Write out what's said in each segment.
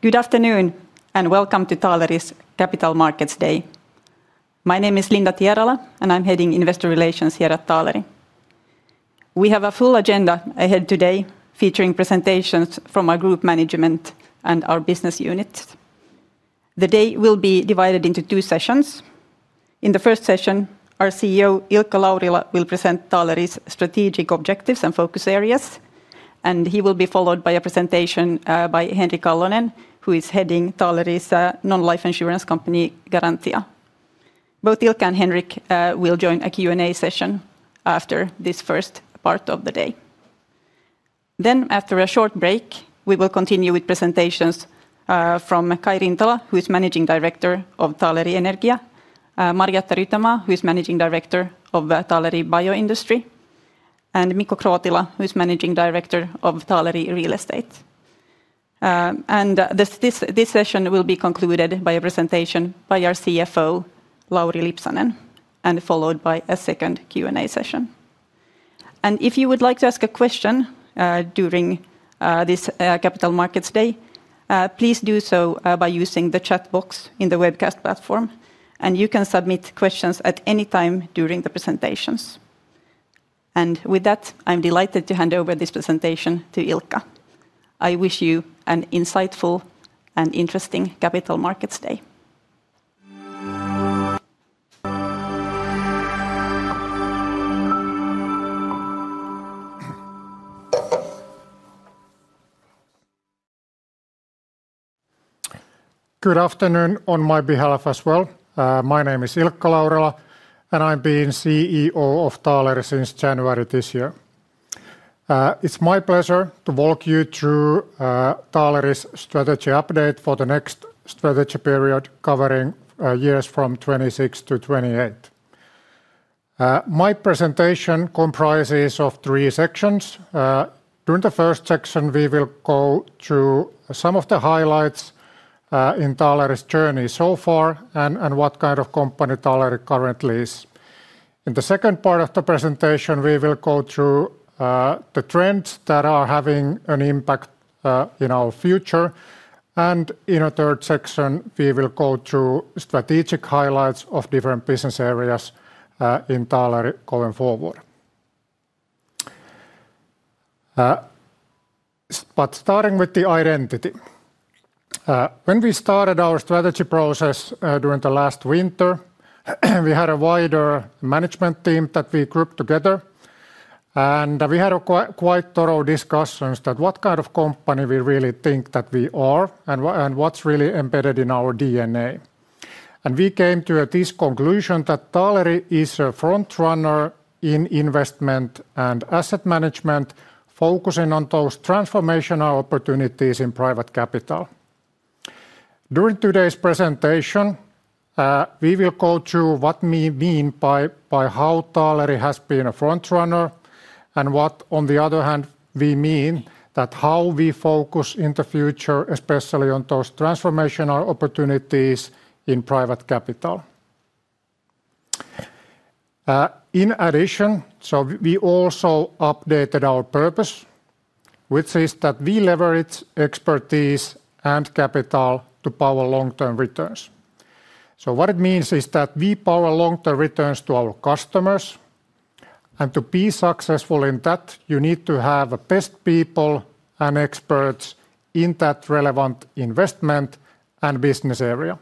Good afternoon and welcome to Taaleri's Capital Markets Day. My name is Linda Tierala, and I'm heading Investor Relations here at Taaleri. We have a full agenda ahead today, featuring presentations from our group management and our business unit. The day will be divided into two sessions. In the first session, our CEO, Ilkka Laurila, will present Taaleri's strategic objectives and focus areas, and he will be followed by a presentation by Henrik Allonen, who is heading Taaleri's non-life insurance company, Garantia. Both Ilkka and Henrik will join a Q&A session after this first part of the day. After a short break, we will continue with presentations from Kai Rintala, who is Managing Director of Taaleri Energia, Marjatta Rytömaa, who is Managing Director of Taaleri Bioindustry, and Mikko Krootila, who is Managing Director of Taaleri Real Estate. This session will be concluded by a presentation by our CFO, Lauri Lipsanen, and followed by a second Q&A session. If you would like to ask a question during this Capital Markets Day, please do so by using the chat box in the webcast platform, and you can submit questions at any time during the presentations. With that, I'm delighted to hand over this presentation to Ilkka. I wish you an insightful and interesting Capital Markets Day. Good afternoon on my behalf as well. My name is Ilkka Laurila, and I've been CEO of Taaleri since January this year. It's my pleasure to walk you through Taaleri's strategy update for the next strategy period, covering years from 2026-2028. My presentation comprises three sections. During the first section, we will go through some of the highlights in Taaleri's journey so far and what kind of company Taaleri currently is. In the second part of the presentation, we will go through the trends that are having an impact in our future, and in the third section, we will go through strategic highlights of different business areas in Taaleri going forward. Starting with the identity. When we started our strategy process during last winter, we had a wider management team that we grouped together, and we had quite thorough discussions about what kind of company we really think that we are and what's really embedded in our DNA. We came to this conclusion that Taaleri is a frontrunner in investment and asset management, focusing on those transformational opportunities in private capital. During today's presentation, we will go through what we mean by how Taaleri has been a frontrunner and what, on the other hand, we mean by how we focus in the future, especially on those transformational opportunities in private capital. In addition, we also updated our purpose, which is that we leverage expertise and capital to power long-term returns. What it means is that we power long-term returns to our customers, and to be successful in that, you need to have the best people and experts in that relevant investment and business area.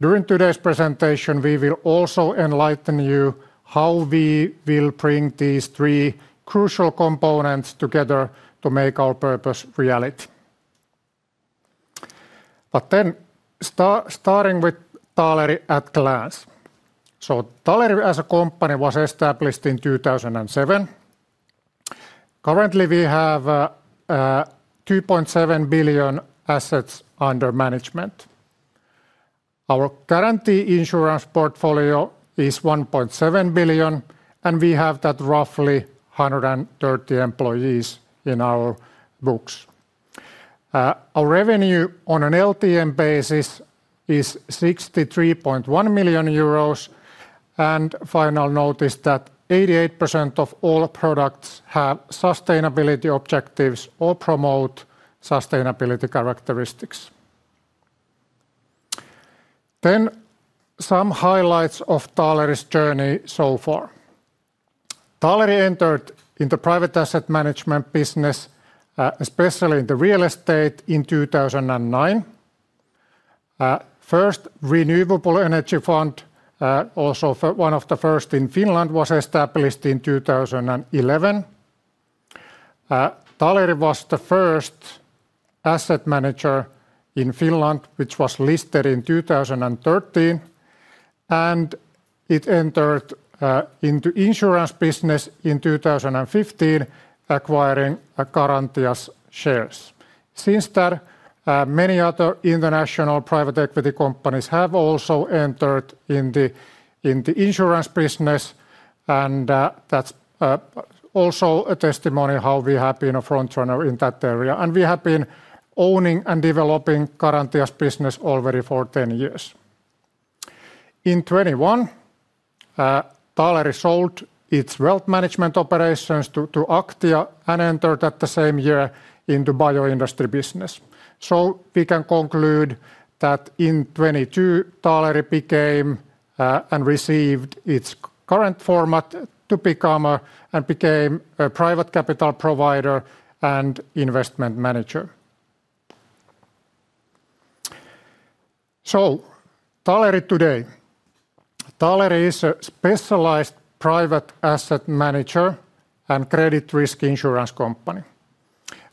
During today's presentation, we will also enlighten you on how we will bring these three crucial components together to make our purpose a reality. Starting with Taaleri at a glance. Taaleri, as a company, was established in 2007. Currently, we have 2.7 billion assets under management. Our guarantee insurance portfolio is 1.7 billion, and we have roughly 130 employees in our books. Our revenue on an LTM basis is 63.1 million euros, and the final note is that 88% of all products have sustainability objectives or promote sustainability characteristics. Some highlights of Taaleri's journey so far. Taaleri entered into the private asset management business, especially in real estate, in 2009. The first renewable energy fund, also one of the first in Finland, was established in 2011. Taaleri was the first asset manager in Finland, which was listed in 2013, and it entered into the insurance business in 2015, acquiring Garantia's shares. Since then, many other international private equity companies have also entered into the insurance business, and that's also a testimony to how we have been a frontrunner in that area, and we have been owning and developing Garantia's business already for 10 years. In 2021, Taaleri sold its wealth management operations to Aktia and entered the same year into the bioindustry business. We can conclude that in 2022, Taaleri became and received its current format to become a private capital provider and investment manager. Taaleri today is a specialized private asset manager and credit risk insurance company.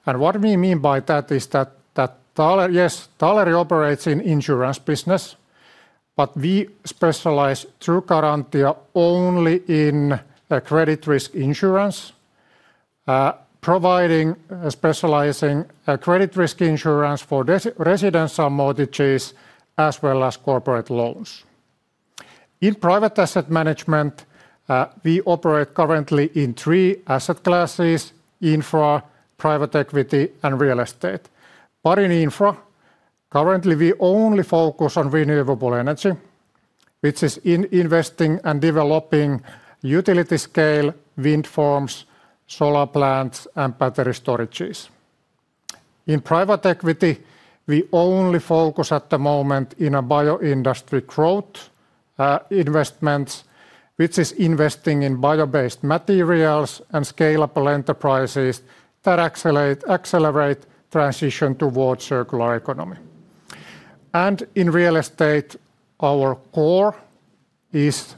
What we mean by that is that Taaleri, yes, Taaleri operates in the insurance business, but we specialize through Garantia only in credit risk insurance, providing specialized credit risk insurance for residential mortgages as well as corporate loans. In private asset management, we operate currently in three asset classes: infra, private equity, and real estate. In infra, currently we only focus on renewable energy, which is investing and developing utility scale wind farms, solar plants, and battery storages. In private equity, we only focus at the moment on Bioindustry growth investments, which is investing in bio-based materials and scalable enterprises that accelerate the transition towards the circular economy. In Real Estate, our core is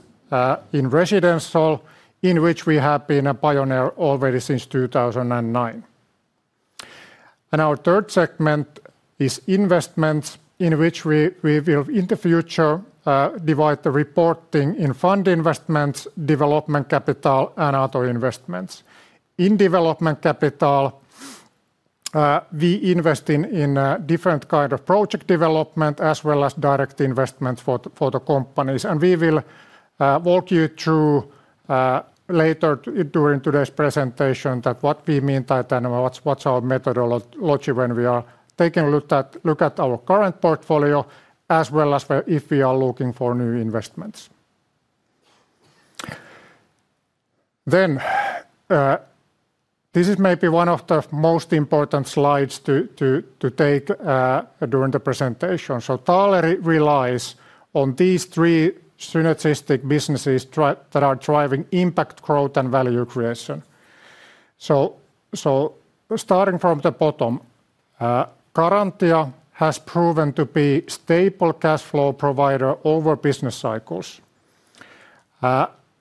in residential, in which we have been a pioneer already since 2009. Our third segment is investments, in which we will in the future divide the reporting in fund investments, development capital, and auto investments. In development capital, we invest in different kinds of project development as well as direct investments for the companies, and we will walk you through later during today's presentation what we mean by that and what's our methodology when we are taking a look at our current portfolio as well as if we are looking for new investments. This is maybe one of the most important slides to take during the presentation. Taaleri relies on these three synergistic businesses that are driving impact growth and value creation. Starting from the bottom, Garantia has proven to be a stable cash flow provider over business cycles.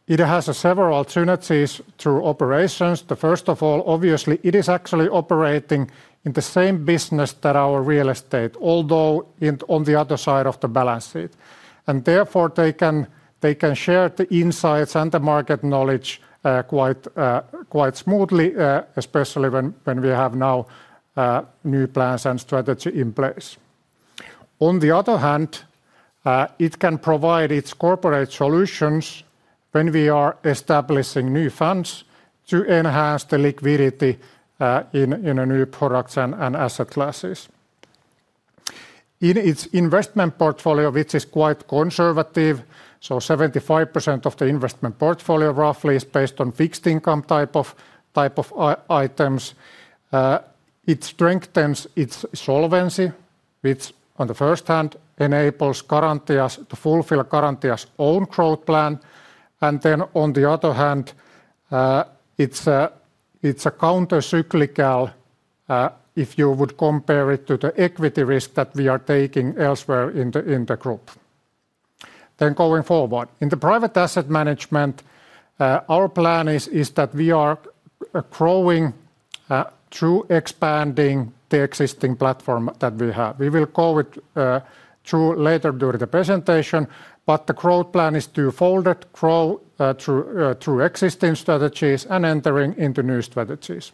It has several synergies through operations. First of all, obviously, it is actually operating in the same business as our real estate, although on the other side of the balance sheet. Therefore, they can share the insights and the market knowledge quite smoothly, especially when we have now new plans and strategy in place. On the other hand, it can provide its corporate solutions when we are establishing new funds to enhance the liquidity in new products and asset classes. In its investment portfolio, which is quite conservative, 75% of the investment portfolio roughly is based on fixed income type of items. It strengthens its solvency, which on the first hand enables Garantia to fulfill Garantia's own growth plan. On the other hand, it's countercyclical if you would compare it to the equity risk that we are taking elsewhere in the group. Going forward, in the private asset management, our plan is that we are growing through expanding the existing platform that we have. We will go through later during the presentation, but the growth plan is two-folded: growth through existing strategies and entering into new strategies.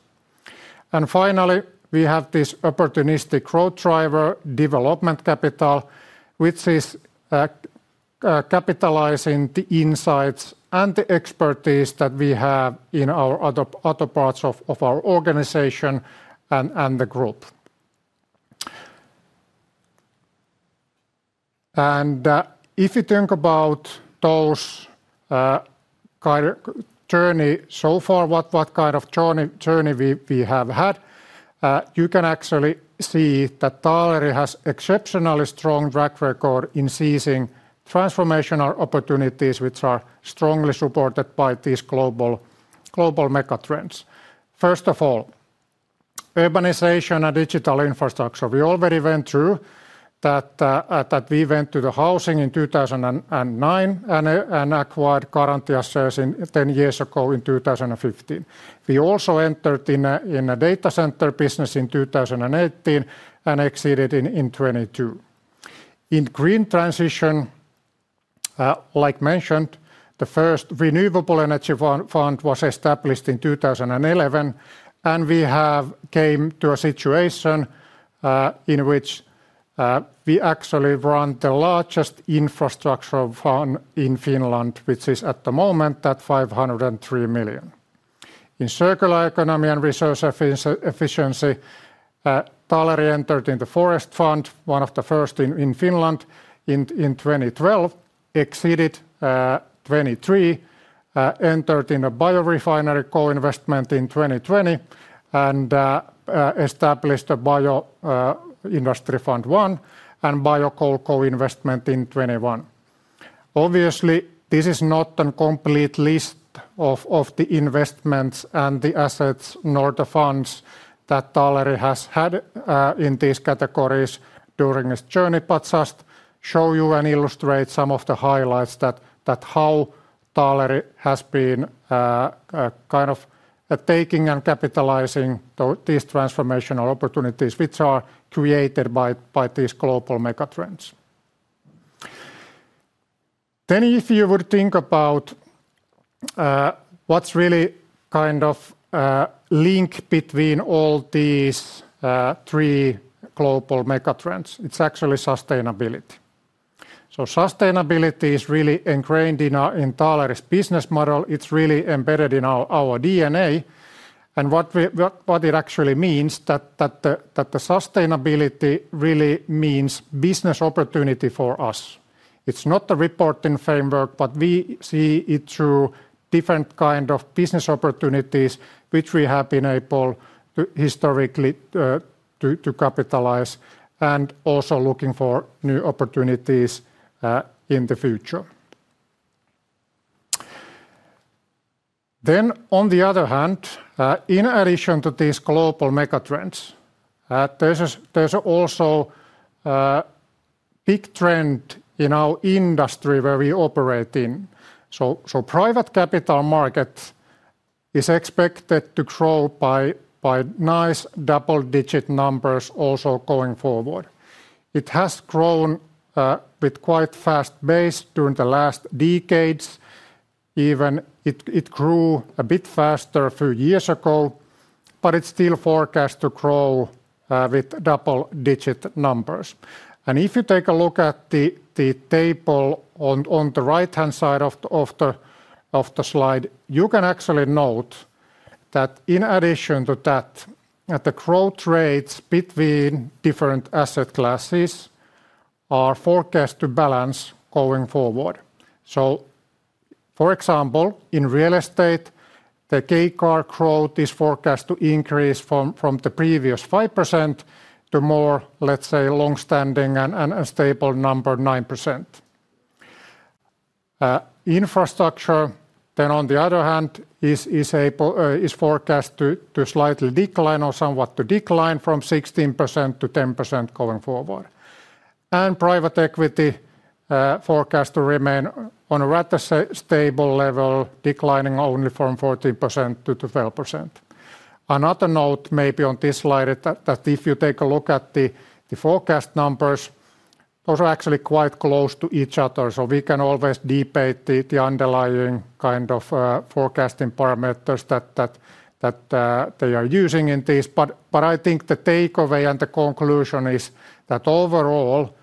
Finally, we have this opportunistic growth driver, development capital, which is capitalizing the insights and the expertise that we have in other parts of our organization and the group. If you think about those journeys so far, what kind of journey we have had, you can actually see that Taaleri has an exceptionally strong track record in seizing transformational opportunities, which are strongly supported by these global megatrends. First of all, urbanization and digital infrastructure. We already went through that. We went to the housing in 2009 and acquired Garantia's shares 10 years ago in 2015. We also entered in the data center business in 2018 and exited in 2022. In the green transition, like mentioned, the first renewable energy fund was established in 2011, and we came to a situation in which we actually run the largest infrastructure fund in Finland, which is at the moment at 503 million. In circular economy and resource efficiency, Taaleri entered in the forest fund, one of the first in Finland, in 2012, exited in 2023, entered in the biorefinery co-investment in 2020, and established the Bioindustry Fund I and biocoal co-investment in 2021. Obviously, this is not a complete list of the investments and the assets nor the funds that Taaleri has had in these categories during its journey, but just to show you and illustrate some of the highlights that how Taaleri has been kind of taking and capitalizing these transformational opportunities, which are created by these global megatrends. If you would think about what's really kind of the link between all these three global megatrends, it's actually sustainability. Sustainability is really ingrained in Taaleri's business model. It's really embedded in our DNA. What it actually means is that the sustainability really means business opportunity for us. It's not the reporting framework, but we see it through different kinds of business opportunities, which we have been able to historically capitalize and also looking for new opportunities in the future. In addition to these global megatrends, there's also a big trend in our industry where we operate in. Private capital markets are expected to grow by nice double-digit numbers also going forward. It has grown with a quite fast pace during the last decades. Even it grew a bit faster a few years ago, but it's still forecast to grow with double-digit numbers. If you take a look at the table on the right-hand side of the slide, you can actually note that in addition to that, the growth rates between different asset classes are forecast to balance going forward. For example, in Real Estate, the CAGR growth is forecast to increase from the previous 5% to more, let's say, long-standing and stable number 9%. Infrastructure, on the other hand, is forecast to slightly decline or somewhat to decline from 16% to 10% going forward. Private equity is forecast to remain on a rather stable level, declining only from 14% to 12%. Another note maybe on this slide is that if you take a look at the forecast numbers, those are actually quite close to each other. We can always debate the underlying kind of forecasting parameters that they are using in these. I think the takeaway and the conclusion is that overall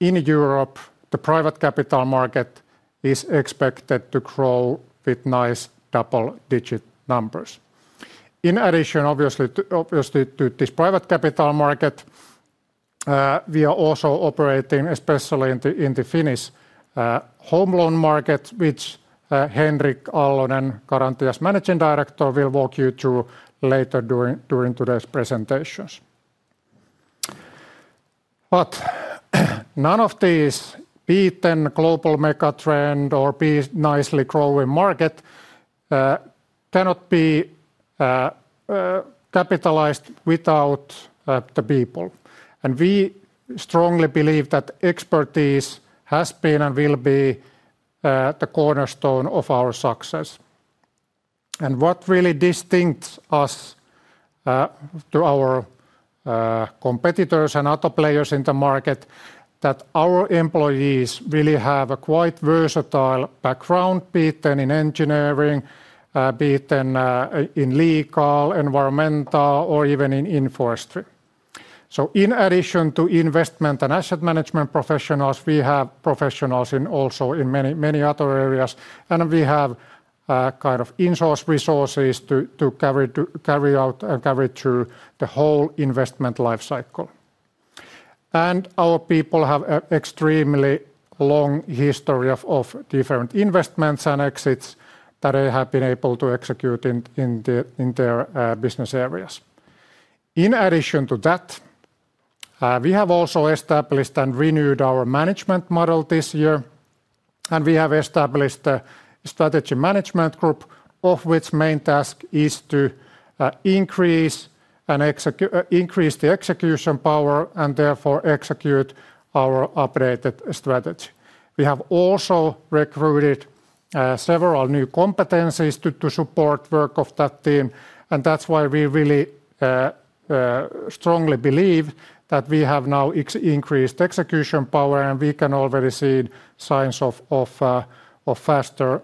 in Europe, the private capital market is expected to grow with nice double-digit numbers. In addition, obviously, to this private capital market, we are also operating, especially in the Finnish home loan market, which Henrik Allonen, Garantia's Managing Director, will walk you through later during today's presentations. None of these big global megatrends or big nicely growing markets can be capitalized without the people. We strongly believe that expertise has been and will be the cornerstone of our success. What really distinguishes us from our competitors and other players in the market is that our employees really have a quite versatile background, be it in engineering, legal, environmental, or even in infrastructure. In addition to investment and asset management professionals, we have professionals also in many other areas, and we have kind of in-house resources to carry out and carry through the whole investment lifecycle. Our people have an extremely long history of different investments and exits that they have been able to execute in their business areas. In addition to that, we have also established and renewed our management model this year, and we have established a strategy management group, whose main task is to increase the execution power and therefore execute our updated strategy. We have also recruited several new competencies to support the work of that team, and that's why we really strongly believe that we have now increased execution power, and we can already see signs of faster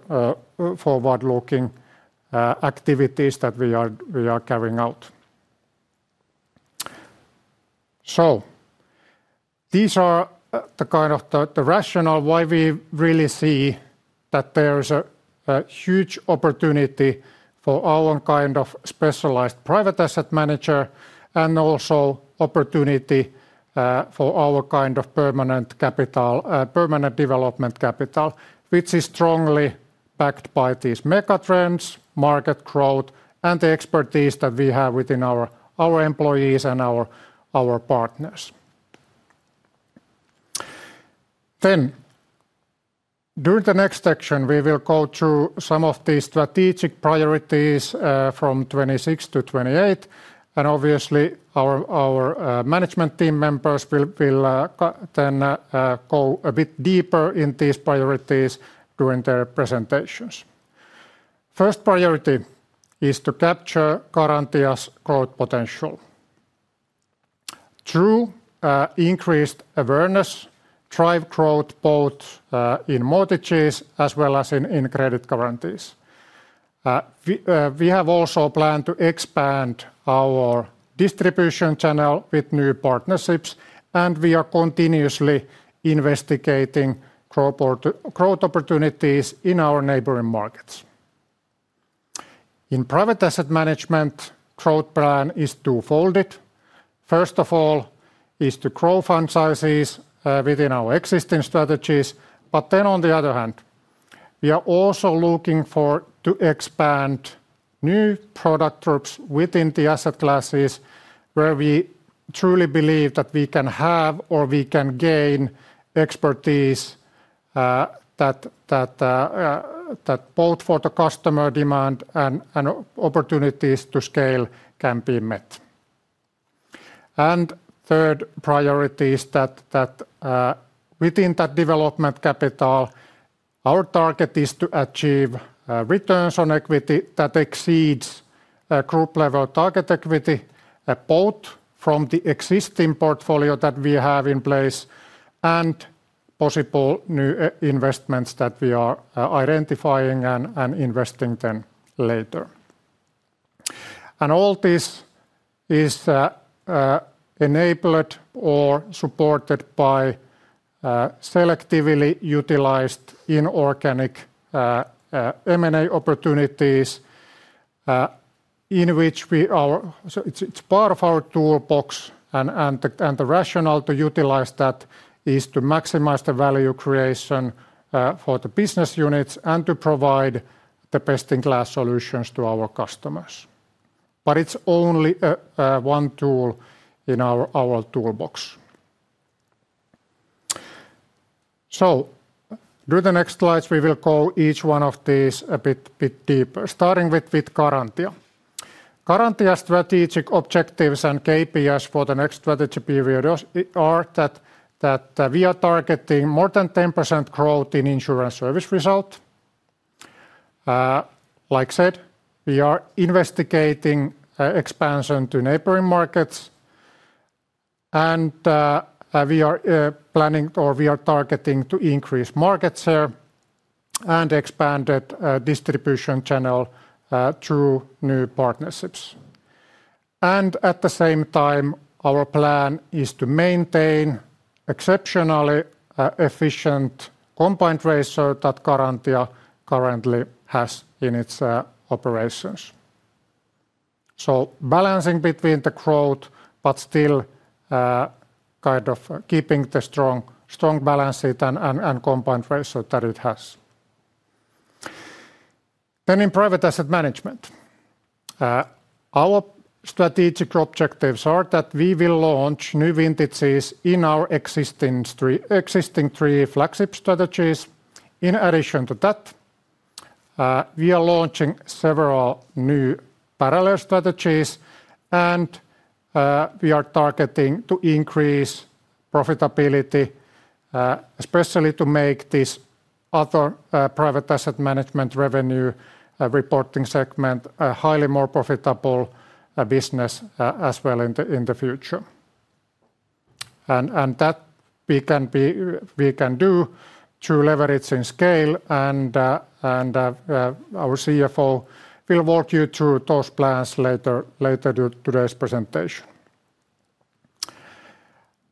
forward-looking activities that we are carrying out. These are the rationale why we really see that there's a huge opportunity for our kind of specialized private asset manager and also opportunity for our kind of permanent development capital, which is strongly backed by these megatrends, market growth, and the expertise that we have within our employees and our partners. During the next section, we will go through some of these strategic priorities from 2026-2028, and obviously, our management team members will then go a bit deeper into these priorities during their presentations. First priority is to capture Garantia's growth potential. Through increased awareness, drive growth both in mortgages as well as in credit guarantees. We have also planned to expand our distribution channel with new partnerships, and we are continuously investigating growth opportunities in our neighboring markets. In private asset management, the growth plan is two-folded. First of all, it's to grow fund sizes within our existing strategies, but then on the other hand, we are also looking forward to expanding new product groups within the asset classes where we truly believe that we can have or we can gain expertise that both for the customer demand and opportunities to scale can be met. The third priority is that within that development capital, our target is to achieve returns on equity that exceed group-level target equity, both from the existing portfolio that we have in place and possible new investments that we are identifying and investing in later. All this is enabled or supported by selectively utilized inorganic M&A opportunities, in which we are, so it's part of our toolbox, and the rationale to utilize that is to maximize the value creation for the business units and to provide the best-in-class solutions to our customers. It's only one tool in our toolbox. During the next slides, we will go through each one of these a bit deeper, starting with Garantia. Garantia's strategic objectives and KPIs for the next strategy period are that we are targeting more than 10% growth in insurance service result. Like I said, we are investigating expansion to neighboring markets, and we are planning or we are targeting to increase market share and expanded distribution channel through new partnerships. At the same time, our plan is to maintain exceptionally efficient combined ratio that Garantia currently has in its operations. Balancing between the growth, but still kind of keeping the strong balance sheet and combined ratio that it has. In private asset management, our strategic objectives are that we will launch new vintages in our existing three flagship strategies. In addition to that, we are launching several new parallel strategies, and we are targeting to increase profitability, especially to make this other private asset management revenue reporting segment a highly more profitable business as well in the future. We can do that through leveraging scale, and our CFO will walk you through those plans later during today's presentation.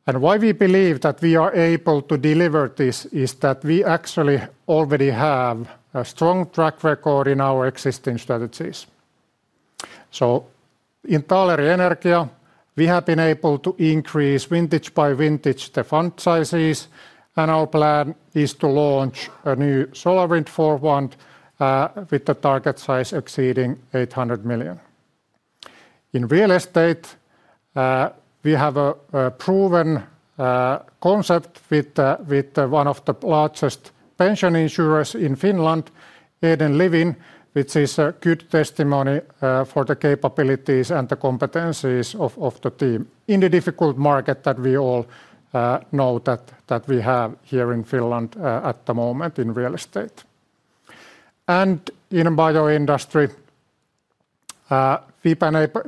Why we believe that we are able to deliver this is that we actually already have a strong track record in our existing strategies. In Taaleri Energia, we have been able to increase vintage by vintage the fund sizes, and our plan is to launch a new SolarWind [IV Fund] with the target size exceeding 800 million. In Real Estate, we have a proven concept with one of the largest pension insurers in Finland, Ilmarinen, which is a good testimony for the capabilities and the competencies of the team in the difficult market that we all know that we have here in Finland at the moment in real estate. In the Bioindustry,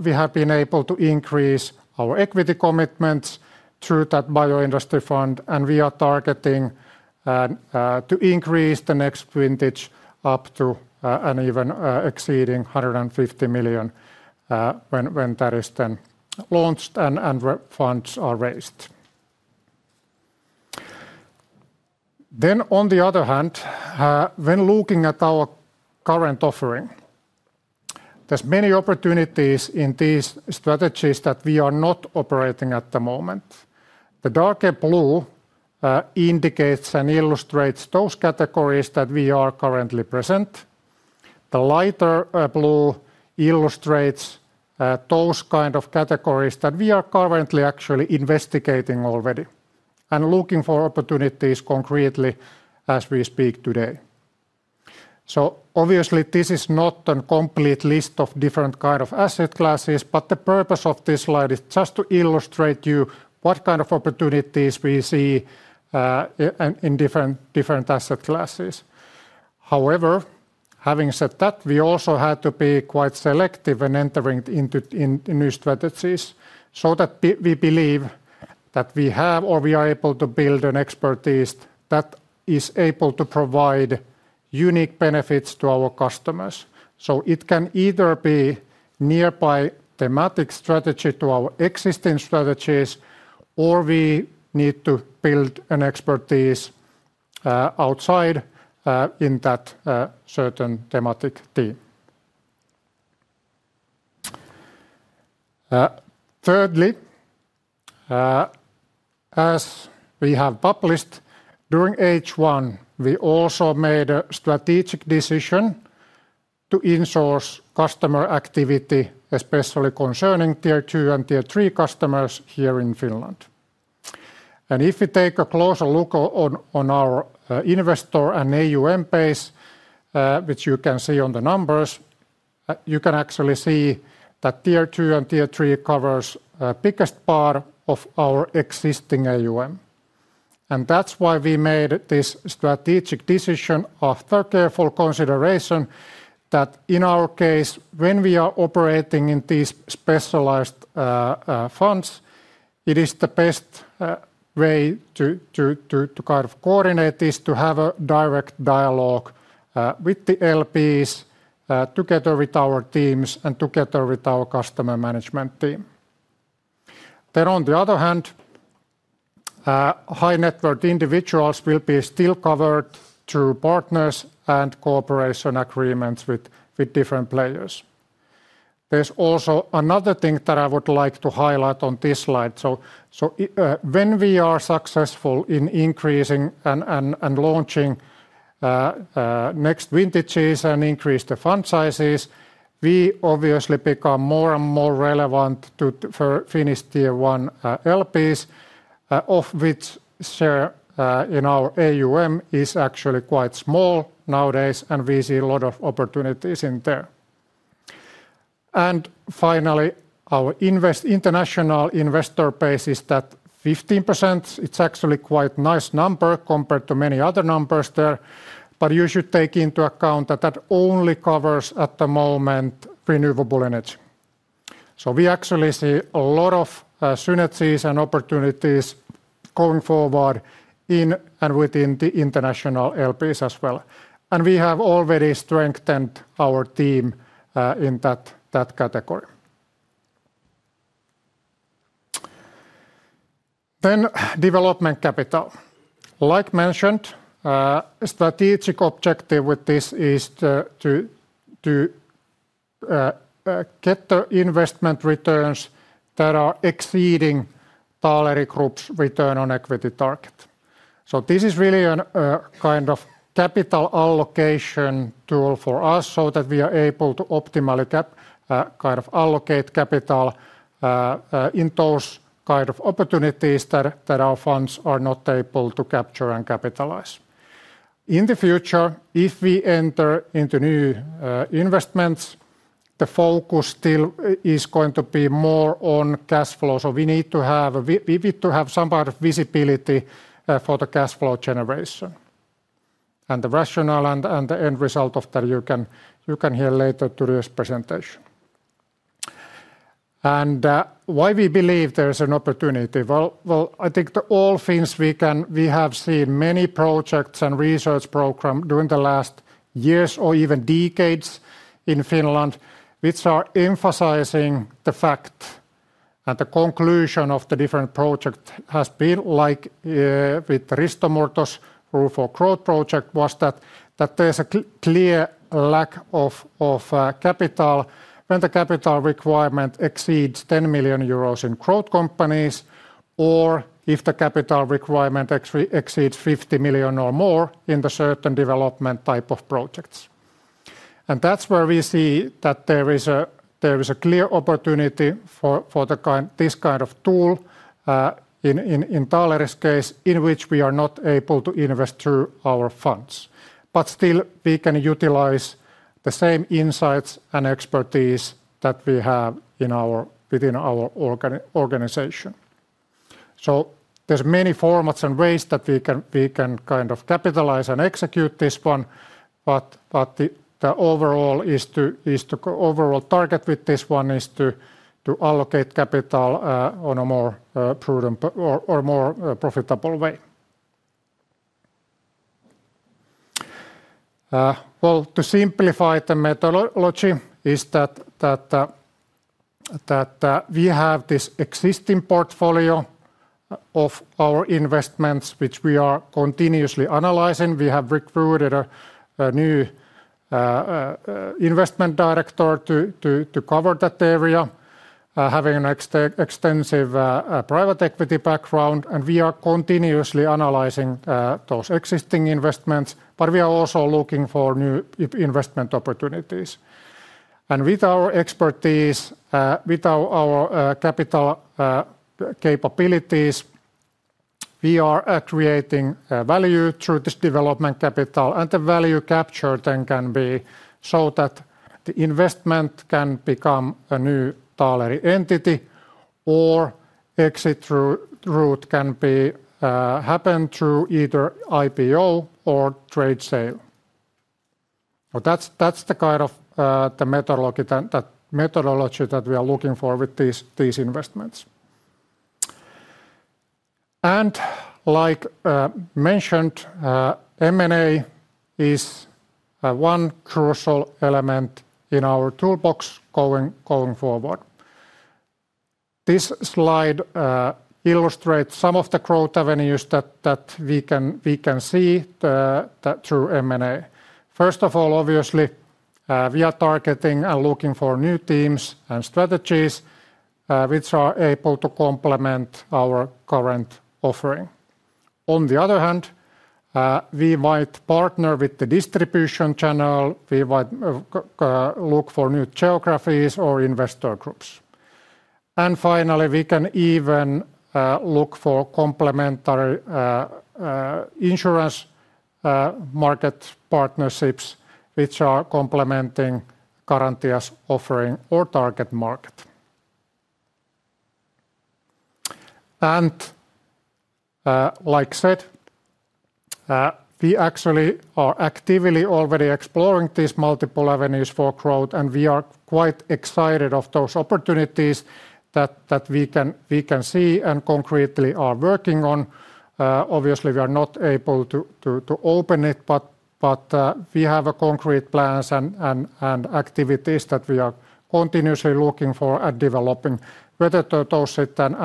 we have been able to increase our equity commitments through that Bioindustry Fund, and we are targeting to increase the next vintage up to and even exceeding 150 million when that is then launched and funds are raised. On the other hand, when looking at our current offering, there are many opportunities in these strategies that we are not operating at the moment. The darker blue indicates and illustrates those categories that we are currently present. The lighter blue illustrates those kinds of categories that we are currently actually investigating already and looking for opportunities concretely as we speak today. Obviously, this is not a complete list of different kinds of asset classes, but the purpose of this slide is just to illustrate to you what kind of opportunities we see in different asset classes. However, having said that, we also had to be quite selective when entering into new strategies so that we believe that we have or we are able to build an expertise that is able to provide unique benefits to our customers. It can either be a nearby thematic strategy to our existing strategies, or we need to build an expertise outside in that certain thematic theme. Thirdly, as we have published, during H1, we also made a strategic decision to insource customer activity, especially concerning Tier 2 and Tier 3 customers here in Finland. If you take a closer look on our investor and AUM base, which you can see on the numbers, you can actually see that Tier 2 and Tier 3 cover the biggest part of our existing AUM. That's why we made this strategic decision after careful consideration that in our case, when we are operating in these specialized funds, it is the best way to kind of coordinate is to have a direct dialogue with the LPs together with our teams and together with our customer management team. On the other hand, high-net-worth individuals will be still covered through partners and cooperation agreements with different players. There's also another thing that I would like to highlight on this slide. When we are successful in increasing and launching next vintages and increasing the fund sizes, we obviously become more and more relevant to Finnish Tier 1 LPs, of which the share in our AUM is actually quite small nowadays, and we see a lot of opportunities in there. Finally, our international investor base is at 15%. It's actually quite a nice number compared to many other numbers there, but you should take into account that that only covers at the moment renewable energy. We actually see a lot of synergies and opportunities going forward in and within the international LPs as well. We have already strengthened our team in that category. Development capital, like mentioned, the strategic objective with this is to get the investment returns that are exceeding Taaleri Group's return on equity target. This is really a kind of capital allocation tool for us so that we are able to optimally kind of allocate capital in those kinds of opportunities that our funds are not able to capture and capitalize. In the future, if we enter into new investments, the focus still is going to be more on cash flow. We need to have some kind of visibility for the cash flow generation. The rationale and the end result of that, you can hear later during this presentation. We believe there's an opportunity. I think all things, we have seen many projects and research programs during the last years or even decades in Finland, which are emphasizing the fact that the conclusion of the different projects has been, like with Risto Murto's Roof of Growth project, that there's a clear lack of capital when the capital requirement exceeds 10 million euros in growth companies or if the capital requirement exceeds 50 million or more in the certain development type of projects. That's where we see that there is a clear opportunity for this kind of tool in Taaleri's case, in which we are not able to invest through our funds. Still, we can utilize the same insights and expertise that we have within our organization. There are many formats and ways that we can kind of capitalize and execute this one, but the overall target with this one is to allocate capital in a more profitable way. To simplify the methodology, we have this existing portfolio of our investments, which we are continuously analyzing. We have recruited a new Investment Director to cover that area, having an extensive private equity background, and we are continuously analyzing those existing investments, but we are also looking for new investment opportunities. With our expertise and our capital capabilities, we are creating value through this development capital, and the value capture then can be so that the investment can become a new Taaleri entity or exit route can happen through either IPO or trade sale. That is the kind of methodology that we are looking for with these investments. M&A is one crucial element in our toolbox going forward. This slide illustrates some of the growth avenues that we can see through M&A. First of all, obviously, we are targeting and looking for new teams and strategies which are able to complement our current offering. On the other hand, we might partner with the distribution channel. We might look for new geographies or investor groups. Finally, we can even look for complementary insurance market partnerships which are complementing Garantia's offering or target market. We actually are actively already exploring these multiple avenues for growth, and we are quite excited of those opportunities that we can see and concretely are working on. Obviously, we are not able to open it, but we have concrete plans and activities that we are continuously looking for and developing, whether those sit and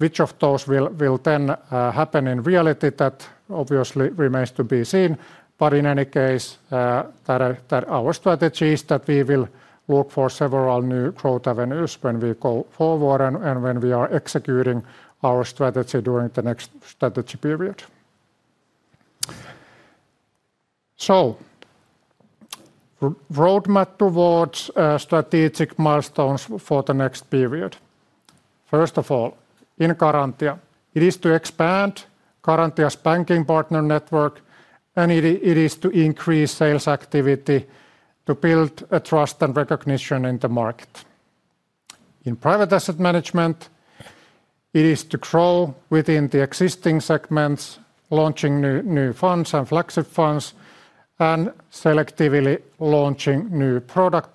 which of those will then happen in reality, that obviously remains to be seen. In any case, our strategy is that we will look for several new growth avenues when we go forward and when we are executing our strategy during the next strategy period. Roadmap towards strategic milestones for the next period: First of all, in Garantia, it is to expand Garantia's banking partner network, and it is to increase sales activity to build trust and recognition in the market. In private asset management, it is to grow within the existing segments, launching new funds and flagship funds, and selectively launching new product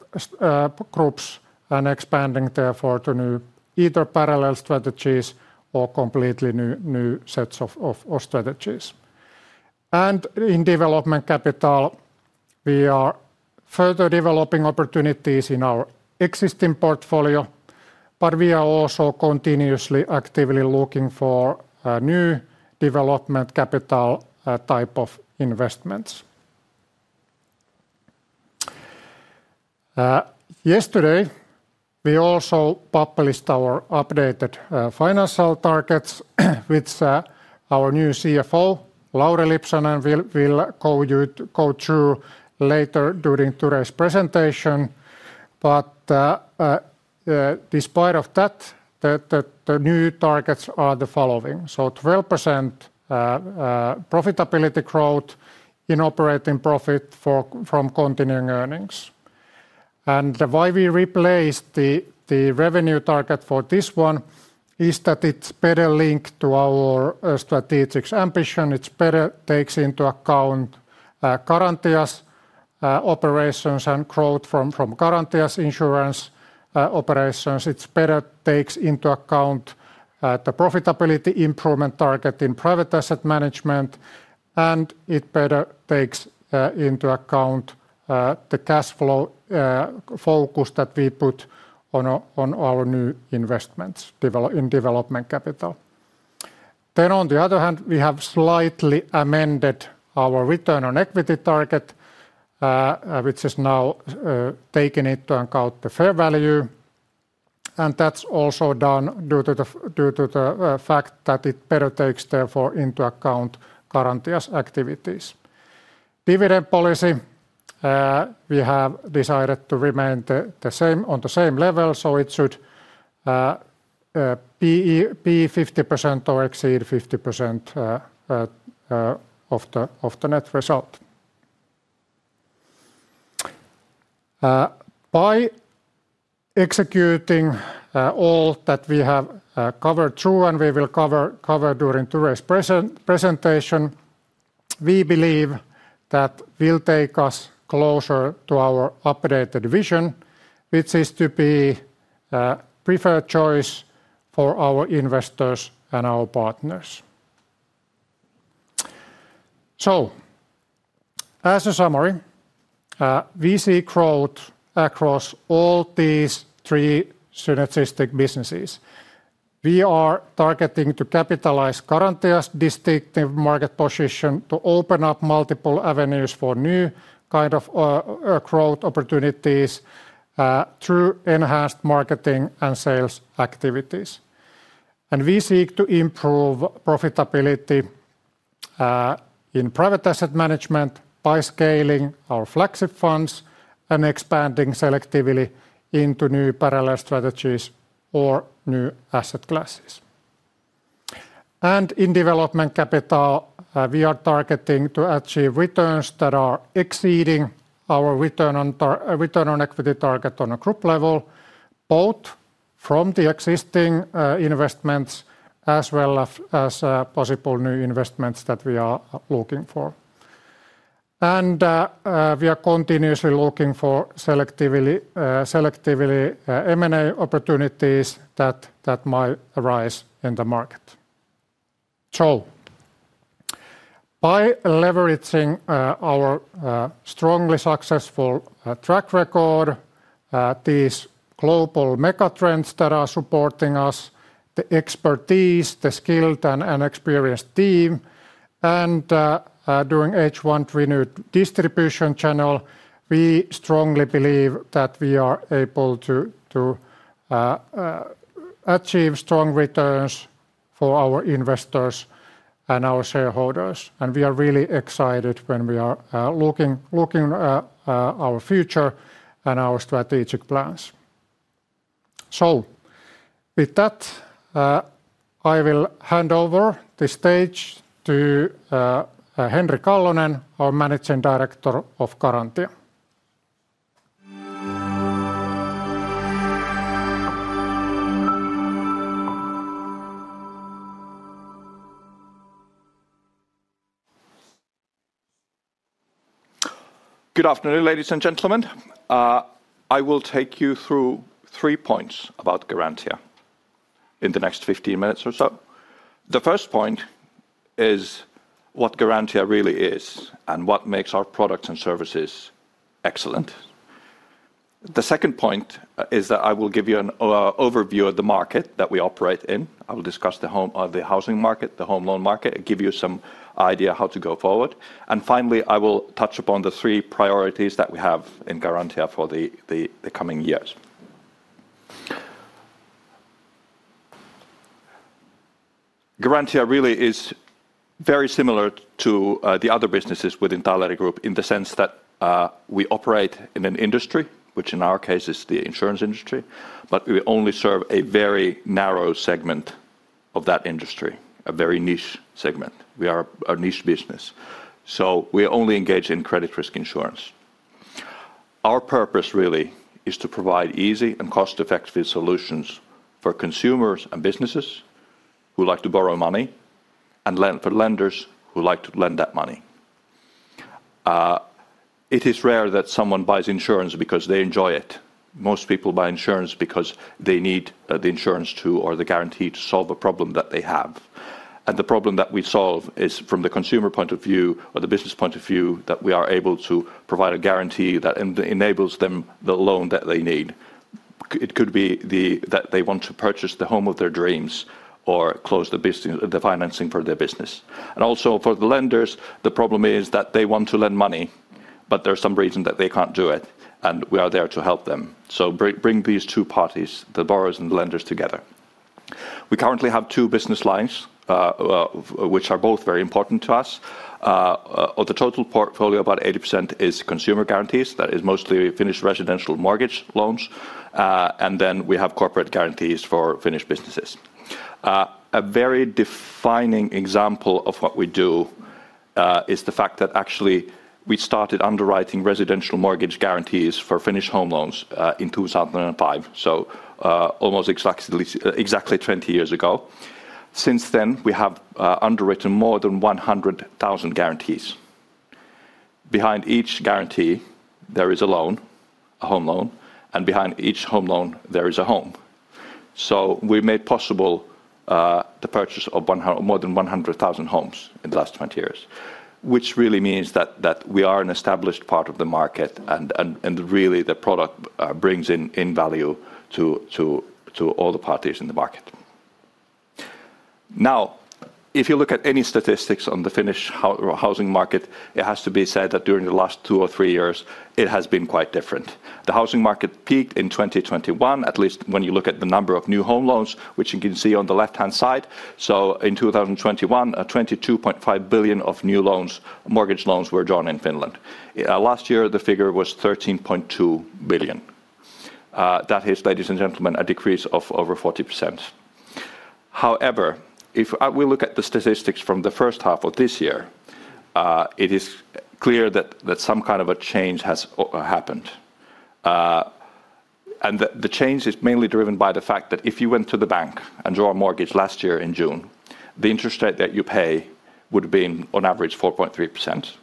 groups and expanding therefore to new either parallel strategies or completely new sets of strategies. In development capital, we are further developing opportunities in our existing portfolio, but we are also continuously actively looking for new development capital type of investments. Yesterday, we also published our updated financial targets with our new CFO, Lauri Lipsanen, and we'll go through later during today's presentation. Despite that, the new targets are the following. 12% profitability growth in operating profit from continuing earnings. The reason we replaced the revenue target for this one is that it's better linked to our strategic ambition. It better takes into account Garantia's operations and growth from Garantia's insurance operations. It better takes into account the profitability improvement target in private asset management, and it better takes into account the cash flow focus that we put on our new investments in development capital. On the other hand, we have slightly amended our return on equity target, which is now taken into account the fair value, and that's also done due to the fact that it better takes therefore into account Garantia's activities. Dividend policy, we have decided to remain on the same level, so it should be 50% or exceed 50% of the net result. By executing all that we have covered through and we will cover during today's presentation, we believe that it will take us closer to our updated vision, which is to be a preferred choice for our investors and our partners. As a summary, we see growth across all these three synergistic businesses. We are targeting to capitalize Garantia's distinctive market position to open up multiple avenues for new kinds of growth opportunities through enhanced marketing and sales activities. We seek to improve profitability in private asset management by scaling our flagship funds and expanding selectively into new parallel strategies or new asset classes. In development capital, we are targeting to achieve returns that are exceeding our return on equity target on a group level, both from the existing investments as well as possible new investments that we are looking for. We are continuously looking for selectively M&A opportunities that might arise in the market. By leveraging our strongly successful track record, these global megatrends that are supporting us, the expertise, the skilled, and experienced team, and during H1 renewed distribution channel, we strongly believe that we are able to achieve strong returns for our investors and our shareholders. We are really excited when we are looking at our future and our strategic plans. With that, I will hand over the stage to Henrik Allonen, our Managing Director of Garantia. Good afternoon, ladies and gentlemen. I will take you through three points about Garantia in the next 15 minutes or so. The first point is what Garantia really is and what makes our products and services excellent. The second point is that I will give you an overview of the market that we operate in. I will discuss the housing market, the home loan market, and give you some idea of how to go forward. Finally, I will touch upon the three priorities that we have in Garantia for the coming years. Garantia really is very similar to the other businesses within Taaleri Group in the sense that we operate in an industry, which in our case is the insurance industry, but we only serve a very narrow segment of that industry, a very niche segment. We are a niche business. We only engage in credit risk insurance. Our purpose really is to provide easy and cost-effective solutions for consumers and businesses who like to borrow money and for lenders who like to lend that money. It is rare that someone buys insurance because they enjoy it. Most people buy insurance because they need the insurance or the guarantee to solve a problem that they have. The problem that we solve is from the consumer point of view or the business point of view that we are able to provide a guarantee that enables them the loan that they need. It could be that they want to purchase the home of their dreams or close the financing for their business. For the lenders, the problem is that they want to lend money, but there's some reason that they can't do it, and we are there to help them. We bring these two parties, the borrowers and the lenders, together. We currently have two business lines, which are both very important to us. Of the total portfolio, about 80% is consumer guarantees. That is mostly Finnish residential mortgage loans. Then we have corporate guarantees for Finnish businesses. A very defining example of what we do is the fact that actually we started underwriting residential mortgage guarantees for Finnish home loans in 2005, so almost exactly 20 years ago. Since then, we have underwritten more than 100,000 guarantees. Behind each guarantee, there is a loan, a home loan, and behind each home loan, there is a home. We made possible the purchase of more than 100,000 homes in the last 20 years, which really means that we are an established part of the market and the product brings in value to all the parties in the market. If you look at any statistics on the Finnish housing market, it has to be said that during the last two or three years, it has been quite different. The housing market peaked in 2021, at least when you look at the number of new home loans, which you can see on the left-hand side. In 2021, 22.5 billion of new mortgage loans were drawn in Finland. Last year, the figure was 13.2 billion. That is, ladies and gentlemen, a decrease of over 40%. If we look at the statistics from the first half of this year, it is clear that some kind of a change has happened. The change is mainly driven by the fact that if you went to the bank and drew a mortgage last year in June, the interest rate that you pay would have been on average 4.3%.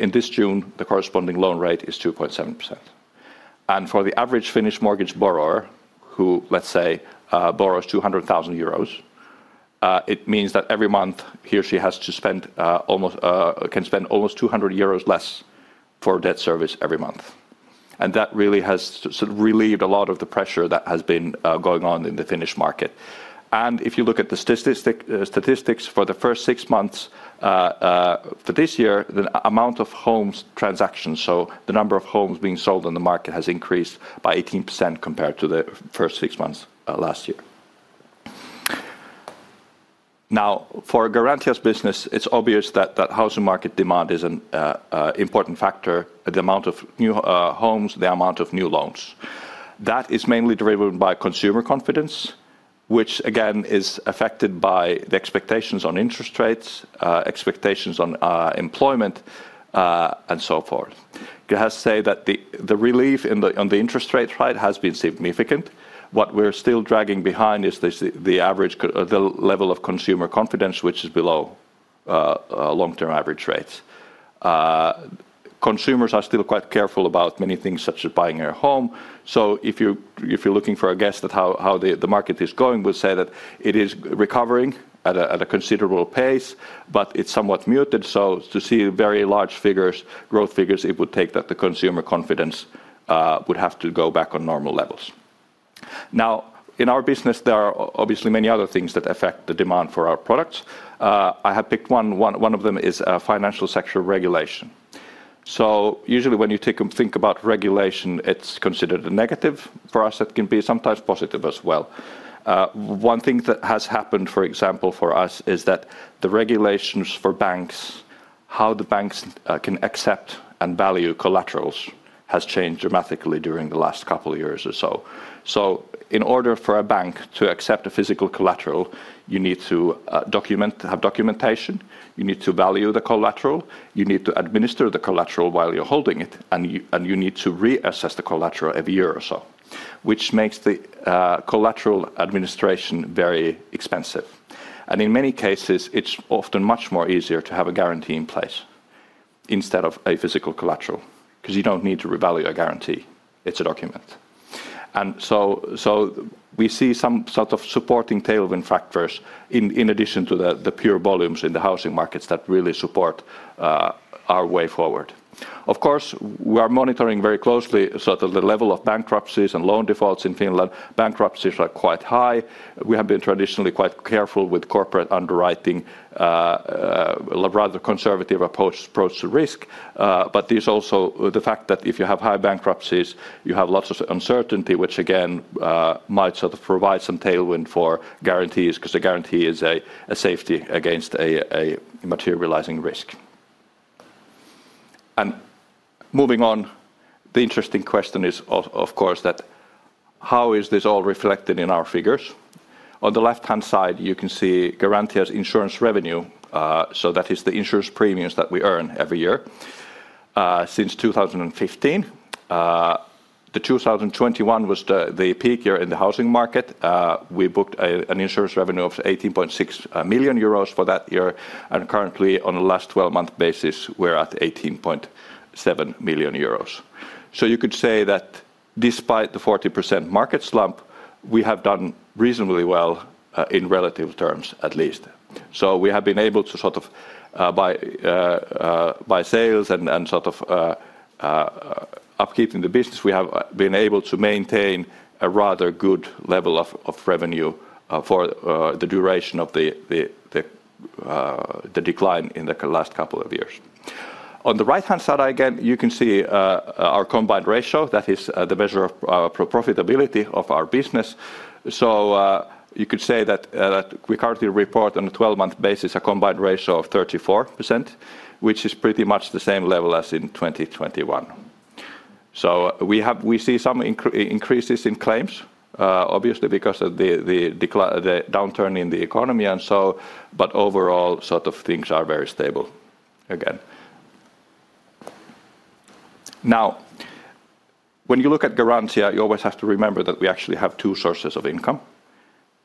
In this June, the corresponding loan rate is 2.7%. For the average Finnish mortgage borrower who, let's say, borrows 200,000 euros, it means that every month he or she can spend almost 200 euros less for debt service every month. That really has relieved a lot of the pressure that has been going on in the Finnish market. If you look at the statistics for the first six months for this year, the amount of home transactions, so the number of homes being sold on the market, has increased by 18% compared to the first six months last year. For Garantia's business, it's obvious that housing market demand is an important factor, the amount of new homes, the amount of new loans. That is mainly driven by consumer confidence, which again is affected by the expectations on interest rates, expectations on employment, and so forth. You have to say that the relief on the interest rates has been significant. What we're still dragging behind is the average level of consumer confidence, which is below long-term average rates. Consumers are still quite careful about many things such as buying a home. If you're looking for a guess at how the market is going, we'll say that it is recovering at a considerable pace, but it's somewhat muted. To see very large growth figures, it would take that the consumer confidence would have to go back on normal levels. In our business, there are obviously many other things that affect the demand for our products. I have picked one. One of them is financial sector regulation. Usually, when you think about regulation, it's considered a negative. For us, it can be sometimes positive as well. One thing that has happened, for example, for us is that the regulations for banks, how the banks can accept and value collaterals, have changed dramatically during the last couple of years or so. In order for a bank to accept a physical collateral, you need to have documentation, you need to value the collateral, you need to administer the collateral while you're holding it, and you need to reassess the collateral every year or so, which makes the collateral administration very expensive. In many cases, it's often much more easier to have a guarantee in place instead of a physical collateral because you don't need to revalue a guarantee. It's a document. We see some sort of supporting tailwind factors in addition to the pure volumes in the housing markets that really support our way forward. Of course, we are monitoring very closely the level of bankruptcies and loan defaults in Finland. Bankruptcies are quite high. We have been traditionally quite careful with corporate underwriting, a rather conservative approach to risk. There's also the fact that if you have high bankruptcies, you have lots of uncertainty, which again might sort of provide some tailwind for guarantees because a guarantee is a safety against a materializing risk. Moving on, the interesting question is, of course, how is this all reflected in our figures? On the left-hand side, you can see Garantia's insurance revenue. That is the insurance premiums that we earn every year since 2015. The 2021 was the peak year in the housing market. We booked an insurance revenue of 18.6 million euros for that year. Currently, on the last 12-month basis, we're at 18.7 million euros. You could say that despite the 40% market slump, we have done reasonably well in relative terms, at least. We have been able to sort of buy sales and sort of upkeep in the business. We have been able to maintain a rather good level of revenue for the duration of the decline in the last couple of years. On the right-hand side, again, you can see our combined ratio. That is the measure of profitability of our business. You could say that we currently report on a 12-month basis a combined ratio of 34%, which is pretty much the same level as in 2021. We see some increases in claims, obviously, because of the downturn in the economy. Overall, things are very stable again. Now, when you look at Garantia, you always have to remember that we actually have two sources of income.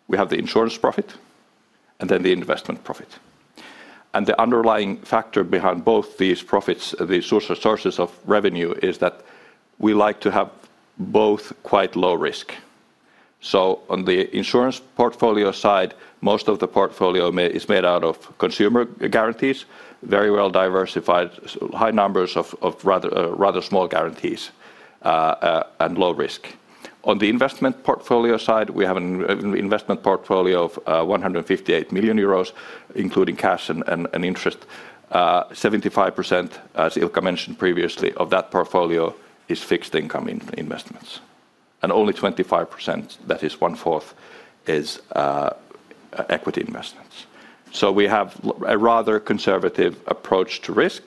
We have the insurance profit and then the investment profit. The underlying factor behind both these profits, the sources of revenue, is that we like to have both quite low risk. On the insurance portfolio side, most of the portfolio is made out of consumer guarantees, very well diversified, high numbers of rather small guarantees, and low risk. On the investment portfolio side, we have an investment portfolio of 158 million euros, including cash and interest. 75%, as Ilkka mentioned previously, of that portfolio is fixed income investments, and only 25%, that is 1/4, is equity investments. We have a rather conservative approach to risk,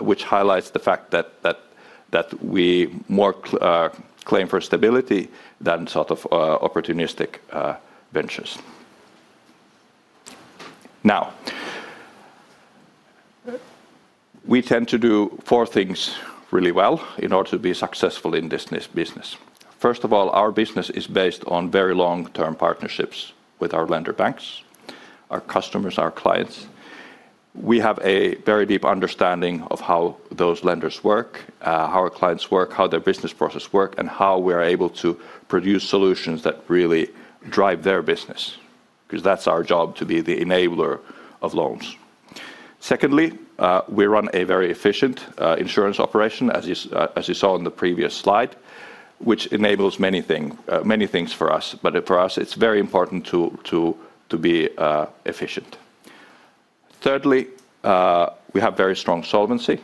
which highlights the fact that we more claim for stability than opportunistic ventures. We tend to do four things really well in order to be successful in this business. First of all, our business is based on very long-term partnerships with our lender banks, our customers, and our clients. We have a very deep understanding of how those lenders work, how our clients work, how their business processes work, and how we are able to produce solutions that really drive their business because that's our job to be the enabler of loans. Secondly, we run a very efficient insurance operation, as you saw on the previous slide, which enables many things for us. For us, it's very important to be efficient. Thirdly, we have very strong solvency.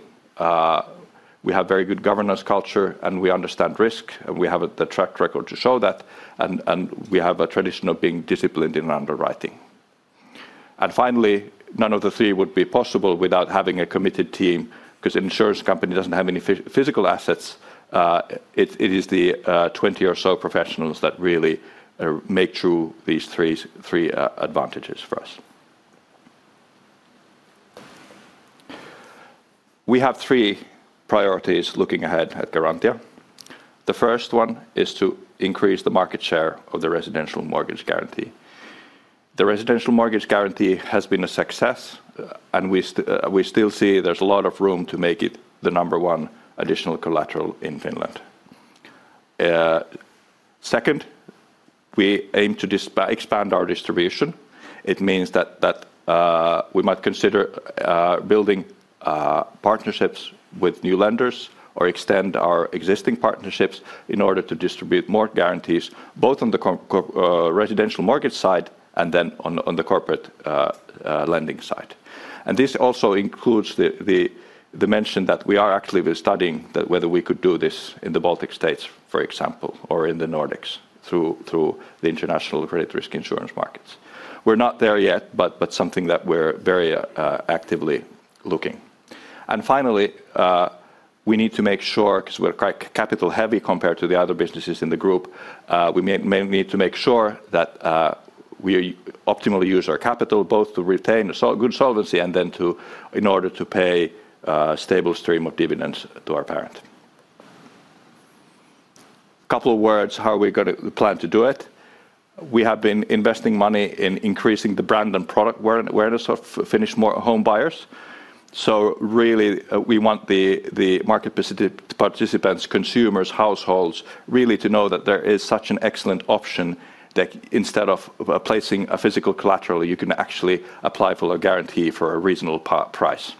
We have very good governance culture, and we understand risk, and we have the track record to show that, and we have a tradition of being disciplined in underwriting. Finally, none of the three would be possible without having a committed team because an insurance company doesn't have any physical assets. It is the 20 or so professionals that really make true these three advantages for us. We have three priorities looking ahead at Garantia. The first one is to increase the market share of the residential mortgage guarantee. The residential mortgage guarantee has been a success, and we still see there's a lot of room to make it the number one additional collateral in Finland. Second, we aim to expand our distribution. It means that we might consider building partnerships with new lenders or extend our existing partnerships in order to distribute more guarantees, both on the residential mortgage side and on the corporate lending side. This also includes the mention that we are actively studying whether we could do this in the Baltic states, for example, or in the Nordics through the international credit risk insurance markets. We're not there yet, but it's something that we're very actively looking at. Finally, we need to make sure, because we're quite capital-heavy compared to the other businesses in the group, that we optimally use our capital both to retain good solvency and in order to pay a stable stream of dividends to our parent. A couple of words, how are we going to plan to do it? We have been investing money in increasing the brand and product awareness of Finnish home buyers. We want the market participants, consumers, households really to know that there is such an excellent option that instead of placing a physical collateral, you can actually apply for a guarantee for a reasonable price.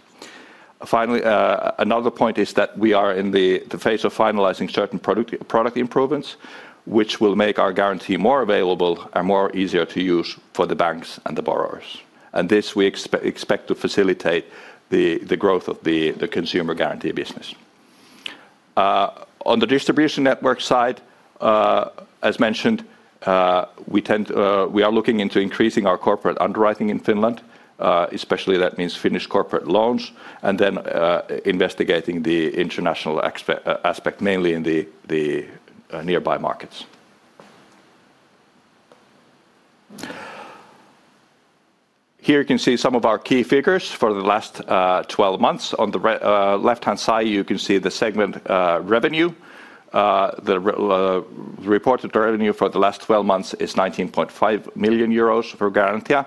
Another point is that we are in the phase of finalizing certain product improvements, which will make our guarantee more available and easier to use for the banks and the borrowers. We expect this to facilitate the growth of the consumer guarantee business. On the distribution network side, as mentioned, we are looking into increasing our corporate underwriting in Finland, especially that means Finnish corporate loans, and investigating the international aspect, mainly in the nearby markets. Here you can see some of our key figures for the last 12 months. On the left-hand side, you can see the segment revenue. The reported revenue for the last 12 months is 19.5 million euros for Garantia,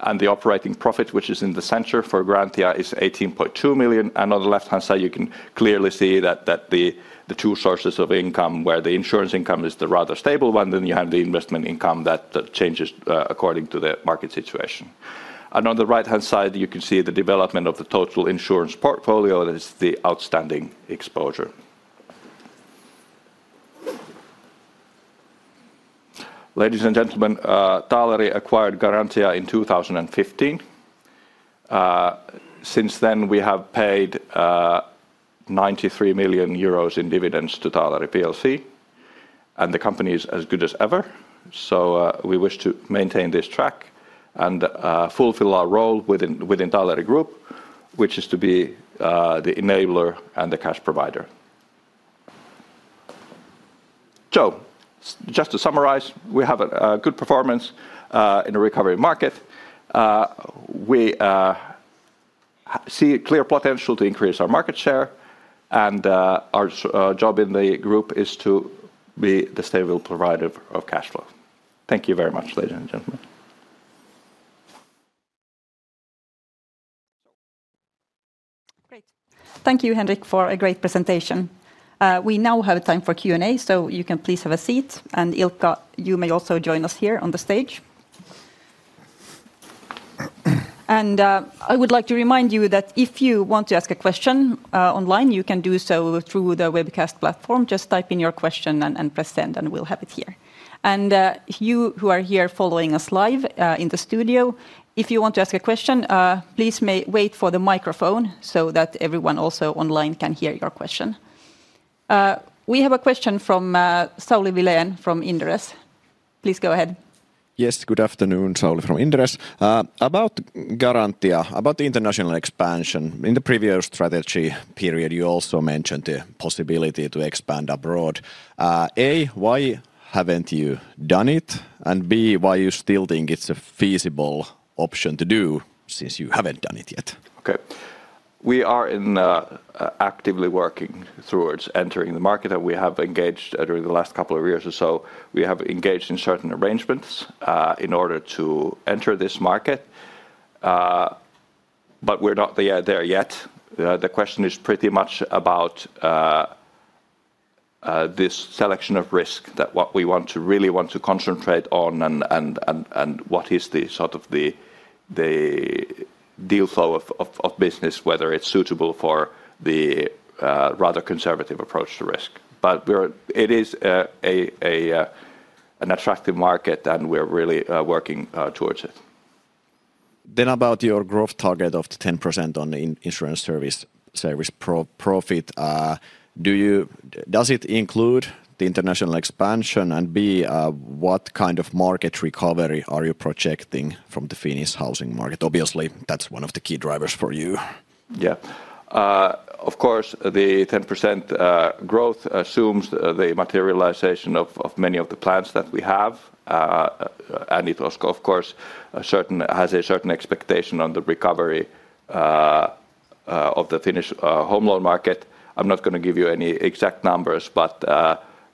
and the operating profit, which is in the center for Garantia, is 18.2 million. On the left-hand side, you can clearly see that the two sources of income, where the insurance income is the rather stable one, then you have the investment income that changes according to the market situation. On the right-hand side, you can see the development of the total insurance portfolio as the outstanding exposure. Ladies and gentlemen, Taaleri acquired Garantia in 2015. Since then, we have paid 93 million euros in dividends to Taaleri Plc, and the company is as good as ever. We wish to maintain this track and fulfill our role within Taaleri Group, which is to be the enabler and the cash provider. Just to summarize, we have a good performance in a recovery market. We see a clear potential to increase our market share, and our job in the group is to be the stable provider of cash flow. Thank you very much, ladies and gentlemen. Great. Thank you, Henrik, for a great presentation. We now have time for Q&A, so you can please have a seat. Ilkka, you may also join us here on the stage. I would like to remind you that if you want to ask a question online, you can do so through the webcast platform. Just type in your question and press send, and we'll have it here. You who are here following us live in the studio, if you want to ask a question, please wait for the microphone so that everyone also online can hear your question. We have a question from Sauli Vilén from Inderes. Please go ahead. Yes, good afternoon, Sauli from Inderes. About Garantia, about international expansion. In the previous strategy period, you also mentioned the possibility to expand abroad. Why haven't you done it? Why do you still think it's a feasible option to do since you haven't done it yet? Okay. We are actively working towards entering the market, and we have engaged during the last couple of years or so, we have engaged in certain arrangements in order to enter this market. We're not there yet. The question is pretty much about this selection of risk that we really want to concentrate on and what is the sort of the deal flow of business, whether it's suitable for the rather conservative approach to risk. It is an attractive market, and we're really working towards it. About your growth target of 10% on insurance service profit, does it include the international expansion? What kind of market recovery are you projecting from the Finnish housing market? Obviously, that's one of the key drivers for you. Of course, the 10% growth assumes the materialization of many of the plans that we have. It also, of course, has a certain expectation on the recovery of the Finnish home loan market. I'm not going to give you any exact numbers, but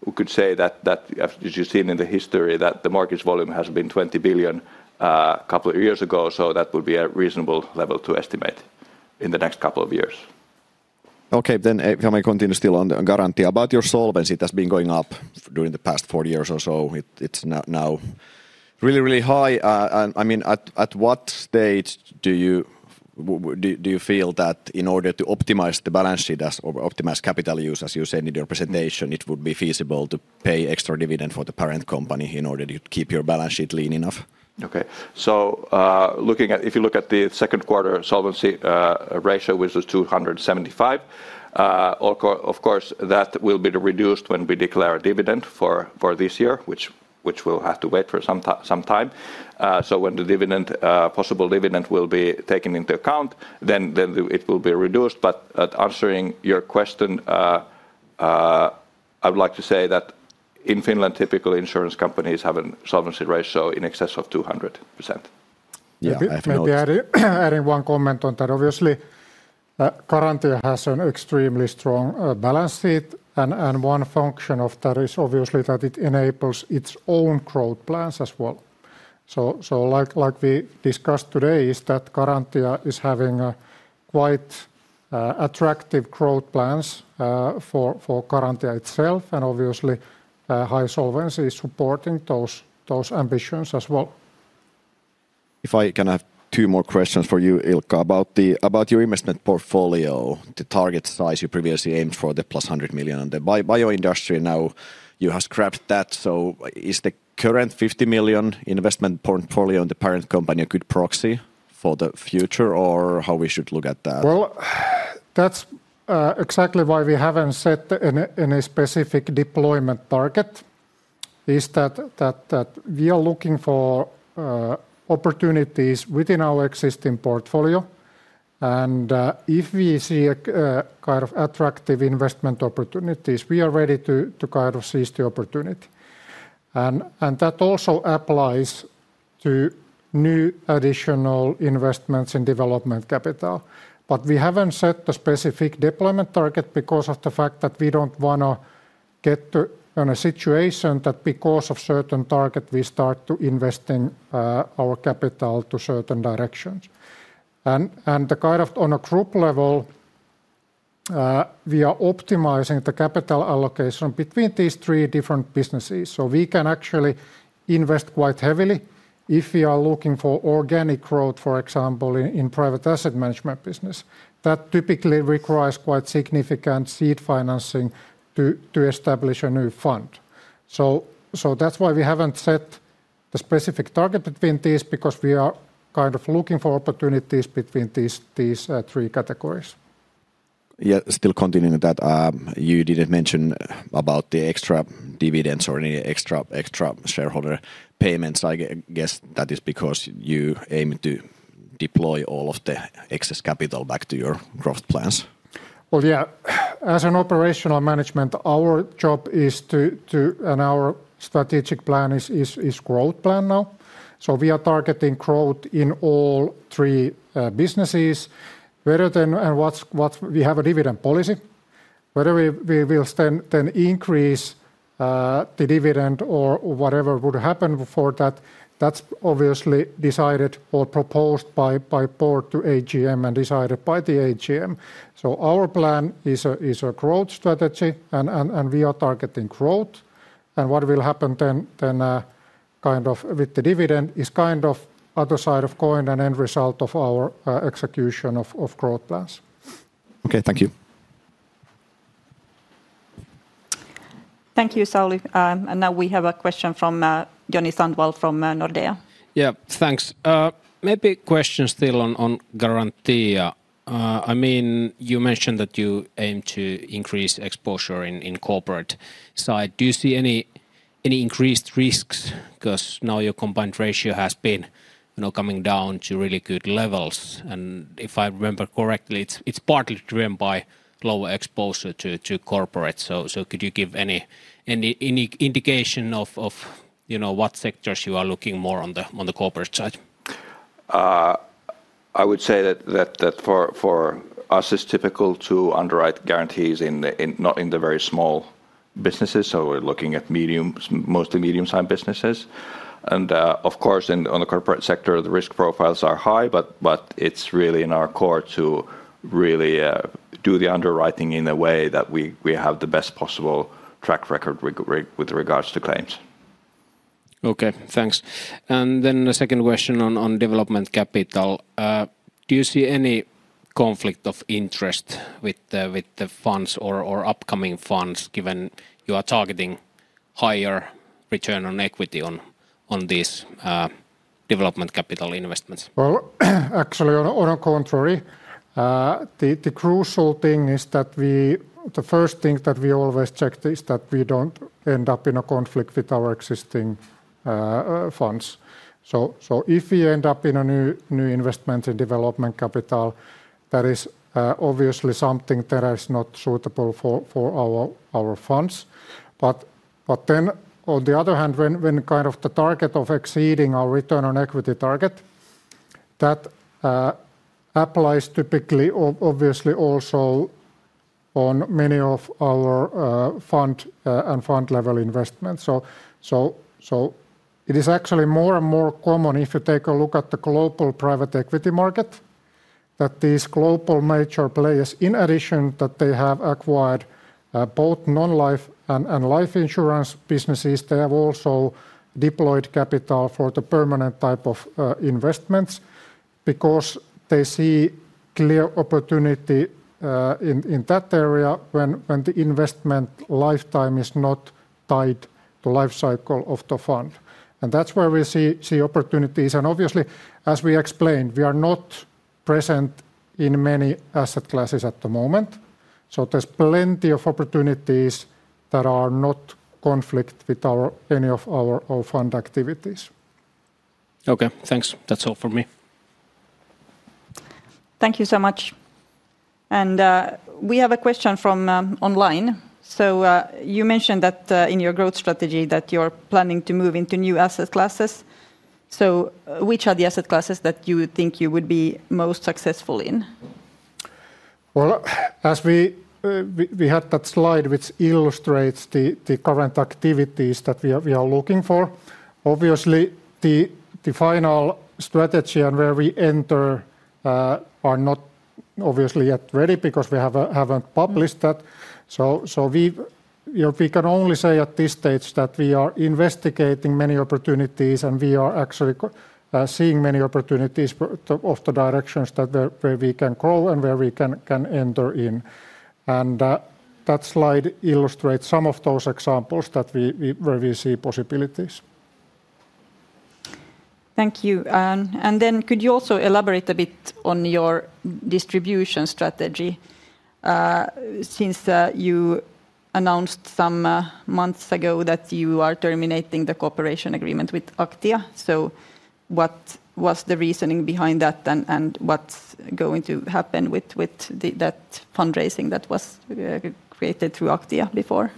we could say that, as you've seen in the history, the mortgage volume has been 20 billion a couple of years ago. That would be a reasonable level to estimate in the next couple of years. Okay. If I may continue still on Garantia, about your solvency that's been going up during the past four years or so, it's now really, really high. At what stage do you feel that in order to optimize the balance sheet or optimize capital use, as you said in your presentation, it would be feasible to pay extra dividends for the parent company in order to keep your balance sheet lean enough? Okay. If you look at the second quarter solvency ratio, which is 275%, of course, that will be reduced when we declare a dividend for this year, which we'll have to wait for some time. When the possible dividend will be taken into account, it will be reduced. Answering your question, I would like to say that in Finland, typically insurance companies have a solvency ratio in excess of 200%. Yeah. I think adding one comment on that, obviously, Garantia has an extremely strong balance sheet. One function of that is obviously that it enables its own growth plans as well. Like we discussed today, Garantia is having quite attractive growth plans for Garantia itself. Obviously, high solvency is supporting those ambitions as well. If I can add two more questions for you, Ilkka, about your investment portfolio, the target size you previously aimed for the +100 million in the Bioindustry, now you have scrapped that. Is the current 50 million investment portfolio in the parent company a good proxy for the future or how we should look at that? That's exactly why we haven't set any specific deployment target. We are looking for opportunities within our existing portfolio, and if we see kind of attractive investment opportunities, we are ready to kind of seize the opportunity. That also applies to new additional investments in development capital. We haven't set a specific deployment target because of the fact that we don't want to get to a situation that because of a certain target, we start to invest in our capital to certain directions. Kind of on a group level, we are optimizing the capital allocation between these three different businesses. We can actually invest quite heavily if we are looking for organic growth, for example, in the private asset management business. That typically requires quite significant seed financing to establish a new fund. That's why we haven't set a specific target between these because we are kind of looking for opportunities between these three categories. Yeah, still continuing that, you didn't mention about the extra dividends or any extra shareholder payments. I guess that is because you aim to deploy all of the excess capital back to your growth plans? As operational management, our job is to, and our strategic plan is growth plan now. We are targeting growth in all three businesses. We have a dividend policy. Whether we will then increase the dividend or whatever would happen for that, that's obviously decided or proposed by the Board to AGM and decided by the AGM. Our plan is a growth strategy, and we are targeting growth. What will happen then kind of with the dividend is kind of the other side of the coin and end result of our execution of growth plans. Okay, thank you. Thank you, Sauli. Now we have a question from Joniy Sandvall from Nordea. Yeah, thanks. Maybe a question still on Garantia. I mean, you mentioned that you aim to increase exposure in the corporate side. Do you see any increased risks? Because now your combined ratio has been coming down to really good levels. If I remember correctly, it's partly driven by lower exposure to corporate. Could you give any indication of what sectors you are looking more on the corporate side? I would say that for us, it's typical to underwrite guarantees in the very small businesses. We're looking at mostly medium-sized businesses. Of course, in the corporate sector, the risk profiles are high, but it's really in our core to really do the underwriting in a way that we have the best possible track record with regards to claims. Okay, thanks. A second question on development capital. Do you see any conflict of interest with the funds or upcoming funds, given you are targeting higher return on equity on these development capital investments? Actually, on the contrary, the crucial thing is that the first thing that we always check is that we don't end up in a conflict with our existing funds. If we end up in a new investment in development capital, that is obviously something that is not suitable for our funds. On the other hand, when kind of the target of exceeding our return on equity target, that applies typically, obviously, also on many of our fund and fund-level investments. It is actually more and more common if you take a look at the global private equity market that these global major players, in addition to that they have acquired both non-life and life insurance businesses, have also deployed capital for the permanent type of investments because they see clear opportunity in that area when the investment lifetime is not tied to the life cycle of the fund. That's where we see opportunities. Obviously, as we explained, we are not present in many asset classes at the moment. There's plenty of opportunities that are not in conflict with any of our fund activities. Okay, thanks. That's all for me. Thank you so much. We have a question from online. You mentioned that in your growth strategy you're planning to move into new asset classes. Which are the asset classes that you think you would be most successful in? As we had that slide which illustrates the current activities that we are looking for, obviously, the final strategy and where we enter are not. Obviously We haven't published that yet. We can only say at this stage that we are investigating many opportunities and we are actually seeing many opportunities of the directions that we can grow and where we can enter in. That slide illustrates some of those examples where we see possibilities. Thank you. Could you also elaborate a bit on your distribution strategy? You announced some months ago that you are terminating the cooperation agreement with Aktia. What was the reasoning behind that, and what's going to happen with that fundraising that was created through Aktia before?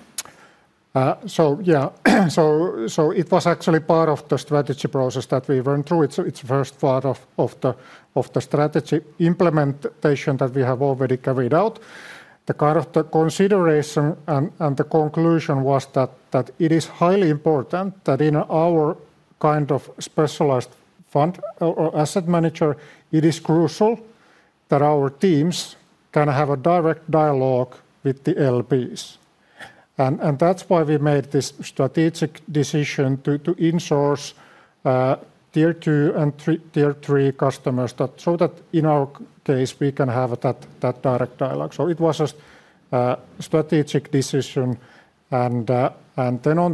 It was actually part of the strategy process that we went through. It's the first part of the strategy implementation that we have already carried out. The kind of consideration and the conclusion was that it is highly important that in our kind of specialized fund or asset manager, it is crucial that our teams can have a direct dialogue with the LPs. That's why we made this strategic decision to insource Tier 2 and Tier 3 customers so that in our case we can have that direct dialogue. It was a strategic decision. On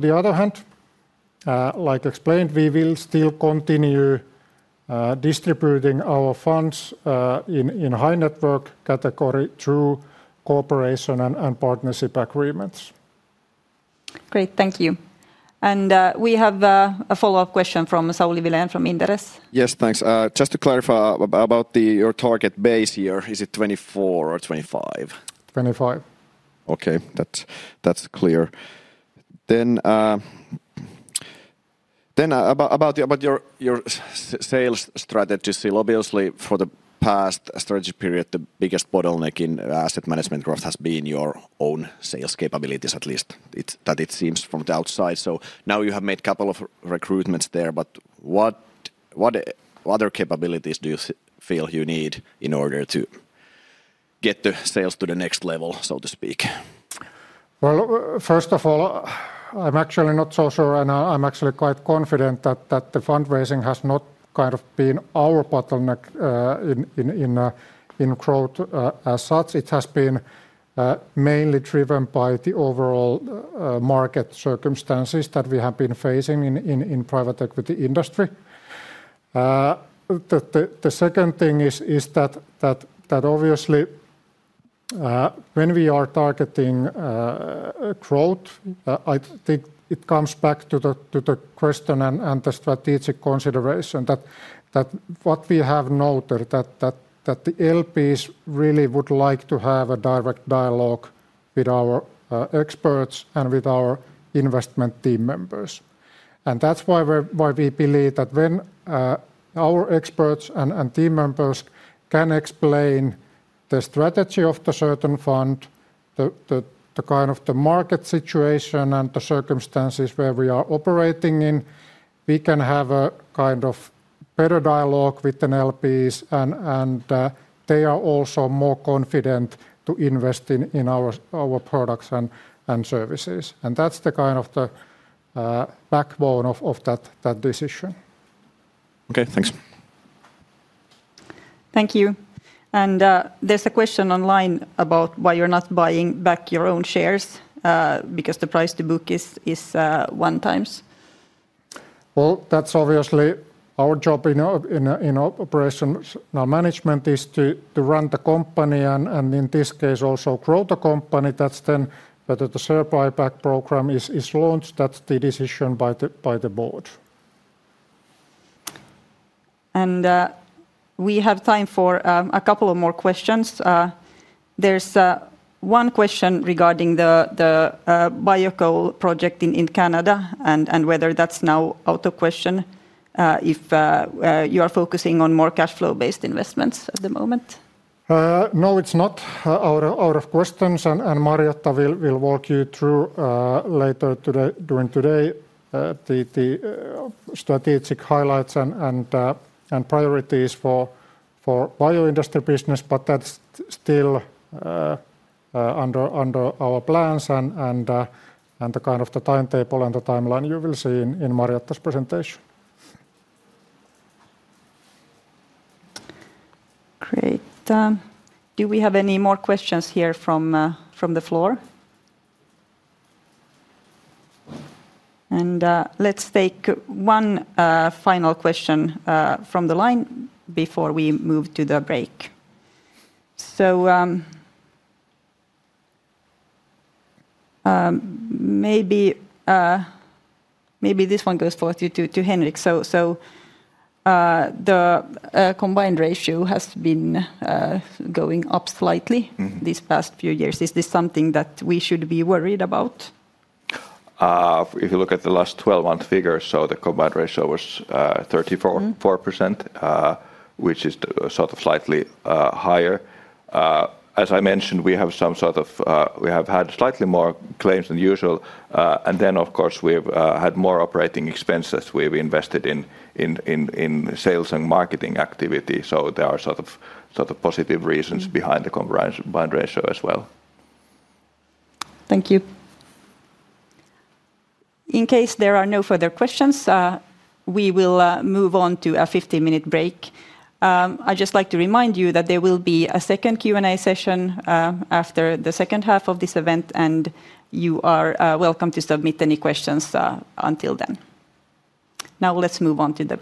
the other hand, like explained, we will still continue distributing our funds in high net worth category through cooperation and partnership agreements. Great, thank you. We have a follow-up question from Sauli Vilén from Inderes? Yes, thanks. Just to clarify about your target base here, is it [2024] or [2025]? [2025]. Okay, that's clear. About your sales strategy, obviously for the past strategy period, the biggest bottleneck in asset management growth has been your own sales capabilities, at least that it seems from the outside. You have made a couple of recruitments there, but what other capabilities do you feel you need in order to get the sales to the next level, so to speak? First of all, I'm actually not so sure and I'm actually quite confident that the fundraising has not kind of been our bottleneck in growth as such. It has been mainly driven by the overall market circumstances that we have been facing in the private equity industry. The second thing is that obviously when we are targeting growth, I think it comes back to the question and the strategic consideration that what we have noted is that the LPs really would like to have a direct dialogue with our experts and with our investment team members. That's why we believe that when our experts and team members can explain the strategy of the certain fund, the kind of the market situation and the circumstances where we are operating in, we can have a kind of better dialogue with the LPs and they are also more confident to invest in our products and services. That's the kind of the backbone of that decision. Okay, thanks. Thank you. There's a question online about why you're not buying back your own shares because the price to book is one times. Obviously, our job in operations and management is to run the company and in this case also grow the company. That's then that the share buyback program is launched. That's the decision by the Board. We have time for a couple of more questions. There's one question regarding the biocoal project in Canada and whether that's now out of question if you are focusing on more cash flow-based investments at the moment. No, it's not out of question and Marjatta will walk you through later during today the strategic highlights and priorities for bioindustry business, but that's still under our plans and the kind of the timetable and the timeline you will see in Marjatta's presentation. Great. Do we have any more questions here from the floor? Let's take one final question from the line before we move to the break. Maybe this one goes forth to Henrik. The combined ratio has been going up slightly these past few years. Is this something that we should be worried about? If you look at the last 12-month figures, the combined ratio was 34%, which is slightly higher. As I mentioned, we have had slightly more claims than usual. Of course, we've had more operating expenses. We've invested in sales and marketing activity. There are positive reasons behind the combined ratio as well. Thank you. In case there are no further questions, we will move on to a 15-minute break. I'd just like to remind you that there will be a second Q&A session after the second half of this event, and you are welcome to submit any questions until then. Now let's move on to the.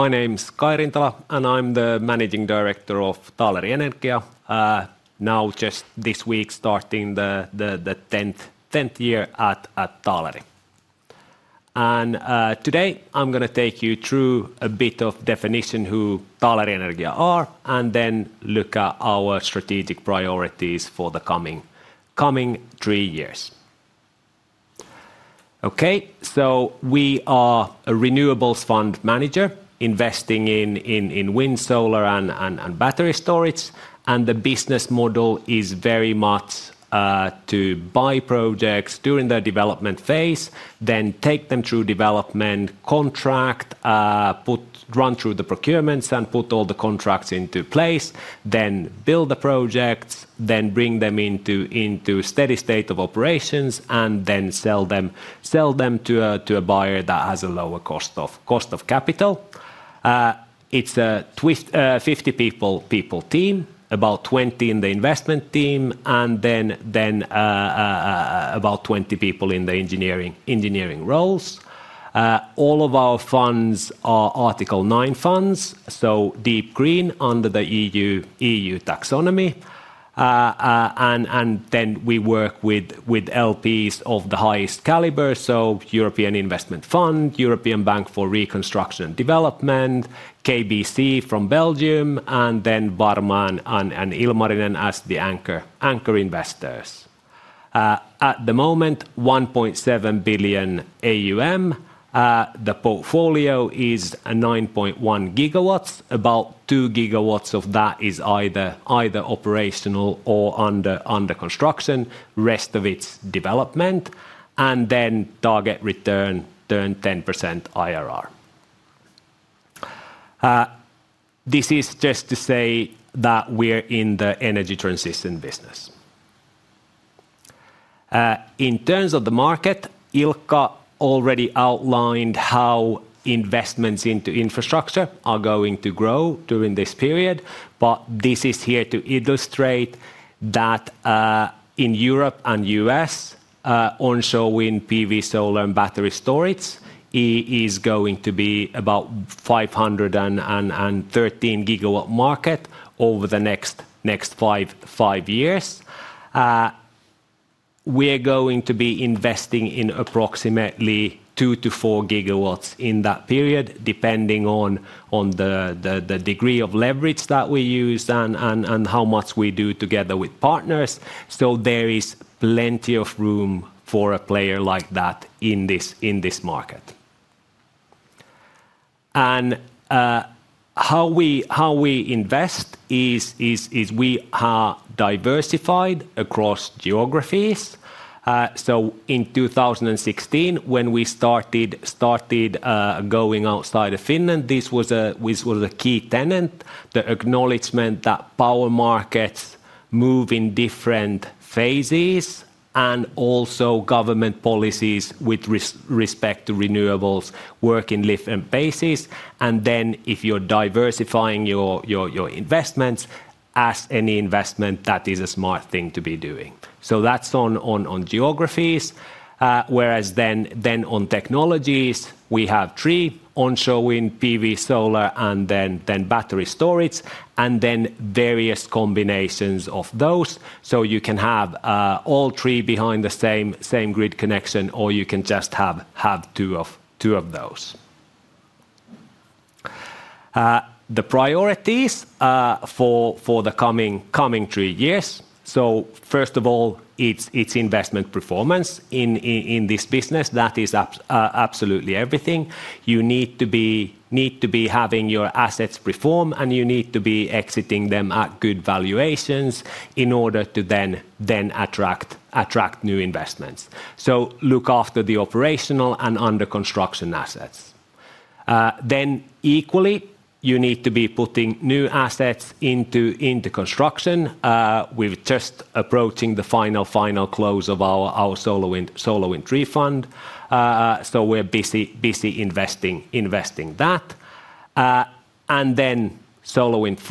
My name is Kai Rintala and I'm the Managing Director of Taaleri Energia. Now just this week starting the 10th year at Taaleri. Today I'm going to take you through a bit of definition of who Taaleri Energia are and then look at our strategic priorities for the coming three years. We are a renewables fund manager investing in wind, solar, and battery storage. The business model is very much to buy projects during the development phase, then take them through development, contract, run through the procurements, and put all the contracts into place, then build the projects, then bring them into a steady state of operations, and then sell them to a buyer that has a lower cost of capital. It's a 50 people team, about 20 in the investment team, and then about 20 people in the engineering roles. All of our funds are Article 9 funds, so deep green under the EU taxonomy. We work with LPs of the highest caliber, so European Investment Fund, European Bank for Reconstruction and Development, KBC from Belgium, and then Varma and Ilmarinen as the anchor investors. At the moment, 1.7 billion AUM. The portfolio is 9.1 GW. About 2 GW of that is either operational or under construction, the rest of it is development. Target return 10% IRR. This is just to say that we're in the energy transition business. In terms of the market, Ilkka already outlined how investments into infrastructure are going to grow during this period. This is here to illustrate that in Europe and the U.S., onshore wind, PV, solar, and battery storage is going to be about 513 GWS market over the next five years. We're going to be investing in approximately 2 GW-4 GW in that period, depending on the degree of leverage that we use and how much we do together with partners. There is plenty of room for a player like that in this market. How we invest is we are diversified across geographies. In 2016, when we started going outside of Finland, this was a key tenet, the acknowledgement that power markets move in different phases and also government policies with respect to renewables work in different phases. If you're diversifying your investments, as any investment, that is a smart thing to be doing. That's on geographies. Whereas then on technologies, we have three: onshore wind, PV, solar, and then battery storage, and then various combinations of those. You can have all three behind the same grid connection, or you can just have two of those. The priorities for the coming three years: first of all, it's investment performance in this business. That is absolutely everything. You need to be having your assets perform, and you need to be exiting them at good valuations in order to then attract new investments. Look after the operational and under construction assets. Equally, you need to be putting new assets into construction. We're just approaching the final, final close of our SolarWind III Fund. We're busy investing that. SolarWind IV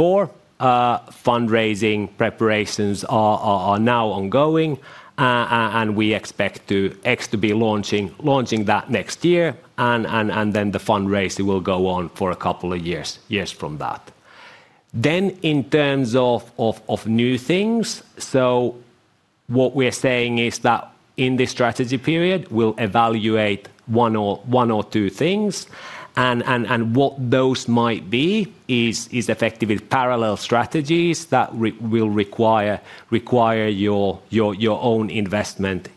fundraising preparations are now ongoing, and we expect to be launching that next year. The fundraising will go on for a couple of years from that. In terms of new things, in this strategy period, we'll evaluate one or two things. What those might be is effectively parallel strategies that will require your own investment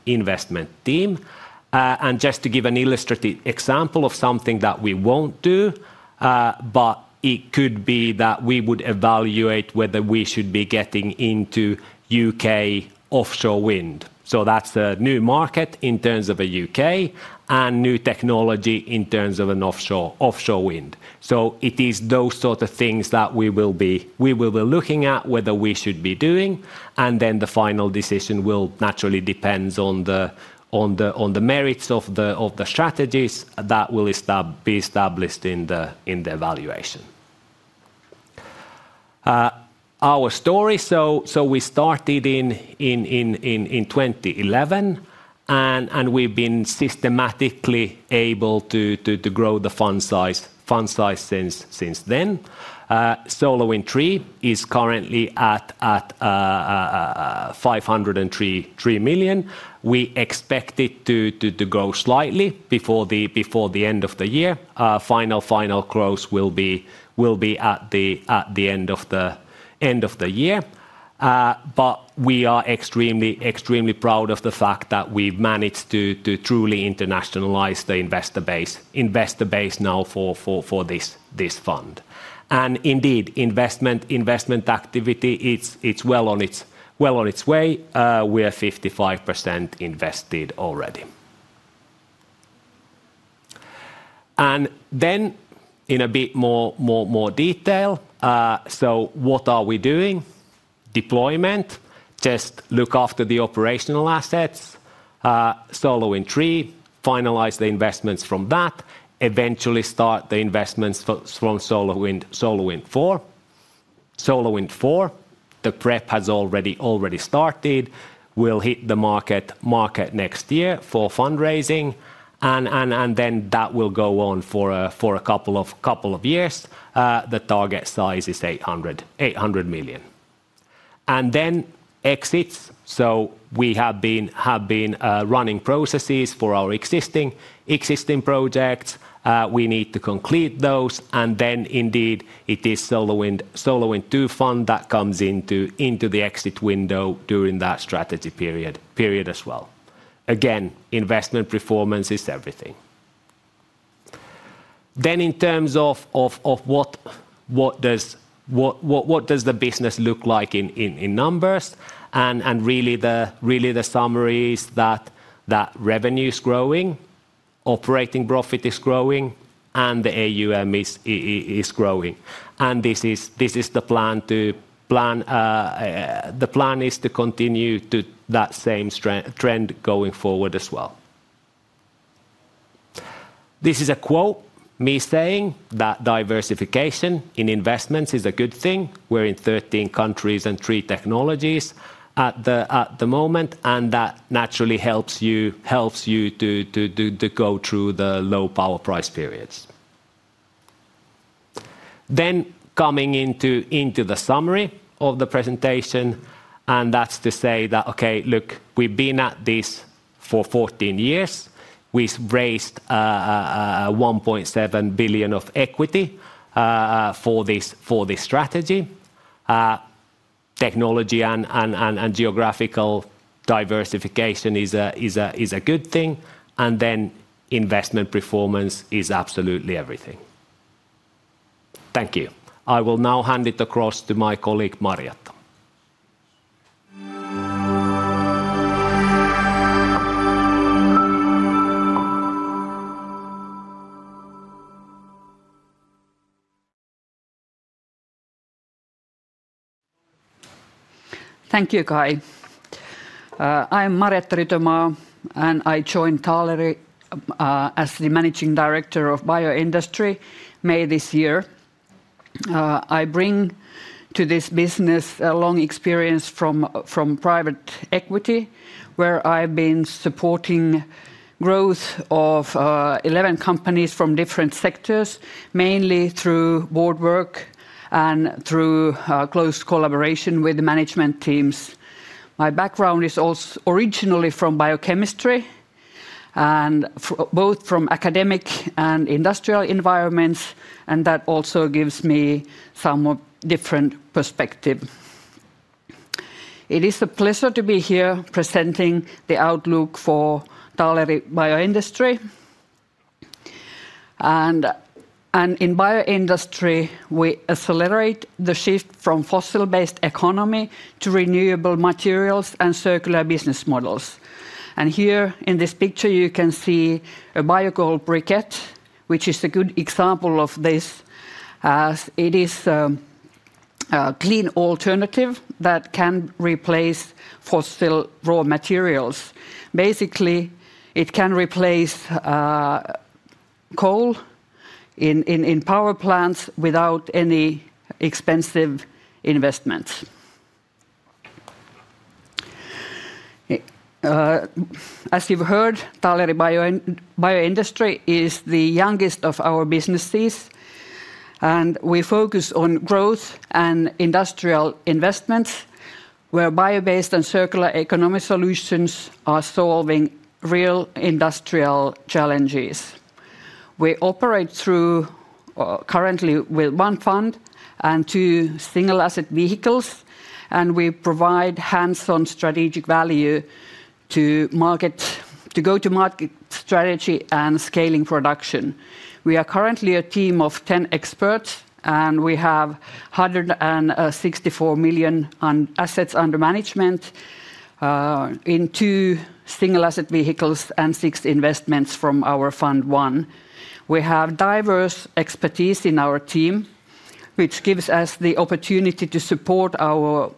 team. Just to give an illustrative example of something that we won't do, it could be that we would evaluate whether we should be getting into U.K. offshore wind. That's a new market in terms of the U.K. and new technology in terms of offshore wind. It is those sorts of things that we will be looking at, whether we should be doing. The final decision will naturally depend on the merits of the strategies that will be established in the evaluation. Our story: we started in 2011, and we've been systematically able to grow the fund size since then. SolarWind III is currently at 503 million. We expect it to grow slightly before the end of the year. Final, final growth will be at the end of the year. We are extremely, extremely proud of the fact that we've managed to truly internationalize the investor base now for this fund. Indeed, investment activity is well on its way. We are 55% invested already. In a bit more detail, what are we doing? Deployment: look after the operational assets, SolarWind III, finalize the investments from that, eventually start the investments from SolarWind IV. SolarWind IV prep has already started. We'll hit the market next year for fundraising, and that will go on for a couple of years. The target size is 800 million. Exits: we have been running processes for our existing projects. We need to complete those. Indeed, it is SolarWind II Fund that comes into the exit window during that strategy period as well. Investment performance is everything. In terms of what does the business look like in numbers, the summary is that revenue is growing, operating profit is growing, and the AUM is growing. This is the plan. The plan is to continue that same trend going forward as well. This is a quote, me saying that diversification in investments is a good thing. We're in 13 countries and three technologies at the moment. That naturally helps you to go through the low power price periods. Coming into the summary of the presentation, we've been at this for 14 years. We've raised 1.7 billion of equity for this strategy. Technology and geographical diversification is a good thing. Investment performance is absolutely everything. Thank you. I will now hand it across to my colleague, Marjatta. Thank you, Kai. I'm Marjatta Rytömaa and I joined Taaleri as the Managing Director of Bioindustry in May this year. I bring to this business a long experience from private equity, where I've been supporting the growth of 11 companies from different sectors, mainly through board work and through close collaboration with management teams. My background is originally from biochemistry, both from academic and industrial environments, and that also gives me a somewhat different perspective. It is a pleasure to be here presenting the outlook for Taaleri Bioindustry. In Bioindustry, we accelerate the shift from a fossil-based economy to renewable materials and circular business models. Here in this picture, you can see a biocoal briquette, which is a good example of this. It is a clean alternative that can replace fossil raw materials. Basically, it can replace coal in power plants without any expensive investments. As you've heard, Taaleri Bioindustry is the youngest of our businesses, and we focus on growth and industrial investments, where bio-based and circular economic solutions are solving real industrial challenges. We operate currently with Fund I and two single asset vehicles, and we provide hands-on strategic value to go to market strategy and scaling production. We are currently a team of 10 experts, and we have 164 million assets under management in two single asset vehicles and six investments from our Fund I. We have diverse expertise in our team, which gives us the opportunity to support our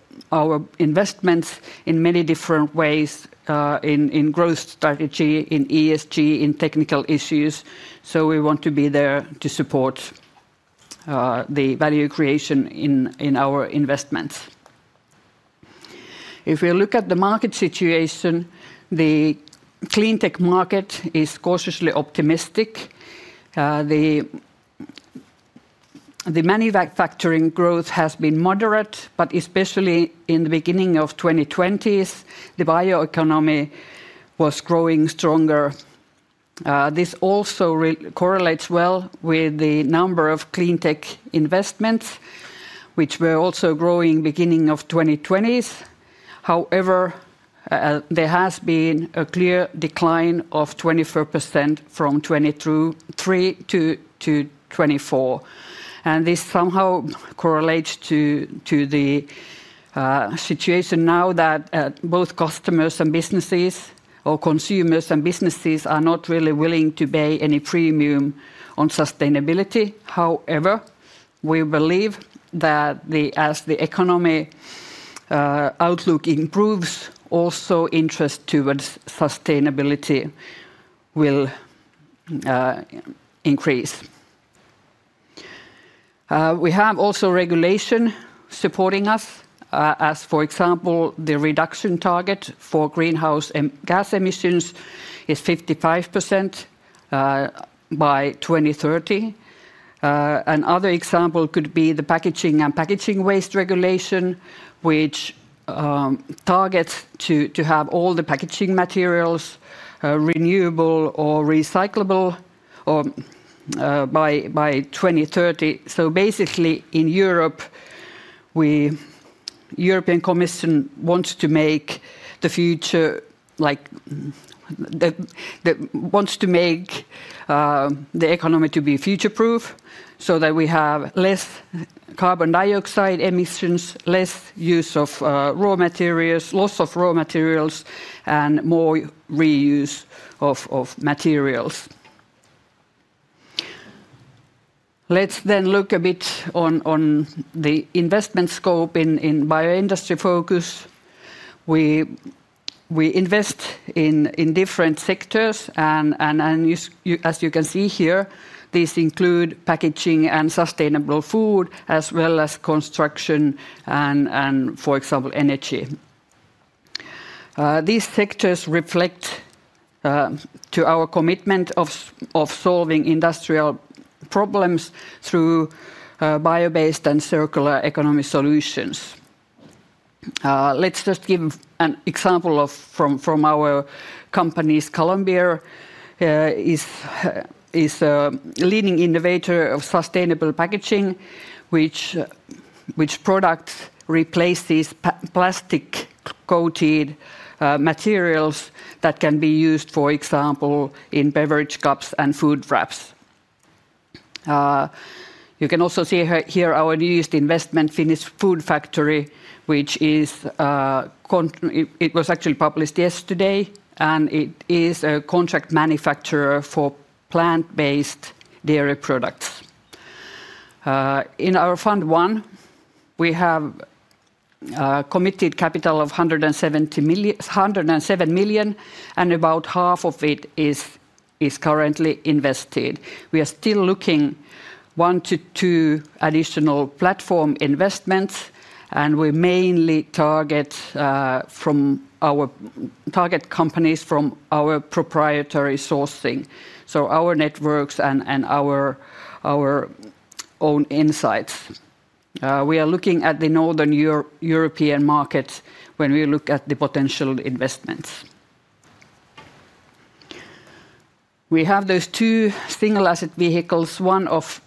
investments in many different ways, in growth strategy, in ESG, in technical issues. We want to be there to support the value creation in our investments. If we look at the market situation, the cleantech market is cautiously optimistic. The manufacturing growth has been moderate, but especially in the beginning of the 2020s, the bioeconomy was growing stronger. This also correlates well with the number of cleantech investments, which were also growing in the beginning of the 2020s. However, there has been a clear decline of 24% from 2023 to 2024. This somehow correlates to the situation now that both customers and businesses, or consumers and businesses, are not really willing to pay any premium on sustainability. However, we believe that as the economy outlook improves, also interest towards sustainability will increase. We have also regulation supporting us, as for example, the reduction target for greenhouse gas emissions is 55% by 2030. Another example could be the packaging and packaging waste regulation, which targets to have all the packaging materials renewable or recyclable by 2030. Basically, in Europe, the European Commission wants to make the economy to be future-proof so that we have less carbon dioxide emissions, less use of raw materials, loss of raw materials, and more reuse of materials. Let's then look a bit on the investment scope in bioindustry focus. We invest in different sectors, and as you can see here, these include packaging and sustainable food, as well as construction and, for example, energy. These sectors reflect our commitment of solving industrial problems through bio-based and circular economic solutions. Let's just give an example from our companies. Colombier is a leading innovator of sustainable packaging, which products replace these plastic-coated materials that can be used, for example, in beverage cups and food wraps. You can also see here our newest investment, Finnish Food Factory, which was actually published yesterday, and it is a contract manufacturer for plant-based dairy products. In our Fund I, we have a committed capital of 107 million, and about 1/2 of it is currently invested. We are still looking at one to two additional platform investments, and we mainly target companies from our proprietary sourcing, so our networks and our own insights. We are looking at the Northern European markets when we look at the potential investments. We have those two single asset vehicles, one of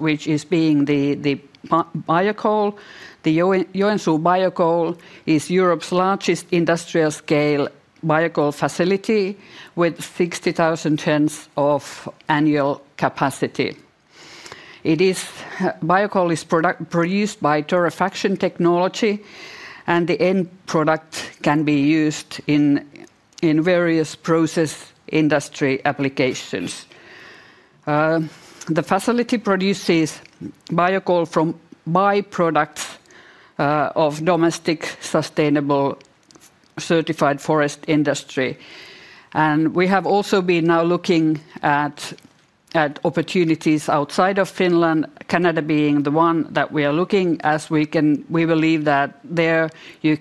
which is the biocoal. The Joensuu Biocoal is Europe's largest industrial scale biocoal facility with 60,000 tons of annual capacity. Biocoal is produced by torrefaction technology, and the end product can be used in various process industry applications. The facility produces biocoal from byproducts of domestic sustainable certified forest industry. We have also been now looking at opportunities outside of Finland, Canada being the one that we are looking at as we believe that there you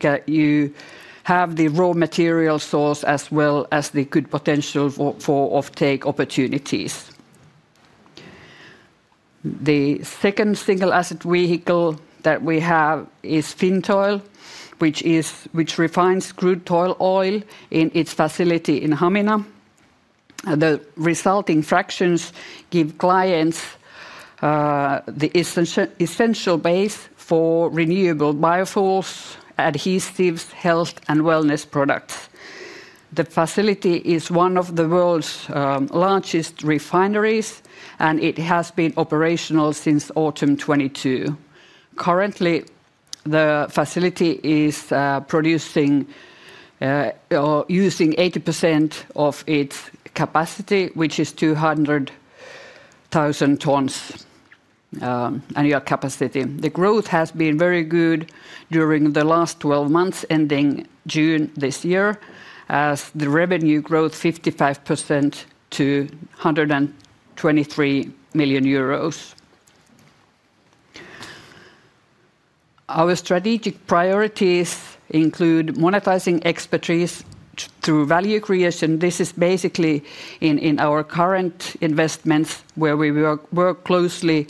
have the raw material source as well as the good potential for offtake opportunities. The second single asset vehicle that we have is Fintoil, which refines crude oil in its facility in Hamina. The resulting fractions give clients the essential base for renewable biofuels, adhesives, health, and wellness products. The facility is one of the world's largest refineries, and it has been operational since autumn 2022. Currently, the facility is using 80% of its capacity, which is 200,000 tons annual capacity. The growth has been very good during the last 12 months, ending June this year, as the revenue growth is 55% to EUR 123 million. Our strategic priorities include monetizing expertise through value creation. This is basically in our current investments, where we work closely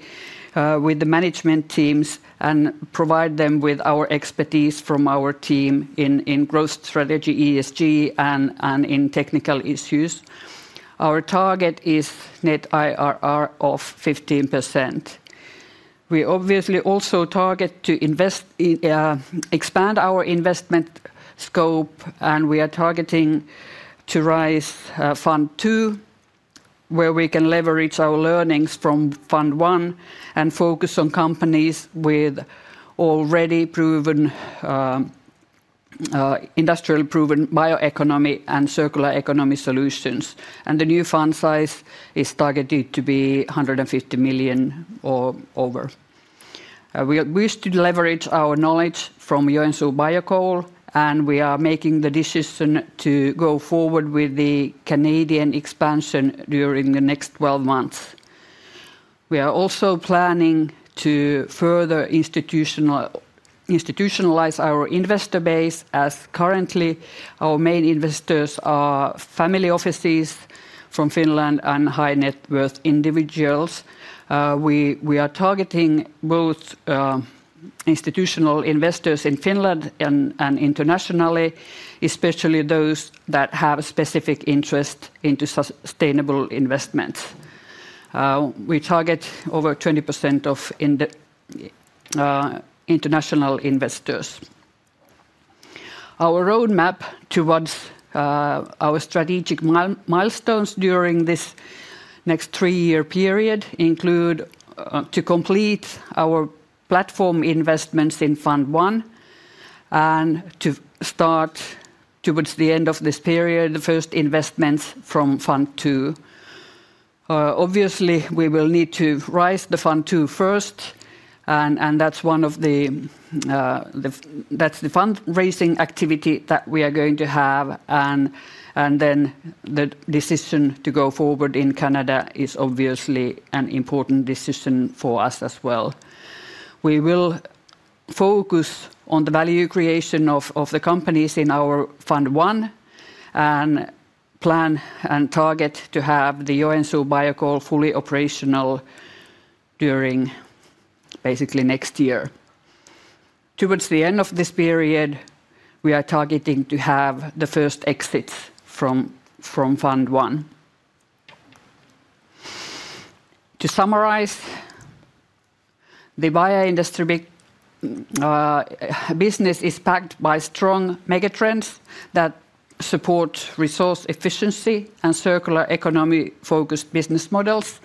with the management teams and provide them with our expertise from our team in growth strategy, ESG, and in technical issues. Our target is net IRR of 15%. We obviously also target to expand our investment scope, and we are targeting to raise fund two, where we can leverage our learnings from fund one and focus on companies with already proven industrial-proven bioeconomy and circular economy solutions. The new fund size is targeted to be 150 million or over. We used to leverage our knowledge from Joensuu Biocoal, and we are making the decision to go forward with the Canadian expansion during the next 12 months. We are also planning to further institutionalize our investor base, as currently our main investors are family offices from Finland and high net worth individuals. We are targeting both institutional investors in Finland and internationally, especially those that have specific interests into sustainable investments. We target over 20% of international investors. Our roadmap towards our strategic milestones during this next three-year period includes to complete our platform investments in Fund I and to start towards the end of this period, the first investments from Fund II. We will need to raise the Fund II first, and that's the fundraising activity that we are going to have. The decision to go forward in Canada is obviously an important decision for us as well. We will focus on the value creation of the companies in our fund one and plan and target to have the Joensuu Biocoal fully operational during basically next year. Towards the end of this period, we are targeting to have the first exits from Fund II. To summarize, the bioindustry business is backed by strong megatrends that support resource efficiency and circular economy-focused business models.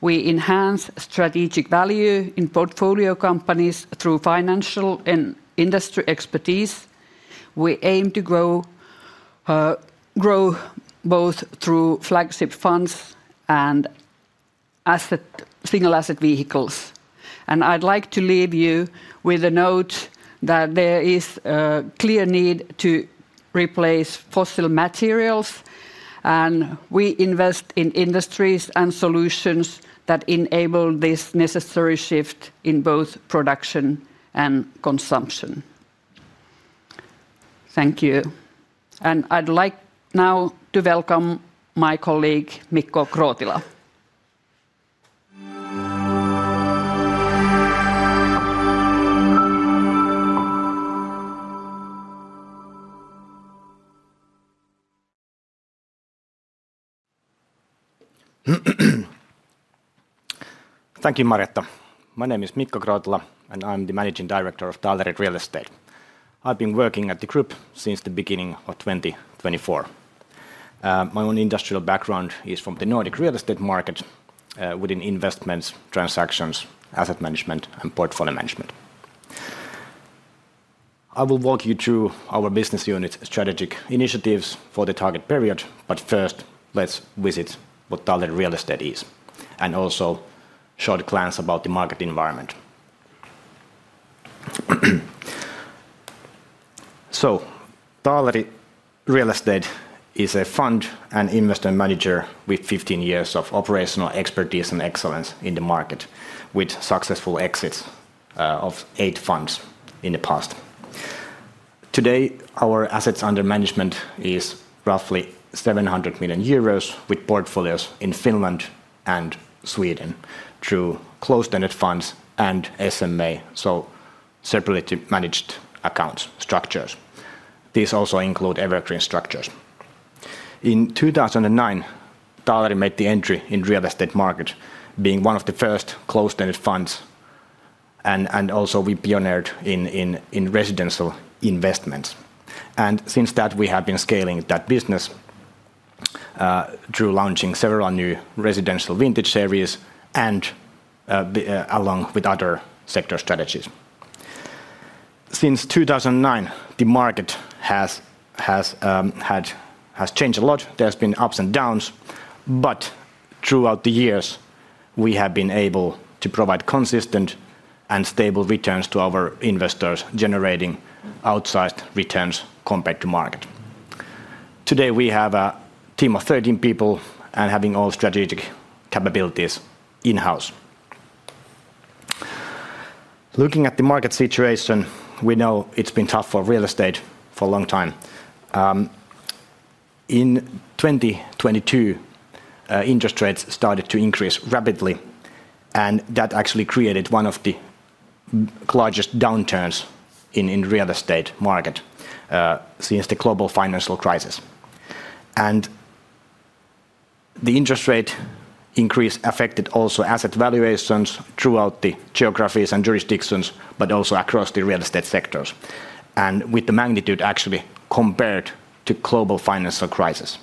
We enhance strategic value in portfolio companies through financial and industry expertise. We aim to grow both through flagship funds and single asset vehicles. I'd like to leave you with a note that there is a clear need to replace fossil materials, and we invest in industries and solutions that enable this necessary shift in both production and consumption. Thank you. I'd like now to welcome my colleague Mikko Krootila. Thank you, Marjatta. My name is Mikko Krootila, and I'm the Managing Director of Taaleri Real Estate. I've been working at the group since the beginning of 2024. My own industrial background is from the Nordic real estate market within investments, transactions, asset management, and portfolio management. I will walk you through our business unit strategic initiatives for the target period, but first, let's visit what Taaleri Real Estate is and also show the clients about the market environment. Taaleri Real Estate is a fund and investor manager with 15 years of operational expertise and excellence in the market, with successful exits of eight funds in the past. Today, our assets under management are roughly 700 million euros, with portfolios in Finland and Sweden through closed-ended funds and SMA, so separately managed account structures. These also include evergreen structures. In 2009, Taaleri made the entry in the real estate market, being one of the first closed-ended funds, and also we pioneered in residential investments. Since that, we have been scaling that business through launching several new residential vintage series, along with other sector strategies. Since 2009, the market has changed a lot. There have been ups and downs, but throughout the years, we have been able to provide consistent and stable returns to our investors, generating outsized returns compared to the market. Today, we have a team of 13 people and having all strategic capabilities in-house. Looking at the market situation, we know it's been tough for Real Estate for a long time. In 2022, interest rates started to increase rapidly, and that actually created one of the largest downturns in the real estate market since the global financial crisis. The interest rate increase affected also asset valuations throughout the geographies and jurisdictions, but also across the real estate sectors, and with the magnitude actually compared to the global financial crisis.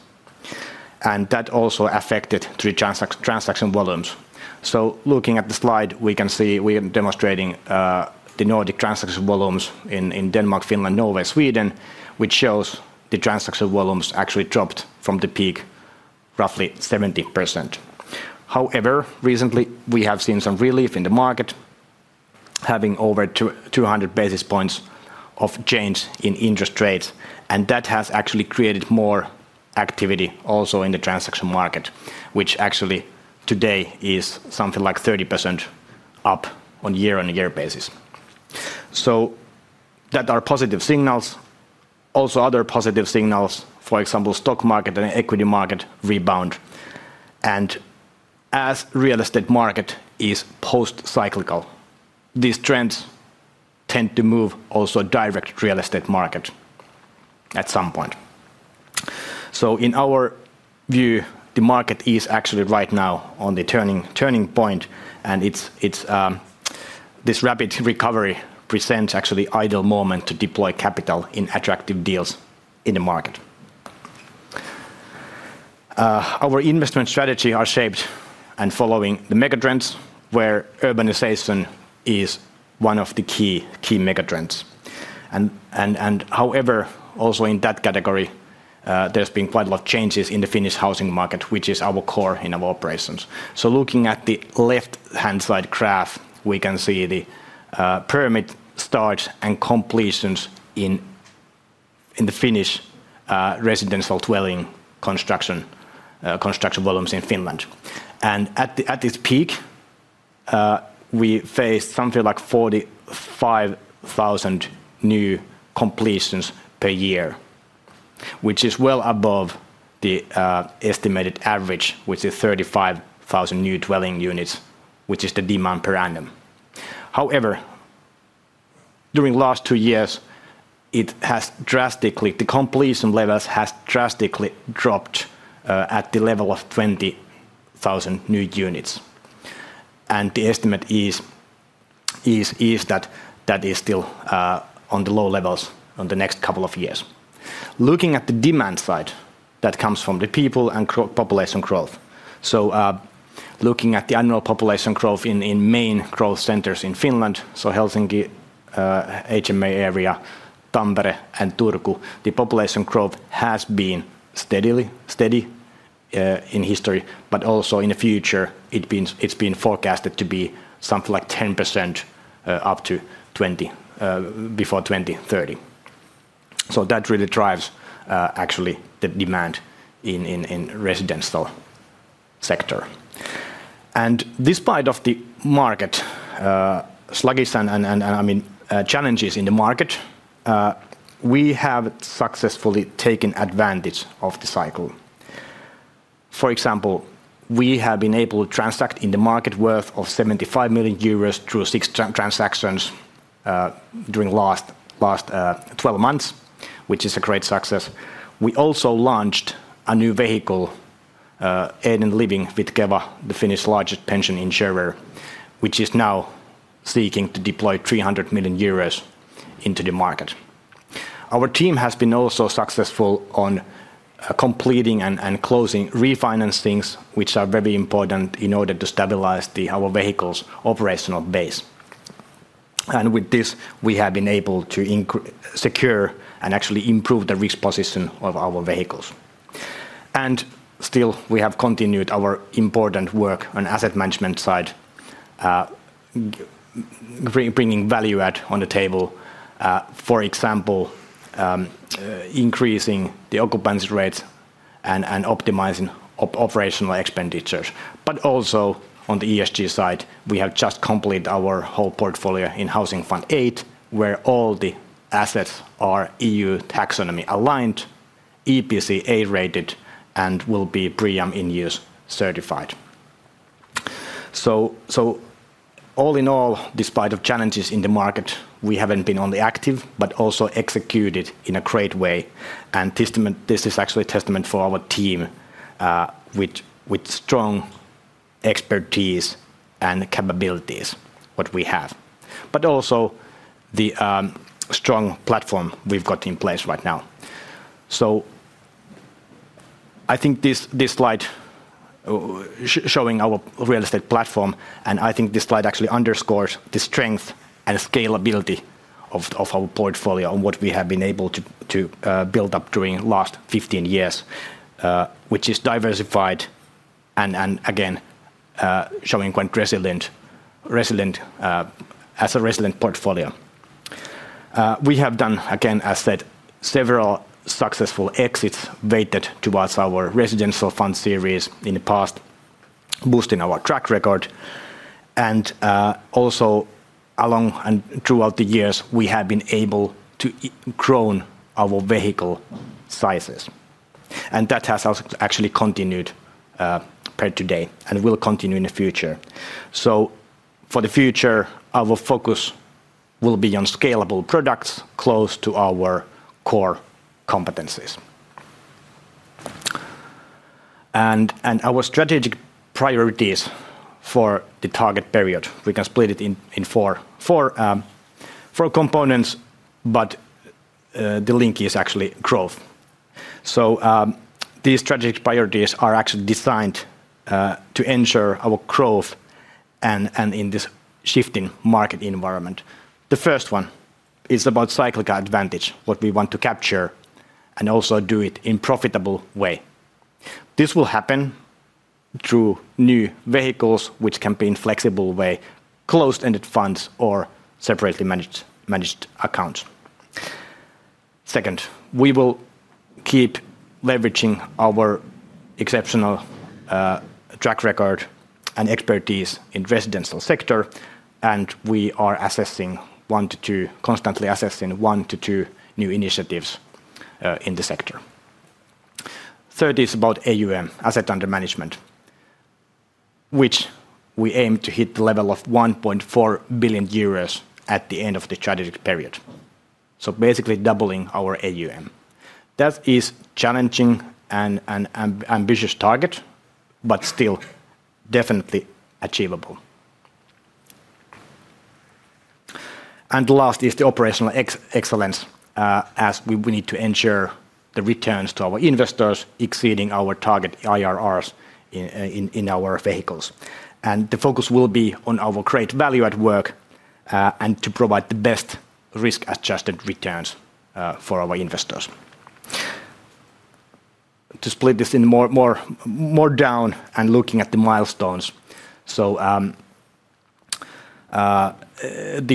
That also affected the transaction volumes. Looking at the slide, we can see we are demonstrating the Nordic transaction volumes in Denmark, Finland, Norway, and Sweden, which shows the transaction volumes actually dropped from the peak roughly 70%. However, recently, we have seen some relief in the market, having over 200 basis points of change in interest rates, and that has actually created more activity also in the transaction market, which actually today is something like 30% up on a year-on-year basis. Those are positive signals. Also, other positive signals, for example, the stock market and the equity market rebound. As the real estate market is post-cyclical, these trends tend to move also direct to the real estate market at some point. In our view, the market is actually right now at the turning point, and this rapid recovery presents actually an ideal moment to deploy capital in attractive deals in the market. Our investment strategies are shaped and following the megatrends, where urbanization is one of the key megatrends. However, also in that category, there's been quite a lot of changes in the Finnish housing market, which is our core in our operations. Looking at the left-hand side graph, we can see the pyramid starts and completions in the Finnish residential dwelling construction volumes in Finland. At this peak, we face something like 45,000 new completions per year, which is well above the estimated average, which is 35,000 new dwelling units, which is the demand per annum. However, during the last two years, the completion levels have drastically dropped at the level of 20,000 new units. The estimate is that that is still on the low levels in the next couple of years. Looking at the demand side, that comes from the people and population growth. Looking at the annual population growth in the main growth centers in Finland, so Helsinki, HMA area, Tampere, and Turku, the population growth has been steady in history, but also in the future, it's been forecasted to be something like 10% up to 20% before 2030. That really drives actually the demand in the residential sector. Despite the market sluggish and challenges in the market, we have successfully taken advantage of the cycle. For example, we have been able to transact in the market worth of 75 million euros through six transactions during the last 12 months, which is a great success. We also launched a new vehicle, Eden Living, with Keva, the Finnish largest pension insurer, which is now seeking to deploy 300 million euros into the market. Our team has been also successful in completing and closing refinancings, which are very important in order to stabilize our vehicles' operational base. With this, we have been able to secure and actually improve the risk position of our vehicles. We have continued our important work on the asset management side, bringing value add on the table, for example, increasing the occupancy rates and optimizing operational expenditures. Also, on the ESG side, we have just completed our whole portfolio in Housing Fund VIII, where all the assets are EU taxonomy aligned, EPC A-rated, and will be BREEAM In-use certified. All in all, despite the challenges in the market, we haven't been only active, but also executed in a great way. This is actually a testament for our team, with strong expertise and capabilities, what we have, but also the strong platform we've got in place right now. I think this slide is showing our real estate platform, and I think this slide actually underscores the strength and scalability of our portfolio and what we have been able to build up during the last 15 years, which is diversified and again showing as a resilient portfolio. We have done, again, as I said, several successful exits weighted towards our residential fund series in the past, boosting our track record. Also, along and throughout the years, we have been able to grow our vehicle sizes. That has actually continued per today and will continue in the future. For the future, our focus will be on scalable products close to our core competencies. Our strategic priorities for the target period, we can split it in four components, but the link is actually growth. These strategic priorities are actually designed to ensure our growth in this shifting market environment. The first one is about cyclical advantage, what we want to capture and also do it in a profitable way. This will happen through new vehicles, which can be in a flexible way, closed-ended funds, or separately managed accounts. Second, we will keep leveraging our exceptional track record and expertise in the residential sector, and we are constantly assessing one to two new initiatives in the sector. Third is about AUM, assets under management, which we aim to hit the level of 1.4 billion euros at the end of the strategic period, basically doubling our AUM. That is a challenging and ambitious target, but still definitely achievable. The last is the operational excellence, as we need to ensure the returns to our investors exceed our target IRRs in our vehicles. The focus will be on our great value at work and to provide the best risk-adjusted returns for our investors. To split this in more down and looking at the milestones, the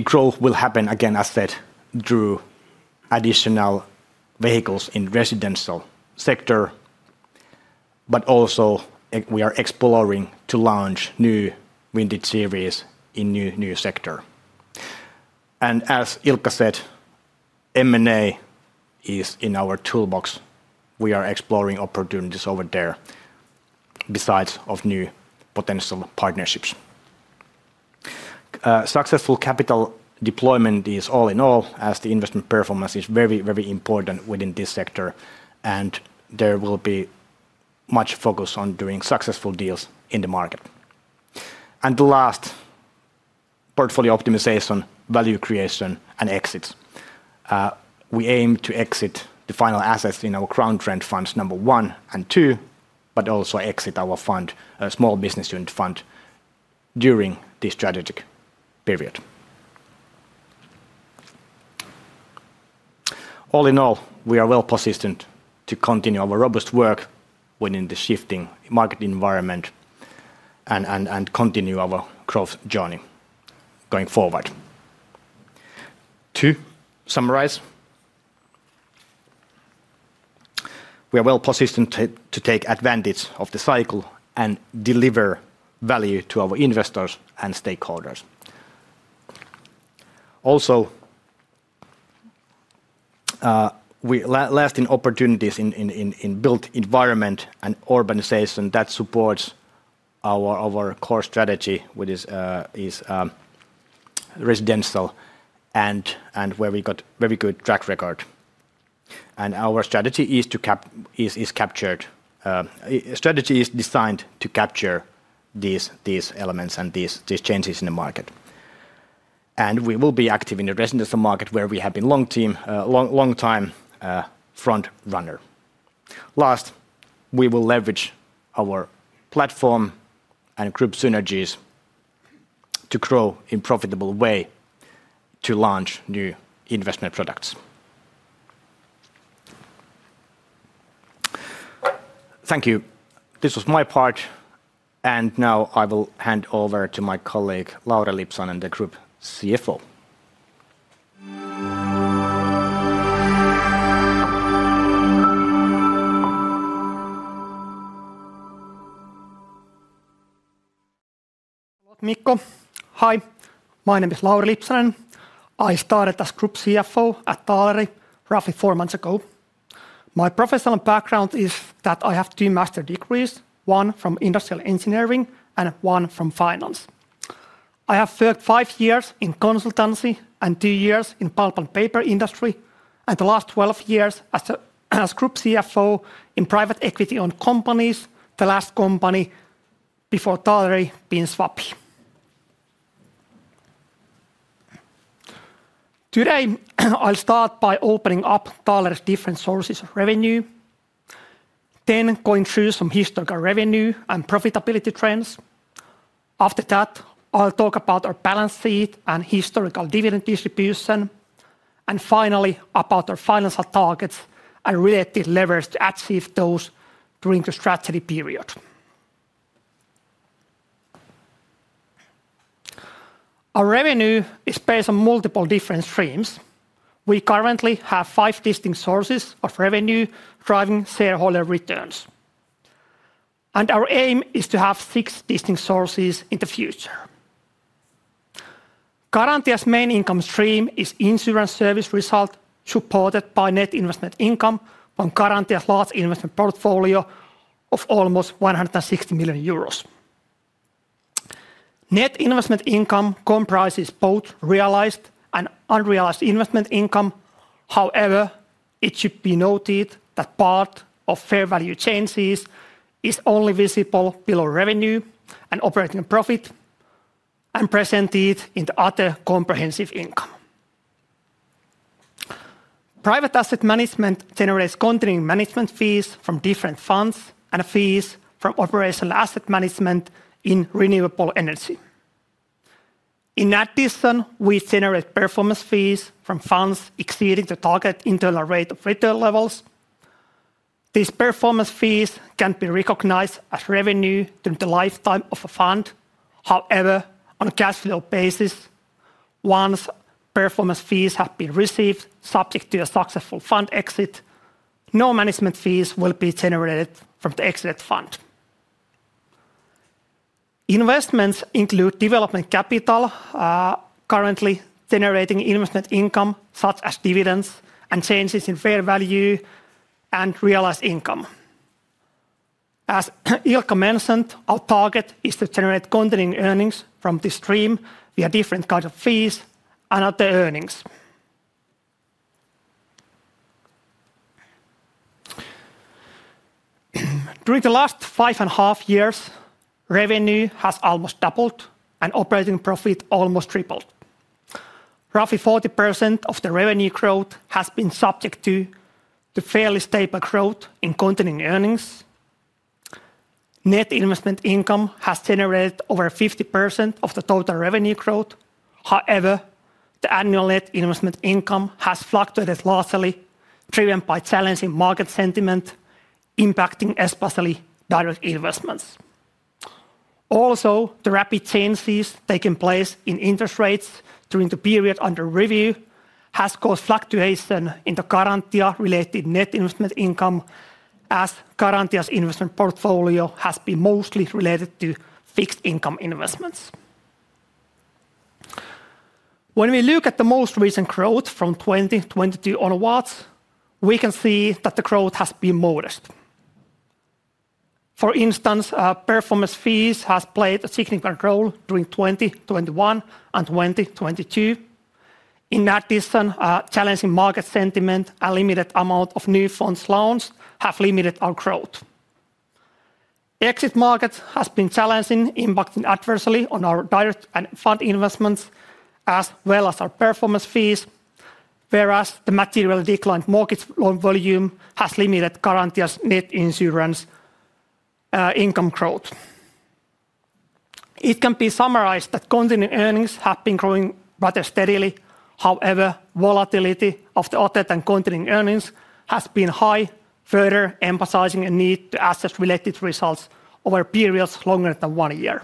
growth will happen again, as I said, through additional vehicles in the residential sector, but also we are exploring to launch new vintage series in a new sector. As Ilkka said, M&A is in our toolbox. We are exploring opportunities over there besides new potential partnerships. Successful capital deployment is all in all, as the investment performance is very, very important within this sector, and there will be much focus on doing successful deals in the market. The last, portfolio optimization, value creation, and exits. We aim to exit the final assets in our [crown trend] funds, number one and two, but also exit our fund, a small business unit fund, during this strategic period. All in all, we are well positioned to continue our robust work within the shifting market environment and continue our growth journey going forward. To summarize, we are well positioned to take advantage of the cycle and deliver value to our investors and stakeholders. Also, we're lasting opportunities in the built environment and urbanization that support our core strategy, which is residential, and where we've got a very good track record. Our strategy is captured. The strategy is designed to capture these elements and these changes in the market. We will be active in the residential market, where we have been a long-time front runner. Last, we will leverage our platform and group synergies to grow in a profitable way to launch new investment products. Thank you. This was my part, and now I will hand over to my colleague, Lauri Lipsanen, and the Group CFO. Hi, my name is Lauri Lipsanen. I started as Group CFO at Taaleri roughly four months ago. My professional background is that I have two master's degrees, one from industrial engineering and one from finance. I have served five years in consultancy and two years in the pulp and paper industry, and the last 12 years as Group CFO in private equity-owned companies, the last company before Taaleri, [Swappie]. Today, I'll start by opening up Taaleri's different sources of revenue, then going through some historical revenue and profitability trends. After that, I'll talk about our balance sheet and historical dividend distribution, and finally, about our financial targets and related levers to achieve those during the strategy period. Our revenue is based on multiple different streams. We currently have five distinct sources of revenue driving shareholder returns. Our aim is to have six distinct sources in the future. Garantia's main income stream is insurance service result supported by net investment income on Garantia's large investment portfolio of almost 160 million euros. Net investment income comprises both realized and unrealized investment income. However, it should be noted that part of fair value changes is only visible below revenue and operating profit and presented in the other comprehensive income. Private asset management generates continuing management fees from different funds and fees from operational asset management in renewable energy. In addition, we generate performance fees from funds exceeding the target internal rate of return levels. These performance fees can be recognized as revenue during the lifetime of a fund. However, on a cash flow basis, once performance fees have been received, subject to a successful fund exit, no management fees will be generated from the exited fund. Investments include development capital, currently generating investment income such as dividends and changes in fair value and realized income. As Ilkka mentioned, our target is to generate continuing earnings from this stream via different kinds of fees and other earnings. During the last five and a half years, revenue has almost doubled and operating profit almost tripled. Roughly 40% of the revenue growth has been subject to fairly stable growth in continuing earnings. Net investment income has generated over 50% of the total revenue growth. However, the annual net investment income has fluctuated largely, driven by challenging market sentiment, impacting especially direct investments. Also, the rapid changes taking place in interest rates during the period under review have caused fluctuation in the Garantia-related net investment income, as Garantia's investment portfolio has been mostly related to fixed income investments. When we look at the most recent growth from 2022 onwards, we can see that the growth has been modest. For instance, performance fees have played a significant role during 2021 and 2022. In addition, challenging market sentiment and a limited amount of new funds loans have limited our growth. Exit markets have been challenging, impacting adversely on our direct and fund investments, as well as our performance fees, whereas the materially declined mortgage loan volume has limited Garantia's net insurance income growth. It can be summarized that continuing earnings have been growing rather steadily. However, volatility of the authentic continuing earnings has been high, further emphasizing a need to assess related results over periods longer than one year.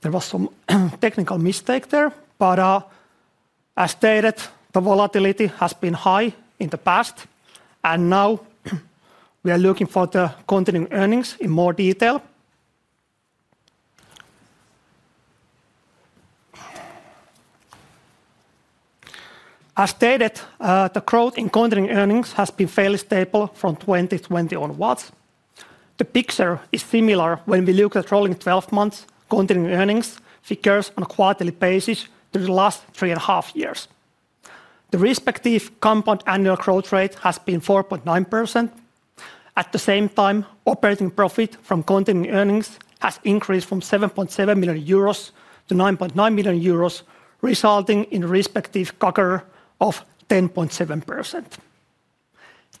There was some technical mistake there, but as stated, the volatility has been high in the past, and now we are looking for the continuing earnings in more detail. As stated, the growth in continuing earnings has been fairly stable from 2020 onwards. The picture is similar when we look at rolling 12 months continuing earnings figures on a quarterly basis through the last three and a half years. The respective compound annual growth rate has been 4.9%. At the same time, operating profit from continuing earnings has increased from 7.7 million euros to 9.9 million euros, resulting in a respective CAGR of 10.7%.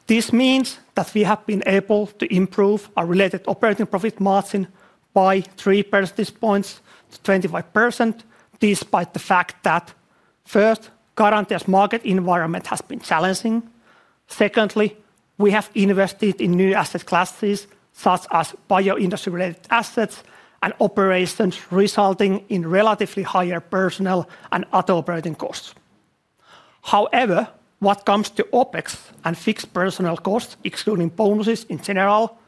This means that we have been able to improve our related operating profit margin by 3 percentage points to 25%, despite the fact that, first, Garantia's market environment has been challenging. Secondly, we have invested in new asset classes such as bio. Assets and operations resulting in relatively higher personnel and other operating costs. However, when it comes to OpEx and fixed personnel costs, including bonuses in general,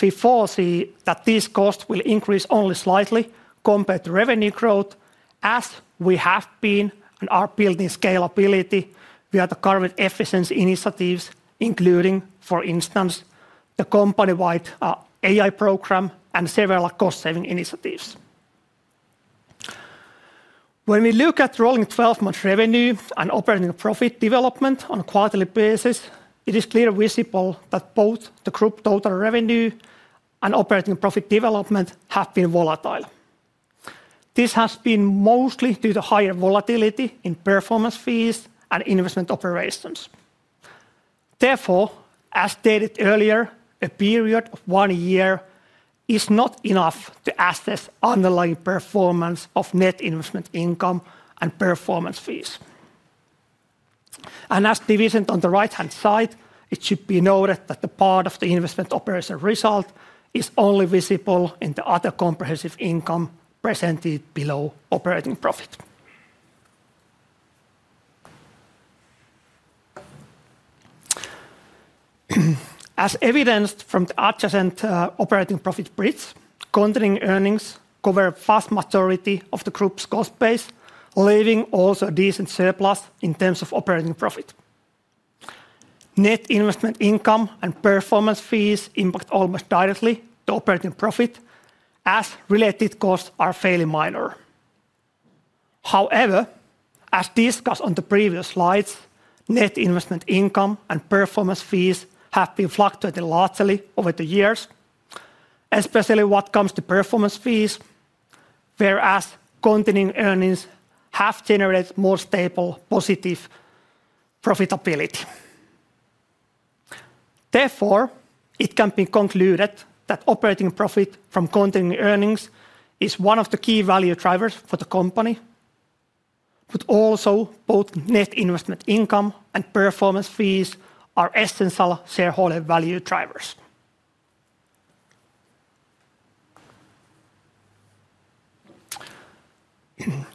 we foresee that these costs will increase only slightly compared to revenue growth, as we have been and are building scalability via the current efficiency initiatives, including, for instance, the company-wide AI program and several cost-saving initiatives. When we look at rolling 12-month revenue and operating profit development on a quarterly basis, it is clearly visible that both the group total revenue and operating profit development have been volatile. This has been mostly due to higher volatility in performance fees and investment operations. Therefore, as stated earlier, a period of one year is not enough to assess underlying performance of net investment income and performance fees. As divisions on the right-hand side, it should be noted that the part of the investment operation result is only visible in the other comprehensive income presented below operating profit. As evidenced from the adjacent operating profit grids, continuing earnings cover a vast majority of the group's cost base, leaving also a decent surplus in terms of operating profit. Net investment income and performance fees impact almost directly the operating profit, as related costs are fairly minor. However, as discussed on the previous slides, net investment income and performance fees have been fluctuating largely over the years, especially when it comes to performance fees, whereas continuing earnings have generated more stable positive profitability. Therefore, it can be concluded that operating profit from continuing earnings is one of the key value drivers for the company, but also both net investment income and performance fees are essential shareholder value drivers.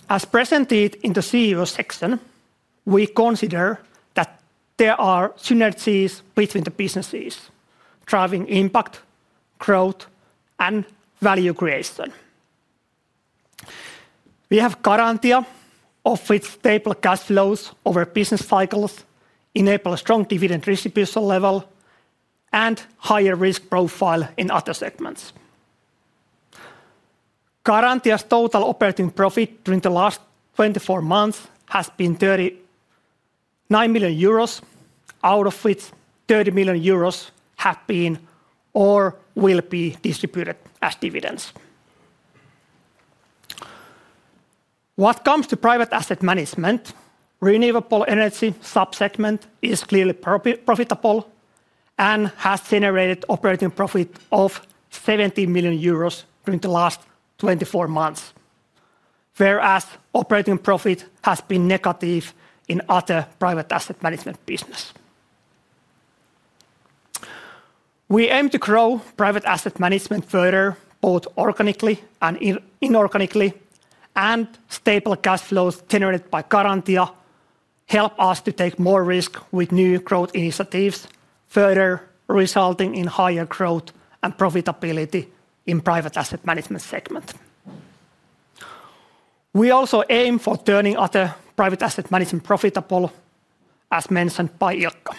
As presented in the CEO section, we consider that there are synergies between the businesses driving impact, growth, and value creation. We have Garantia offering stable cash flows over business cycles, enable a strong dividend distribution level, and a higher risk profile in other segments. Garantia's total operating profit during the last 24 months has been 39 million euros, out of which 30 million euros have been or will be distributed as dividends. When it comes to private asset management, renewable energy subsegment is clearly profitable and has generated operating profit of 17 million euros during the last 24 months, whereas operating profit has been negative in other private asset management businesses. We aim to grow private asset management further, both organically and inorganically, and stable cash flows generated by Garantia help us to take more risk with new growth initiatives, further resulting in higher growth and profitability in private asset management segments. We also aim for turning other private asset management profitable, as mentioned by Ilkka.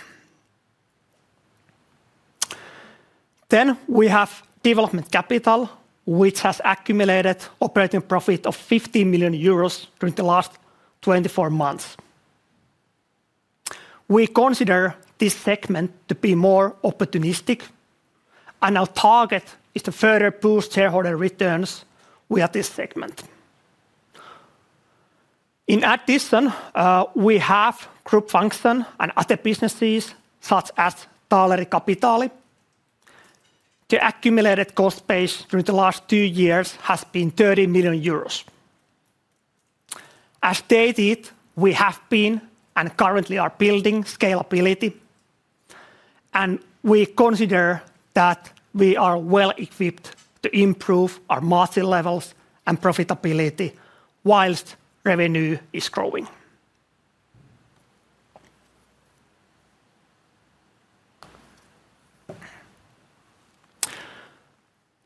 We have development capital, which has accumulated operating profit of 15 million euros during the last 24 months. We consider this segment to be more opportunistic, and our target is to further boost shareholder returns with this segment. In addition, we have group functions and other businesses such as Taaleri Kapitaali. The accumulated cost base during the last two years has been 30 million euros. As stated, we have been and currently are building scalability, and we consider that we are well equipped to improve our margin levels and profitability whilst revenue is growing.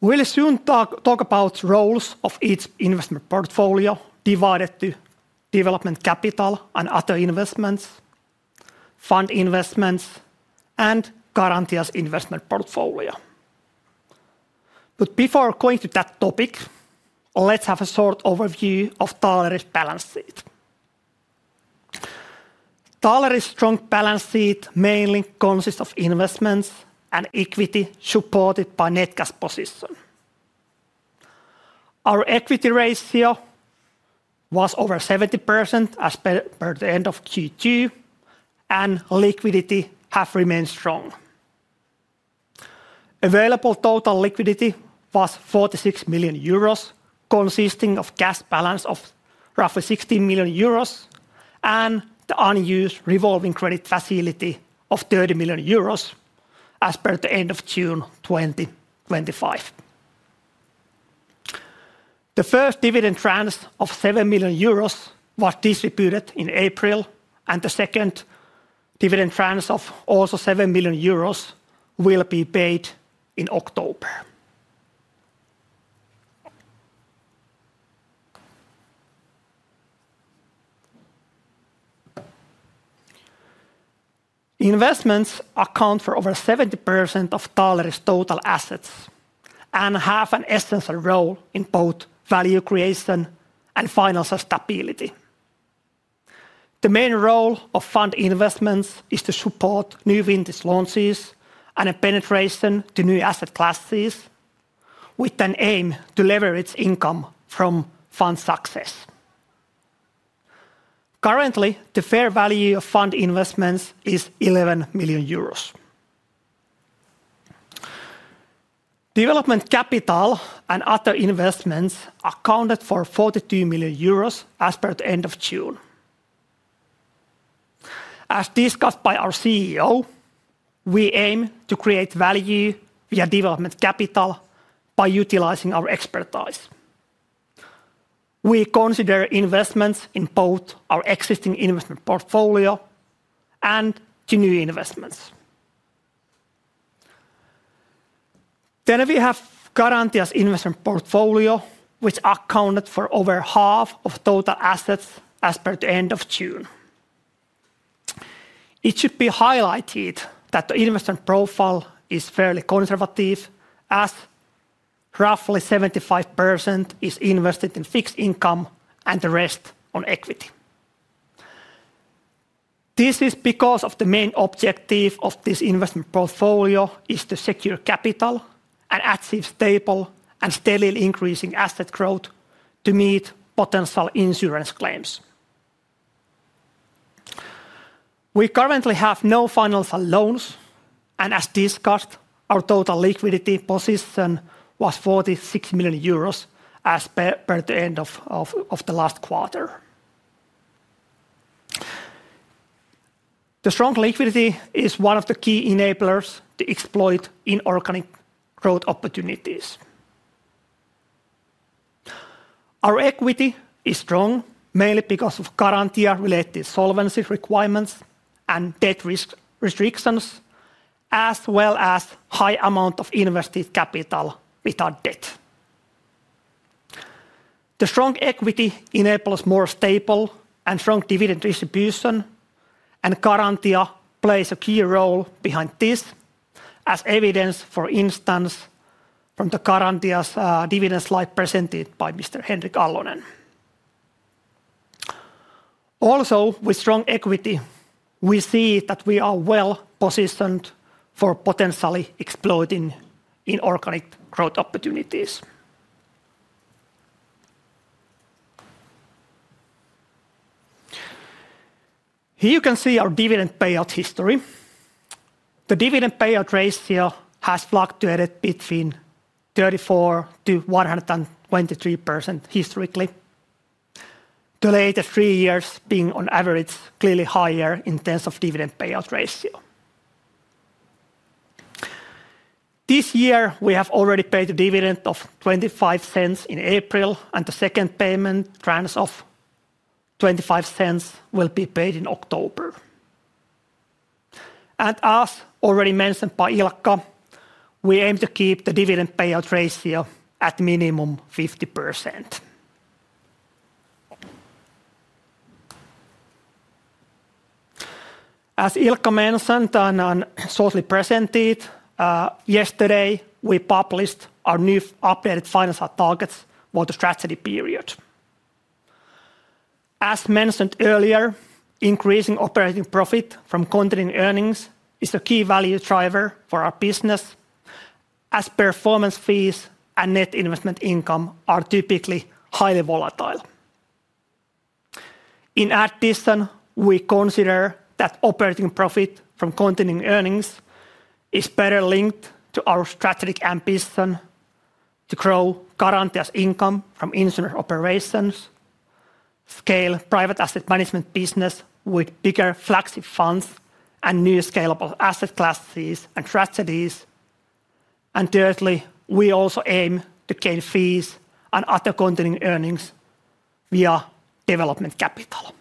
We will soon talk about the roles of each investment portfolio divided to development capital and other investments, fund investments, and Garantia's investment portfolio. Before going to that topic, let's have a short overview of Taaleri's balance sheet. Taaleri's strong balance sheet mainly consists of investments and equity supported by net cash position. Our equity ratio was over 70% as per the end of Q2, and liquidity has remained strong. Available total liquidity was 46 million euros, consisting of cash balance of roughly 16 million euros and the unused revolving credit facility of 30 million euros as per the end of June 2025. The first dividend transfer of 7 million euros was distributed in April, and the second dividend transfer of also 7 million euros will be paid in October. Investments account for over 70% of Taaleri's total assets and have an essential role in both value creation and financial stability. The main role of fund investments is to support new business launches and a penetration to new asset classes with an aim to leverage income from fund success. Currently, the fair value of fund investments is 11 million euros. Development capital and other investments accounted for 42 million euros as per the end of June. As discussed by our CEO, we aim to create value via development capital by utilizing our expertise. We consider investments in both our existing investment portfolio and to new investments. We have Garantia's investment portfolio, which accounted for over 1/2 of total assets as per the end of June. It should be highlighted that the investment profile is fairly conservative, as roughly 75% is invested in fixed income and the rest in equity. This is because the main objective of this investment portfolio is to secure capital and achieve stable and steadily increasing asset growth to meet potential insurance claims. We currently have no financial loans, and as discussed, our total liquidity position was 46 million euros as per the end of the last quarter. The strong liquidity is one of the key enablers to exploit inorganic growth opportunities. Our equity is strong mainly because of Garantia's related solvency requirements and debt restrictions, as well as a high amount of invested capital without debt. The strong equity enables more stable and strong dividend distribution, and Garantia plays a key role behind this, as evidenced, for instance, from the Garantia dividend slide presented by Mr. Henrik Allonen. Also, with strong equity, we see that we are well positioned for potentially exploiting inorganic growth opportunities. Here you can see our dividend payout history. The dividend payout ratio has fluctuated between 34%-123% historically, the latest three years being on average clearly higher in terms of dividend payout ratio. This year, we have already paid a dividend of 0.25 in April, and the second payment, a tranche of 0.25, will be paid in October. As already mentioned by Ilkka, we aim to keep the dividend payout ratio at a minimum of 50%. As Ilkka mentioned and shortly presented, yesterday we published our new updated financial targets for the strategy period. As mentioned earlier, increasing operating profit from continuing earnings is a key value driver for our business, as performance fees and net investment income are typically highly volatile. In addition, we consider that operating profit from continuing earnings is better linked to our strategic ambition to grow Garantia's income from insurance operations, scale private asset management business with bigger flexible funds, and new scalable asset classes and strategies. Thirdly, we also aim to gain fees and other continuing earnings via development capital.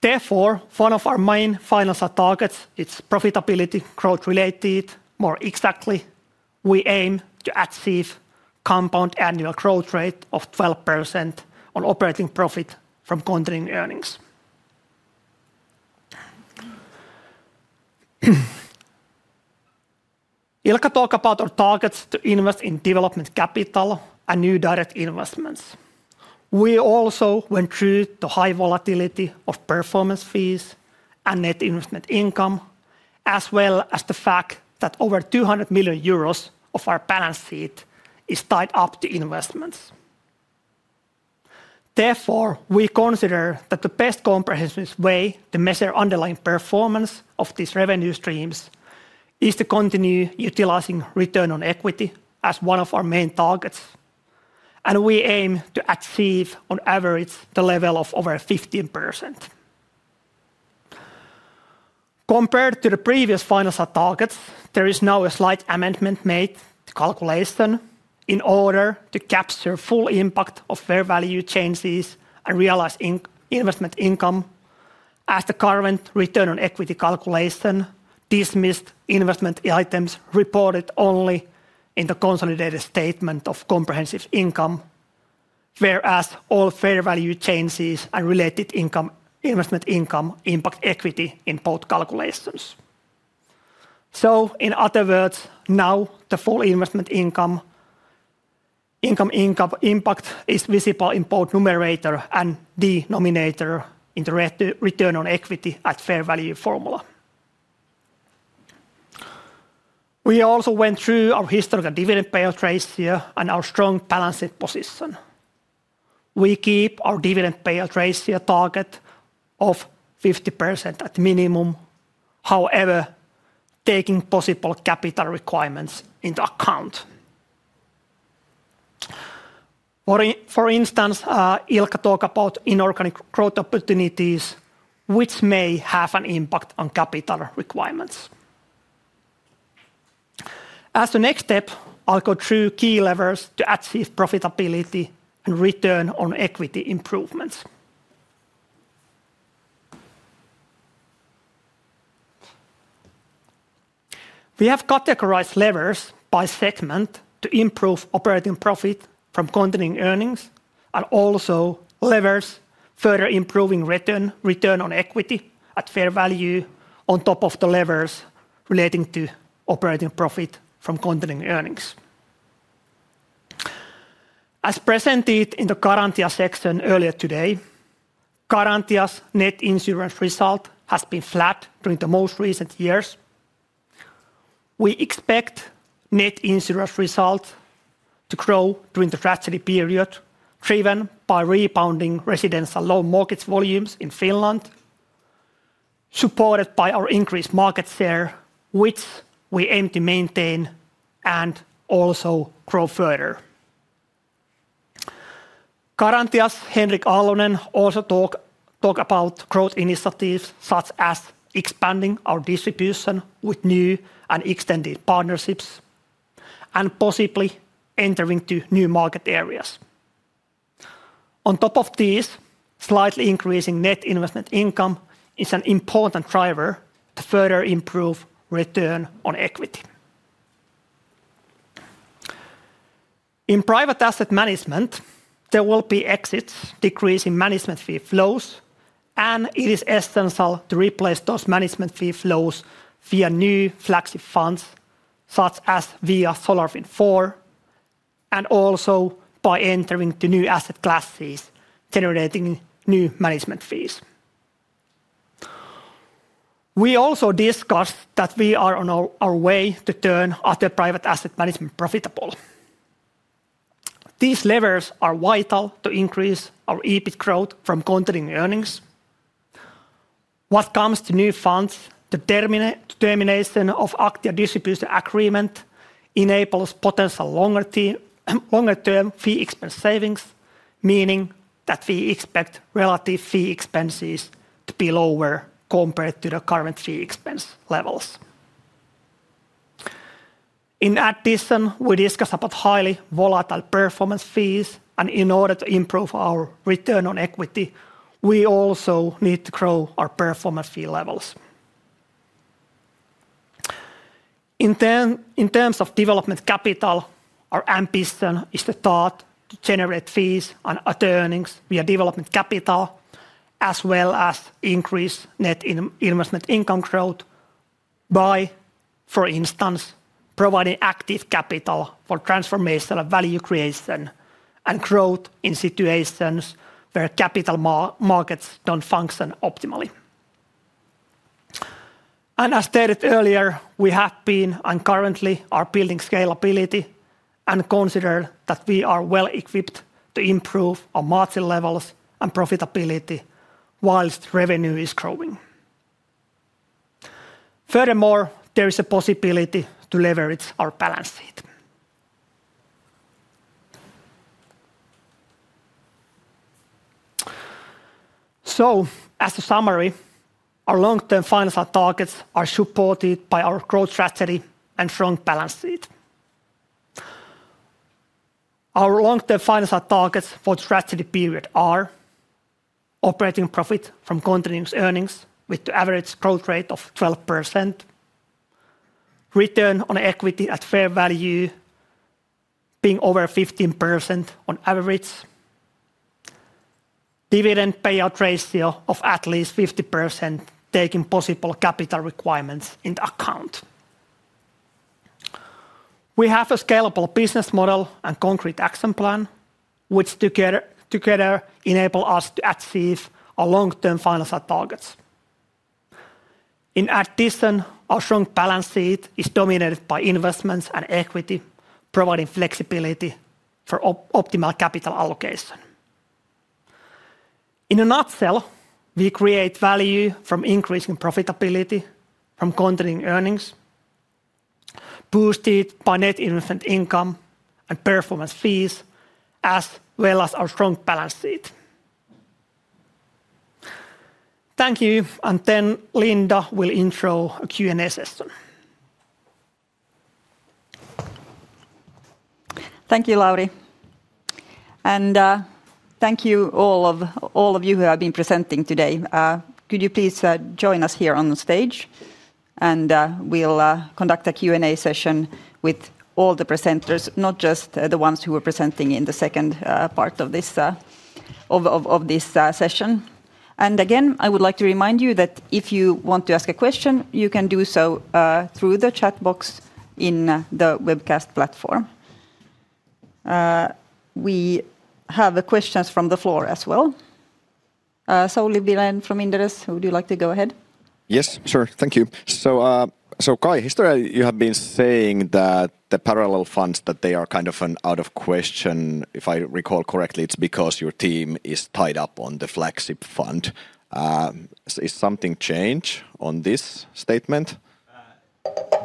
Therefore, one of our main financial targets is profitability growth related. More exactly, we aim to achieve a compound annual growth rate of 12% on operating profit from continuing earnings. Ilkka talked about our targets to invest in development capital and new direct investments. We also went through the high volatility of performance fees and net investment income, as well as the fact that over €200 million of our balance sheet is tied up to investments. Therefore, we consider that the best comprehensive way to measure underlying performance of these revenue streams is to continue utilizing return on equity as one of our main targets, and we aim to achieve on average the level of over 15%. Compared to the previous financial targets, there is now a slight amendment made to the calculation in order to capture the full impact of fair value changes and realized investment income, as the current return on equity calculation dismisses investment items reported only in the consolidated statement of comprehensive income, whereas all fair value changes and related investment income impact equity in both calculations. In other words, now the full investment income impact is visible in both numerator and denominator in the return on equity at fair value formula. We also went through our historical dividend payout ratio and our strong balance sheet position. We keep our dividend payout ratio target of 50% at a minimum, however, taking possible capital requirements into account. For instance, Ilkka talked about inorganic growth opportunities, which may have an impact on capital requirements. As the next step, I'll go through key levers to achieve profitability and return on equity improvements. We have categorized levers by segment to improve operating profit from continuing earnings and also levers further improving return on equity at fair value on top of the levers relating to operating profit from continuing earnings. As presented in the Garantia section earlier today, Garantia's net insurance result has been flat during the most recent years. We expect net insurance results to grow during the strategy period, driven by rebounding residential loan mortgage volumes in Finland, supported by our increased market share, which we aim to maintain and also grow further. Garantia's Henrik Allonen also talked about growth initiatives such as expanding our distribution with new and extended partnerships and possibly entering into new market areas. On top of this, slightly increasing net investment income is an important driver to further improve return on equity. In private asset management, there will be exits decreasing management fee flows, and it is essential to replace those management fee flows via new flexible funds such as via SolarWind IV, and also by entering into new asset classes generating new management fees. We also discussed that we are on our way to turn other private asset management profitable. These levers are vital to increase our EBIT growth from continuing earnings. When it comes to new funds, the termination of the Aktia distribution agreement enables potential longer-term fee expense savings, meaning that we expect relative fee expenses to be lower compared to the current fee expense levels. In addition, we discussed highly volatile performance fees, and in order to improve our return on equity, we also need to grow our performance fee levels. In terms of development capital, our ambition is to generate fees and other earnings via development capital, as well as increase net investment income growth by, for instance, providing active capital for transformational value creation and growth in situations where capital markets don't function optimally. As stated earlier, we have been and currently are building scalability and consider that we are well equipped to improve our margin levels and profitability whilst revenue is growing. Furthermore, there is a possibility to leverage our balance sheet. As a summary, our long-term financial targets are supported by our growth strategy and strong balance sheet. Our long-term financial targets for the strategy period are operating profit from continuing earnings with the average growth rate of 12%, return on equity at fair value being over 15% on average, and a dividend payout ratio of at least 50%, taking possible capital requirements into account. We have a scalable business model and a concrete action plan, which together enable us to achieve our long-term financial targets. In addition, our strong balance sheet is dominated by investments and equity, providing flexibility for optimal capital allocation. In a nutshell, we create value from increasing profitability from continuing earnings, boosted by net investment income and performance fees, as well as our strong balance sheet. Thank you, and then Linda will intro a Q&A session. Thank you, Lauri. Thank you all of you who have been presenting today. Could you please join us here on the stage? We'll conduct a Q&A session with all the presenters, not just the ones who were presenting in the second part of this session. Again, I would like to remind you that if you want to ask a question, you can do so through the chat box in the webcast platform. We have questions from the floor as well. Sauli Vilén from Inderes. Would you like to go ahead? Yes, sure. Thank you. Kai, you have been saying that the parallel funds, that they are kind of out of question. If I recall correctly, it's because your team is tied up on the flagship fund. Has something changed on this statement?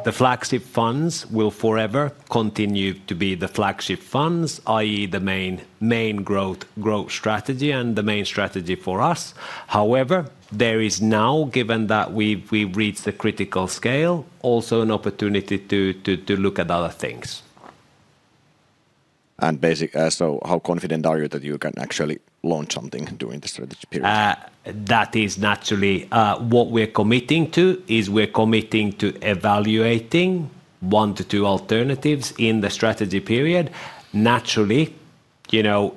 The flagship funds will forever continue to be the flagship funds, i.e., the main growth strategy and the main strategy for us. However, there is now, given that we've reached a critical scale, also an opportunity to look at other things. How confident are you that you can actually launch something during the strategy period? That is naturally what we're committing to. We're committing to evaluating one to two alternatives in the strategy period. Naturally,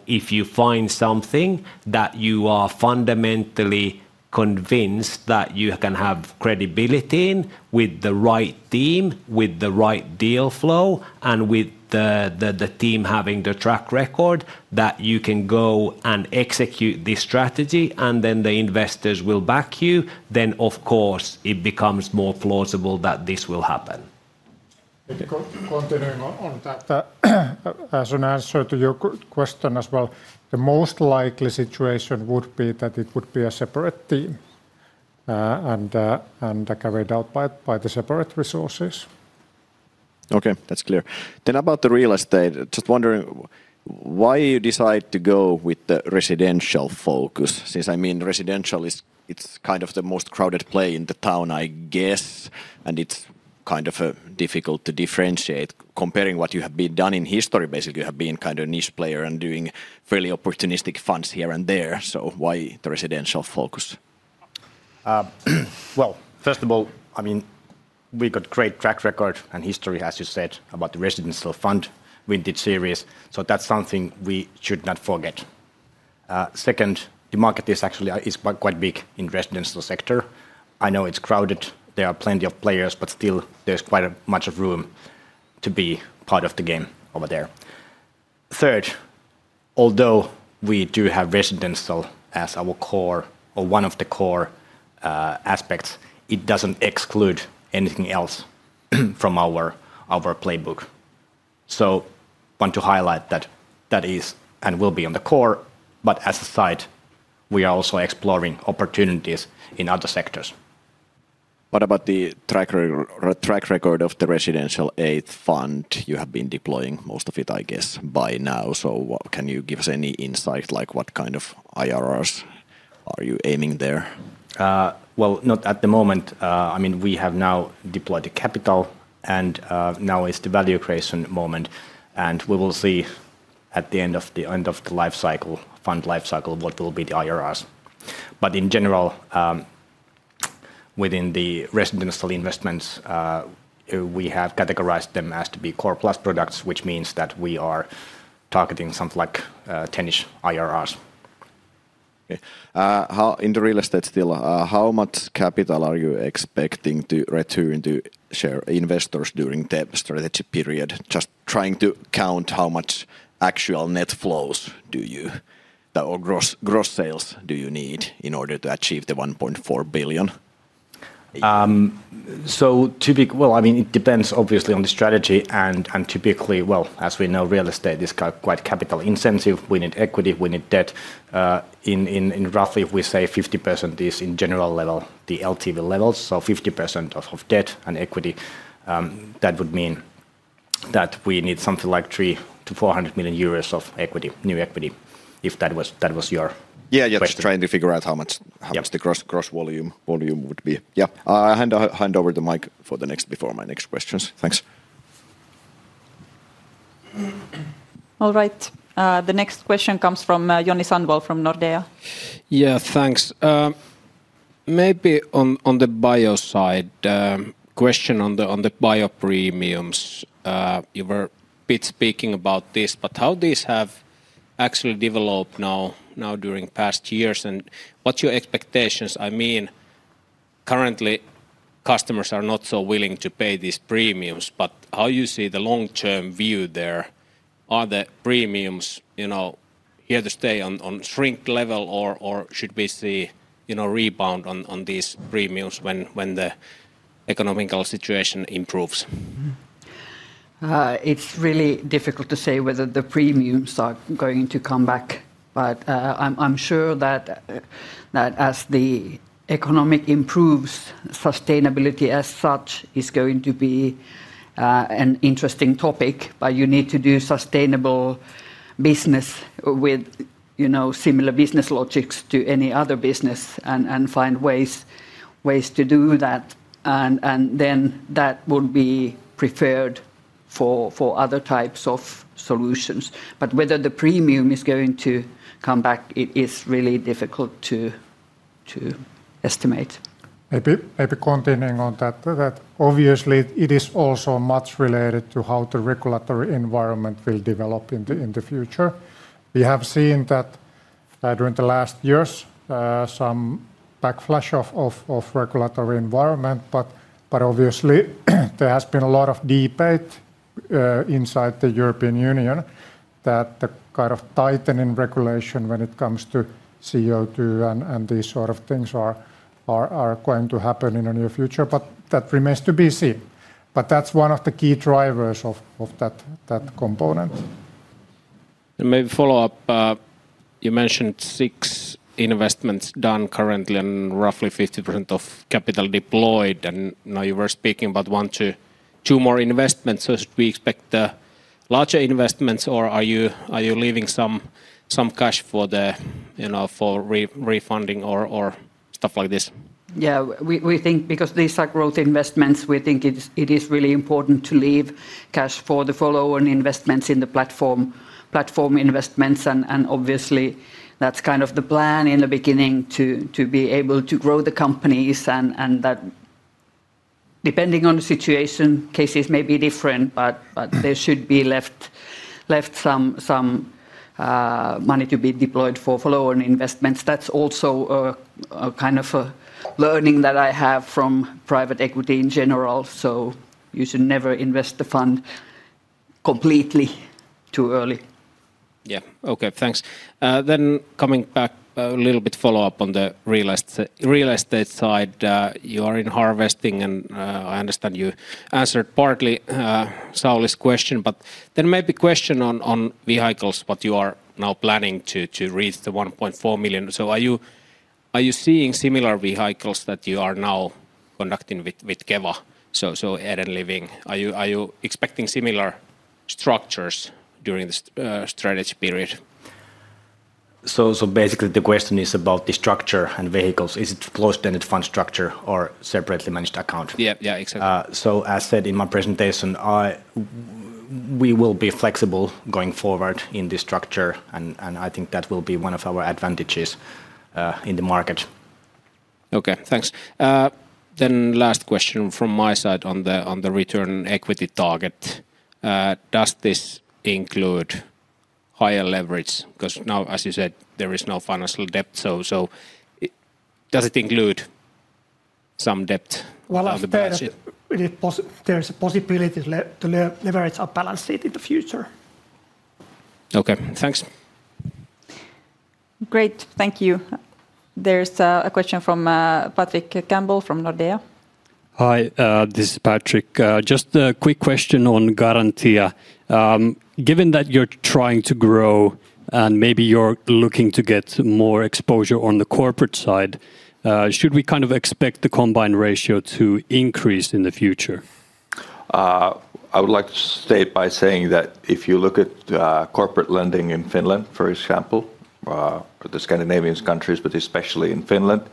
if you find something that you are fundamentally convinced that you can have credibility in with the right team, with the right deal flow, and with the team having the track record that you can go and execute this strategy, and then the investors will back you, then of course it becomes more plausible that this will happen. Continuing on that, as an answer to your question as well, the most likely situation would be that it would be a separate team and carried out by the separate resources. Okay, that's clear. About the Real Estate, just wondering why you decided to go with the residential focus, since I mean residential is kind of the most crowded play in the town, I guess, and it's kind of difficult to differentiate comparing what you have been done in history. Basically, you have been kind of a niche player and doing fairly opportunistic funds here and there. Why the residential focus? First of all, I mean, we've got a great track record and history, as you said, about the Residential Fund, [Vintage Series]. That's something we should not forget. Second, the market is actually quite big in the residential sector. I know it's crowded. There are plenty of players, but still there's quite much room to be part of the game over there. Third, although we do have residential as our core or one of the core aspects, it doesn't exclude anything else from our playbook. I want to highlight that that is and will be on the core, but as a side, we are also exploring opportunities in other sectors. What about the track record of the residential aid fund? You have been deploying most of it, I guess, by now. Can you give us any insight, like what kind of IRRs are you aiming there? At the moment, I mean, we have now deployed the capital and now it's the value creation moment. We will see at the end of the life cycle, fund life cycle, what will be the IRRs. In general, within the residential investments, we have categorized them as to be core plus products, which means that we are targeting something like 10-ish% IRRs. In the Real Estate still, how much capital are you expecting to return to share investors during the strategy period? Just trying to count how much actual net flows do you, or gross sales do you need in order to achieve the 1.4 billion? It depends obviously on the strategy. Typically, as we know, real estate is quite capital intensive. We need equity, we need debt. If we say 50% is in general level, the LTV levels, so 50% of debt and equity, that would mean that we need something like 300 million-400 million euros of equity, new equity, if that was your... Yeah, just trying to figure out how much the gross volume would be. I hand over the mic for the next before my next questions. Thanks. All right. The next question comes from Joni Sandvall from Nordea. Yeah, thanks. Maybe on the bio side, a question on the bio premiums. You were a bit speaking about this, but how these have actually developed now during past years and what's your expectations? I mean, currently, customers are not so willing to pay these premiums, but how do you see the long-term view there? Are the premiums, you know, here to stay on shrink level or should we see, you know, rebound on these premiums when the economical situation improves? It's really difficult to say whether the premiums are going to come back, but I'm sure that as the economy improves, sustainability as such is going to be an interesting topic. You need to do sustainable business with similar business logics to any other business and find ways to do that. That would be preferred for other types of solutions. Whether the premium is going to come back, it is really difficult to estimate. I'll be continuing on that. Obviously, it is also much related to how the regulatory environment will develop in the future. We have seen that during the last years, some backlash of the regulatory environment, but obviously, there has been a lot of debate inside the European Union that the kind of tightening regulation when it comes to CO2 and these sort of things are going to happen in the near future. That remains to be seen. That's one of the key drivers of that component. Maybe a follow-up. You mentioned six investments done currently and roughly 50% of capital deployed. Now you were speaking about one to two more investments. Should we expect larger investments, or are you leaving some cash for, you know, for refunding or stuff like this? We think because these are growth investments, we think it is really important to leave cash for the follow-on investments in the platform investments. Obviously, that's kind of the plan in the beginning to be able to grow the companies. Depending on the situation, cases may be different, but there should be left some money to be deployed for follow-on investments. That's also a kind of learning that I have from private equity in general. You should never invest the fund completely too early. Okay, thanks. Coming back a little bit, follow up on the real estate side. You are in harvesting and I understand you answered partly Sauli's question, but maybe a question on vehicles, what you are now planning to reach the 1.4 million. Are you seeing similar vehicles that you are now conducting with Keva? Eden Living, are you expecting similar structures during the strategy period? The question is about the structure and vehicles. Is it a closed-ended fund structure or separately managed account? Yeah, yeah, exactly. As said in my presentation, we will be flexible going forward in this structure, and I think that will be one of our advantages in the market. Okay, thanks. Last question from my side on the return on equity target. Does this include higher leverage? Because now, as you said, there is no financial debt. Does it include some debt? As I said, there is a possibility to leverage a balance sheet in the future. Okay, thanks. Great, thank you. There's a question from Patrick Campbell from Nordea. Hi, this is Patrick. Just a quick question on Garantia. Given that you're trying to grow and maybe you're looking to get more exposure on the corporate side, should we kind of expect the combined ratio to increase in the future? I would like to state by saying that if you look at corporate lending in Finland, for example, the Scandinavian countries, but especially in Finland,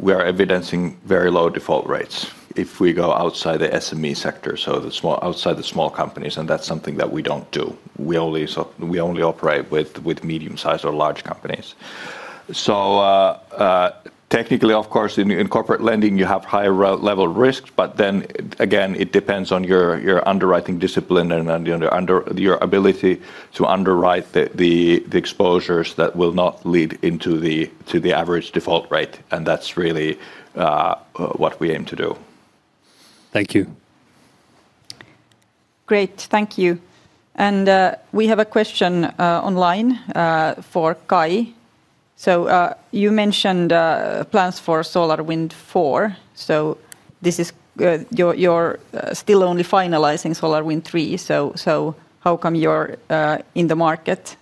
we are evidencing very low default rates if we go outside the SME sector, so outside the small companies, and that's something that we don't do. We only operate with medium-sized or large companies. Technically, of course, in corporate lending, you have higher level risks, but then again, it depends on your underwriting discipline and your ability to underwrite the exposures that will not lead to the average default rate, and that's really what we aim to do. Thank you. Great, thank you. We have a question online for Kai. You mentioned plans for SolarWind IV. This is you're still only finalizing SolarWind III. How come you're in the market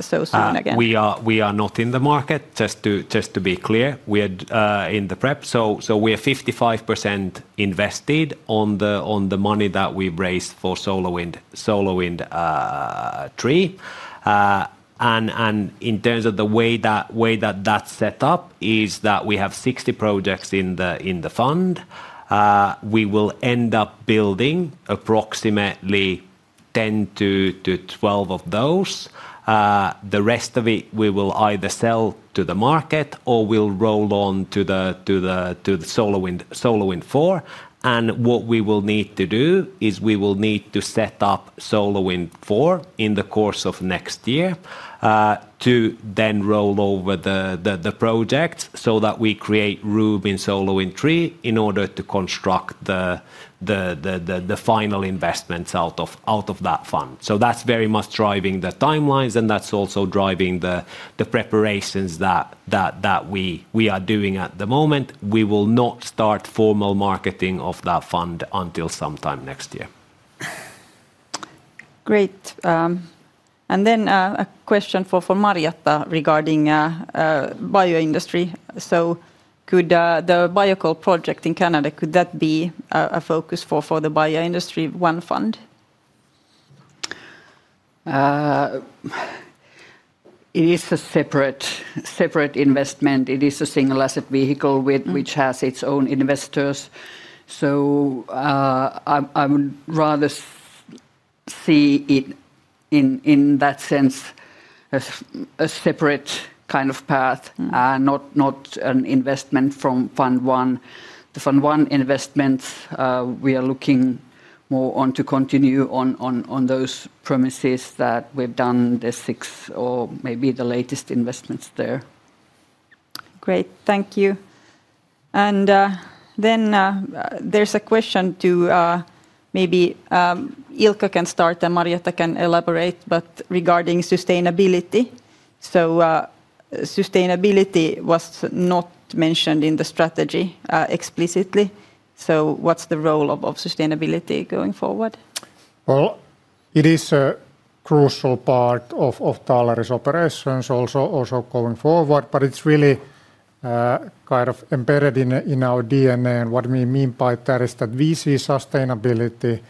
so soon again? We are not in the market, just to be clear. We are in the prep. We are 55% invested on the money that we raised for SolarWind III. In terms of the way that that's set up, we have 60 projects in the fund. We will end up building approximately 10-12 of those. The rest of it, we will either sell to the market or we'll roll on to the SolarWind IV. What we will need to do is we will need to set up SolarWind IV in the course of next year to then roll over the projects so that we create room in SolarWind III in order to construct the final investments out of that fund. That is very much driving the timelines and that is also driving the preparations that we are doing at the moment. We will not start formal marketing of that fund until sometime next year. Great. A question for Marjatta regarding Bioindustry. Could the biocoal project in Canada, could that be a focus for the Bioindustry Fund I? It is a separate investment. It is a single asset vehicle, which has its own investors. I would rather see it in that sense as a separate kind of path and not an investment from fund one. The fund one investments, we are looking more to continue on those premises that we've done the six or maybe the latest investments there. Great, thank you. There's a question to maybe Ilkka can start and Marjatta can elaborate, regarding sustainability. Sustainability was not mentioned in the strategy explicitly. What's the role of sustainability going forward? It is a crucial part of Taaleri's operations also going forward, but it's really kind of embedded in our DNA. What we mean by that is that we see sustainability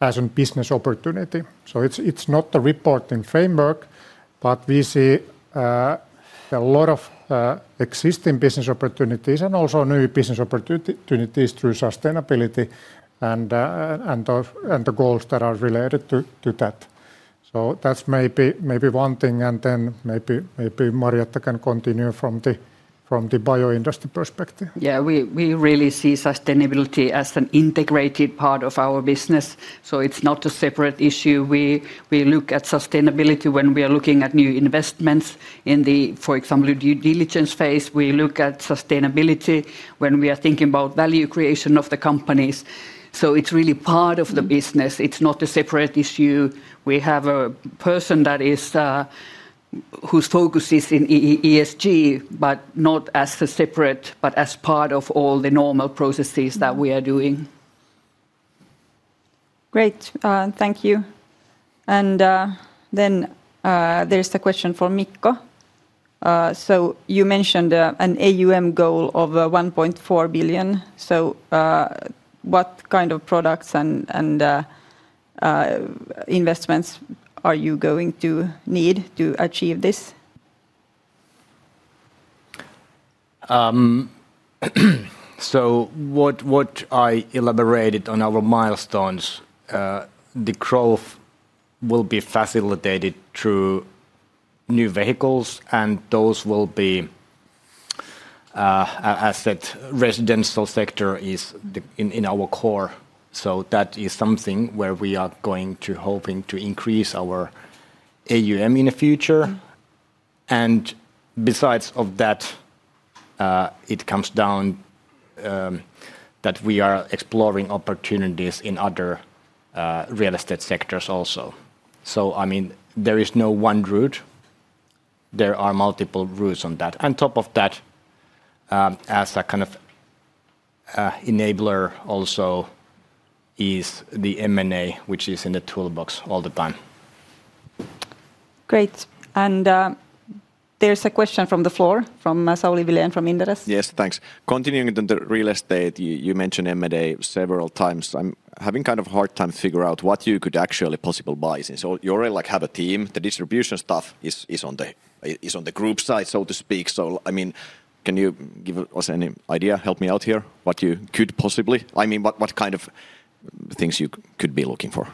as a business opportunity. It's not a reporting framework, but we see a lot of existing business opportunities and also new business opportunities through sustainability and the goals that are related to that. That's maybe one thing, and then maybe Marjatta can continue from the bioindustry perspective. Yeah, we really see sustainability as an integrated part of our business. It's not a separate issue. We look at sustainability when we are looking at new investments in the, for example, due diligence phase. We look at sustainability when we are thinking about value creation of the companies. It's really part of the business. It's not a separate issue. We have a person whose focus is in ESG, but not as a separate, but as part of all the normal processes that we are doing. Great, thank you. There's a question for Mikko. You mentioned an AUM goal of 1.4 billion. What kind of products and investments are you going to need to achieve this? What I elaborated on our milestones, the growth will be facilitated through new vehicles, and those will be, as I said, the residential sector is in our core. That is something where we are going to hope to increase our AUM in the future. Besides that, it comes down to that we are exploring opportunities in other real estate sectors also. There is no one route. There are multiple routes on that. On top of that, as a kind of enabler also is the M&A, which is in the toolbox all the time. Great. There is a question from the floor from Sauli Vilén from Inderes. Yes, thanks. Continuing on the Real Estate, you mentioned M&A several times. I'm having a hard time to figure out what you could actually possibly buy since you already have a team. The distribution stuff is on the group side, so to speak. I mean, can you give us any idea? Help me out here. What you could possibly, I mean, what kind of things you could be looking for?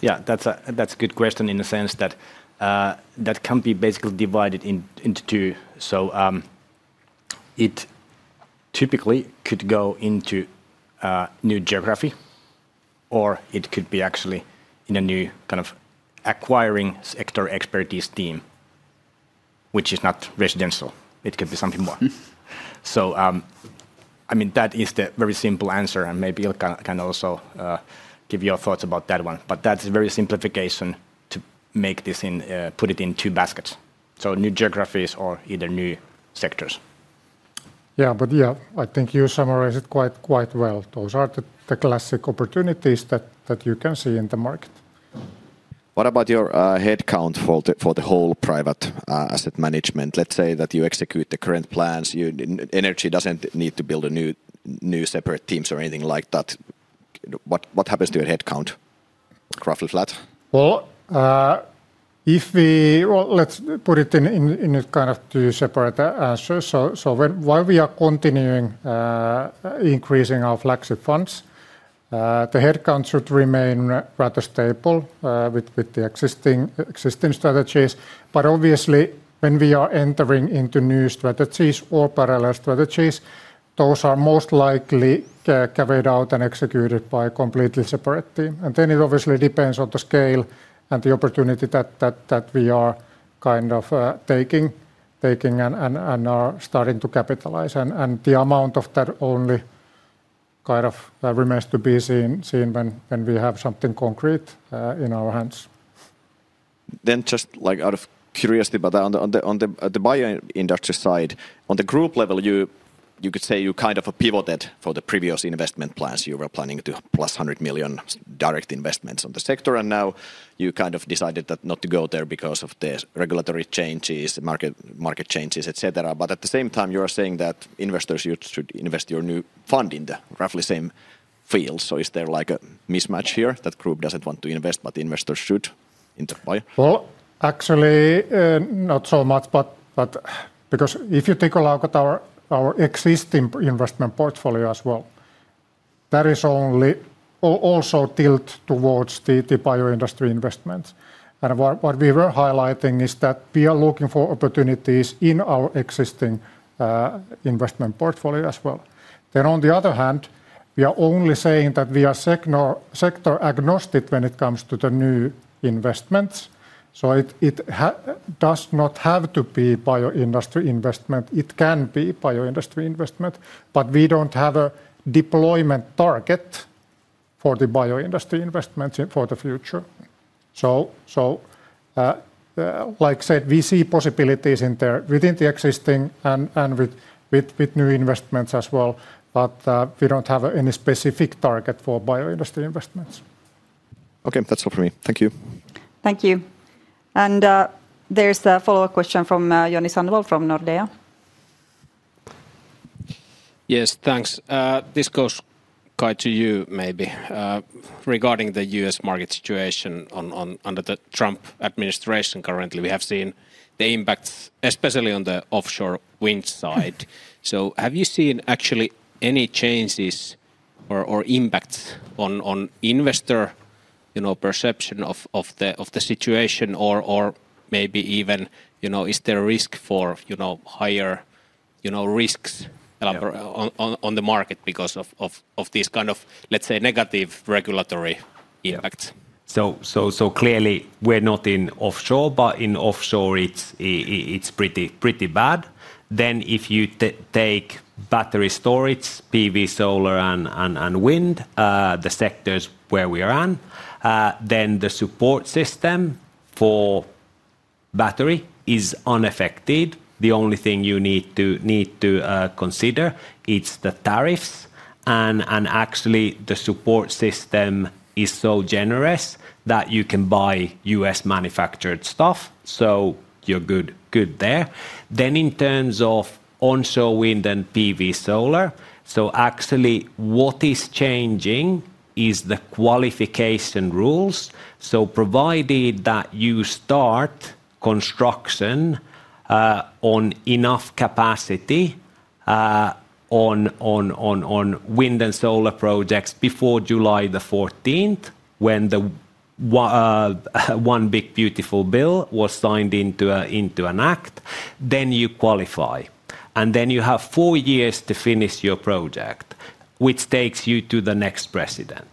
Yeah, that's a good question in the sense that that can be basically divided into two. It typically could go into a new geography, or it could be actually in a new kind of acquiring sector expertise team, which is not residential. It could be something more. That is the very simple answer, and maybe I can also give you your thoughts about that one. That's a very simple explanation to make this in, put it in two baskets: new geographies or either new sectors. Yeah, I think you summarized it quite well. Those are the classic opportunities that you can see in the market. What about your headcount for the whole private asset management? Let's say that you execute the current plans. Energia doesn't need to build new separate teams or anything like that. What happens to your headcount? Roughly flat? Let's put it in a kind of two separate answers. While we are continuing increasing our flagship funds, the headcount should remain rather stable with the existing strategies. Obviously, when we are entering into new strategies or parallel strategies, those are most likely carried out and executed by a completely separate team. It obviously depends on the scale and the opportunity that we are kind of taking and are starting to capitalize. The amount of that only kind of remains to be seen when we have something concrete in our hands. Just out of curiosity, on the bioindustry side, at the group level, you could say you kind of pivoted from the previous investment plans. You were planning to +100 million direct investments on the sector, and now you kind of decided not to go there because of the regulatory changes, market changes, etc. At the same time, you are saying that investors should invest in your new fund in the roughly same field. Is there a mismatch here that the group doesn't want to invest, but investors should in the bio? Actually, not so much, because if you take a look at our existing investment portfolio as well, that is also only tilted towards the Bioindustry investments. What we were highlighting is that we are looking for opportunities in our existing investment portfolio as well. On the other hand, we are only saying that we are sector agnostic when it comes to the new investments. It does not have to be Bioindustry investment. It can be Bioindustry investment, but we don't have a deployment target for the Bioindustry investments for the future. Like I said, we see possibilities in there within the existing and with new investments as well, but we don't have any specific target for Bioindustry investments. Okay, that's all for me. Thank you. Thank you. There's a follow-up question from Joni Sandvall from Nordea. Yes, thanks. This goes, Kai, to you maybe. Regarding the U.S. market situation under the Trump administration, currently we have seen the impacts, especially on the offshore wind side. Have you seen actually any changes or impacts on investor perception of the situation or maybe even, you know, is there a risk for, you know, higher, you know, risks on the market because of these kind of, let's say, negative regulatory impacts? Clearly, we're not in offshore, but in offshore, it's pretty bad. If you take battery storage, PV solar, and wind, the sectors where we are in, the support system for battery is unaffected. The only thing you need to consider is the tariffs, and actually, the support system is so generous that you can buy U.S. manufactured stuff, so you're good there. In terms of onshore wind and PV solar, what is changing is the qualification rules. Provided that you start construction on enough capacity on wind and solar projects before July the 14th, when the One Big Beautiful Bill was signed into an act, you qualify. You have four years to finish your project, which takes you to the next president.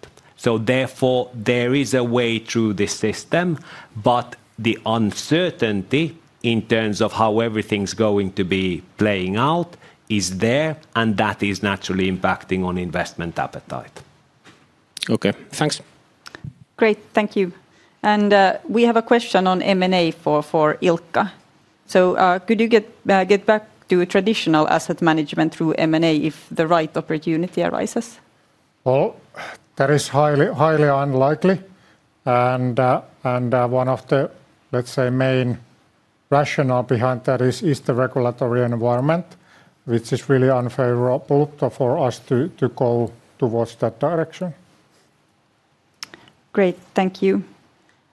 Therefore, there is a way through the system, but the uncertainty in terms of how everything's going to be playing out is there, and that is naturally impacting on investment appetite. Okay, thanks. Great, thank you. We have a question on M&A for Ilkka. Could you get back to traditional asset management through M&A if the right opportunity arises? That is highly unlikely. One of the main rationales behind that is the regulatory environment, which is really unfavorable for us to go towards that direction. Great, thank you.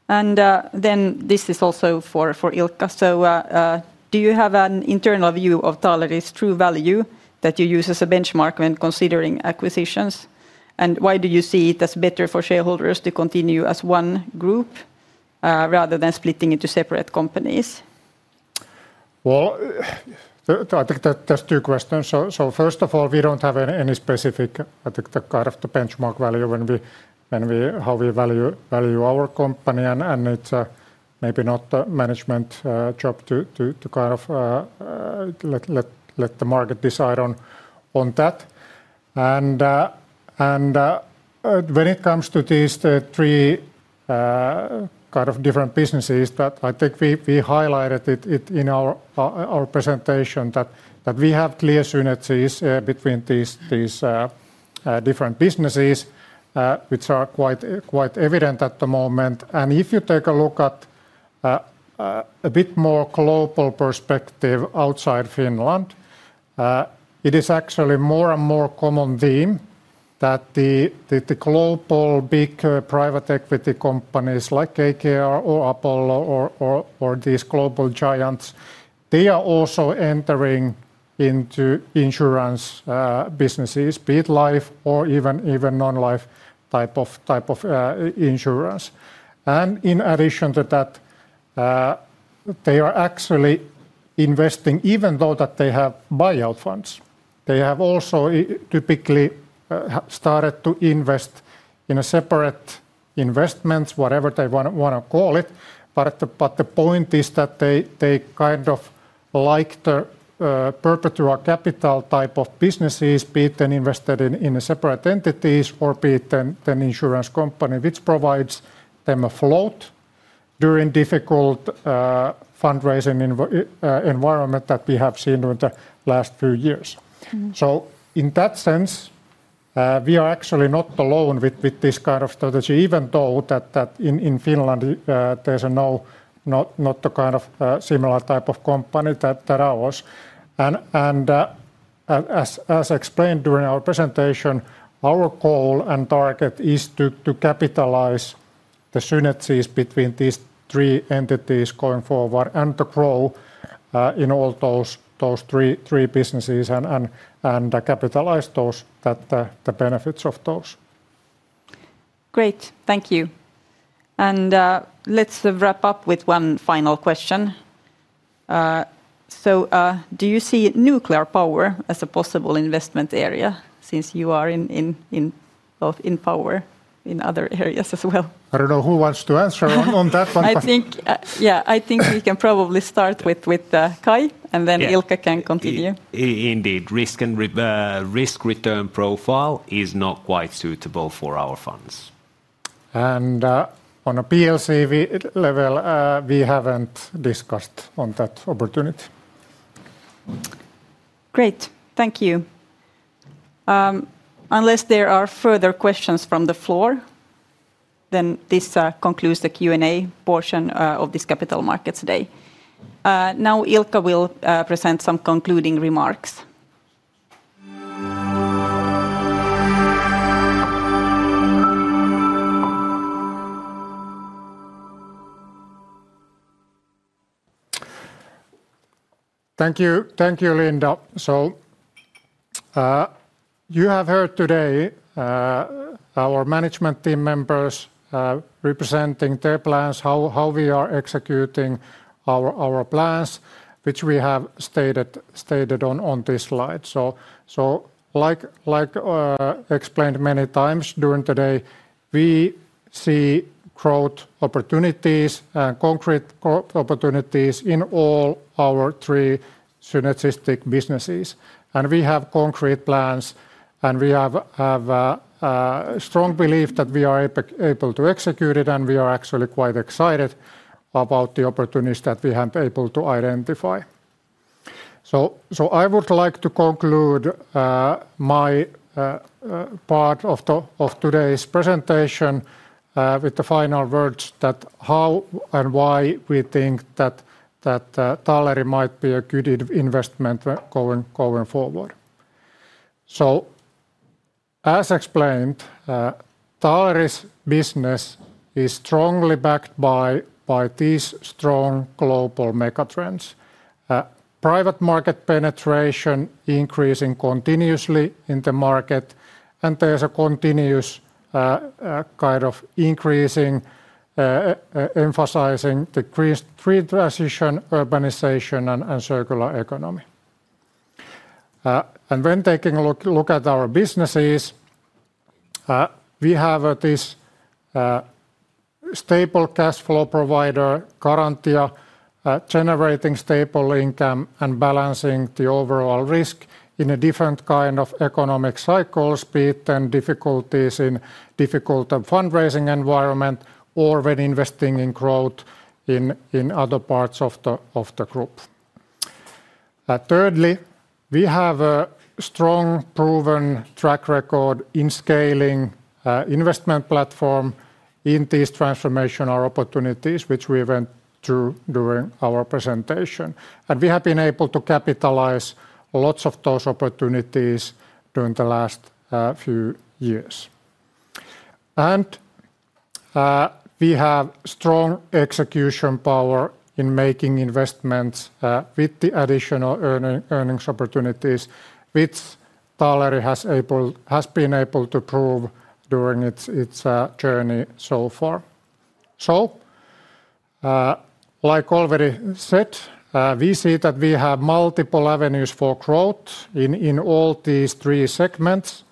This is also for Ilkka. Do you have an internal view of Taaleri's true value that you use as a benchmark when considering acquisitions? Why do you see it as better for shareholders to continue as one group rather than splitting into separate companies? I think there's two questions. First of all, we don't have any specific, I think, kind of the benchmark value when we, how we value our company, and it's maybe not the management job to kind of let the market decide on that. When it comes to these three kind of different businesses that I think we highlighted in our presentation, we have clear synergies between these different businesses, which are quite evident at the moment. If you take a look at a bit more global perspective outside Finland, it is actually a more and more common theme that the global big private equity companies like KKR or Apollo or these global giants, they are also entering into insurance businesses, be it life or even non-life type of insurance. In addition to that, they are actually investing, even though they have buyout funds. They have also typically started to invest in a separate investment, whatever they want to call it. The point is that they kind of like the perpetual capital type of businesses, be it then invested in separate entities or be it an insurance company which provides them a float during a difficult fundraising environment that we have seen during the last few years. In that sense, we are actually not alone with this kind of strategy, even though in Finland there's no kind of similar type of company as ours. As explained during our presentation, our goal and target is to capitalize the synergies between these three entities going forward and to grow in all those three businesses and capitalize the benefits of those. Great, thank you. Let's wrap up with one final question. Do you see nuclear power as a possible investment area since you are in power in other areas as well? I don't know who wants to answer on that one. Yeah, I think we can probably start with Kai, and then Ilkka can continue. Indeed, risk and risk return profile is not quite suitable for our funds. At a [PLC] level, we haven't discussed that opportunity. Great, thank you. Unless there are further questions from the floor, this concludes the Q&A portion of this capital markets day. Now, Ilkka will present some concluding remarks. Thank you, thank you, Linda. You have heard today our management team members representing their plans, how we are executing our plans, which we have stated on this slide. Like explained many times during the day, we see growth opportunities and concrete growth opportunities in all our three synergistic businesses. We have concrete plans, and we have a strong belief that we are able to execute it, and we are actually quite excited about the opportunities that we have been able to identify. I would like to conclude my part of today's presentation with the final words that how and why we think that Taaleri might be a good investment going forward. As explained, Taaleri's business is strongly backed by these strong global megatrends. Private market penetration is increasing continuously in the market, and there's a continuous kind of increasing emphasizing the green transition, urbanization, and circular economy. When taking a look at our businesses, we have this stable cash flow provider, Garantia, generating stable income and balancing the overall risk in a different kind of economic cycle, be it then difficulties in a difficult fundraising environment or when investing in growth in other parts of the group. Thirdly, we have a strong proven track record in scaling an investment platform in these transformational opportunities, which we went through during our presentation. We have been able to capitalize on lots of those opportunities during the last few years. We have strong execution power in making investments with the additional earnings opportunities, which Taaleri has been able to prove during its journey so far. Like already said, we see that we have multiple avenues for growth in all these three segments.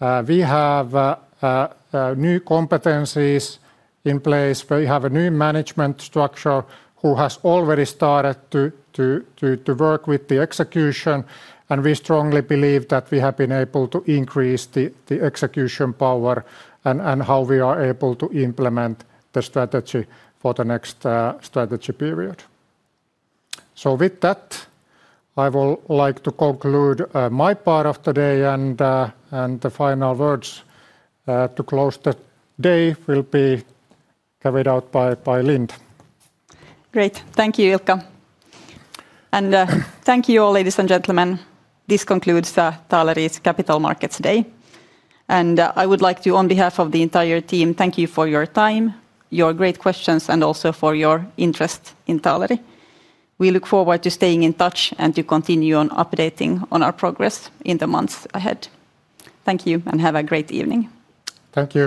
We have new competencies in place. We have a new management structure who has already started to work with the execution, and we strongly believe that we have been able to increase the execution power and how we are able to implement the strategy for the next strategy period. With that, I would like to conclude my part of today, and the final words to close the day will be carried out by Linda. Great, thank you, Ilkka. Thank you, all ladies and gentlemen. This concludes Taaleri's Capital Markets Day. I would like to, on behalf of the entire team, thank you for your time, your great questions, and also for your interest in Taaleri. We look forward to staying in touch and to continue updating on our progress in the months ahead. Thank you and have a great evening. Thank you.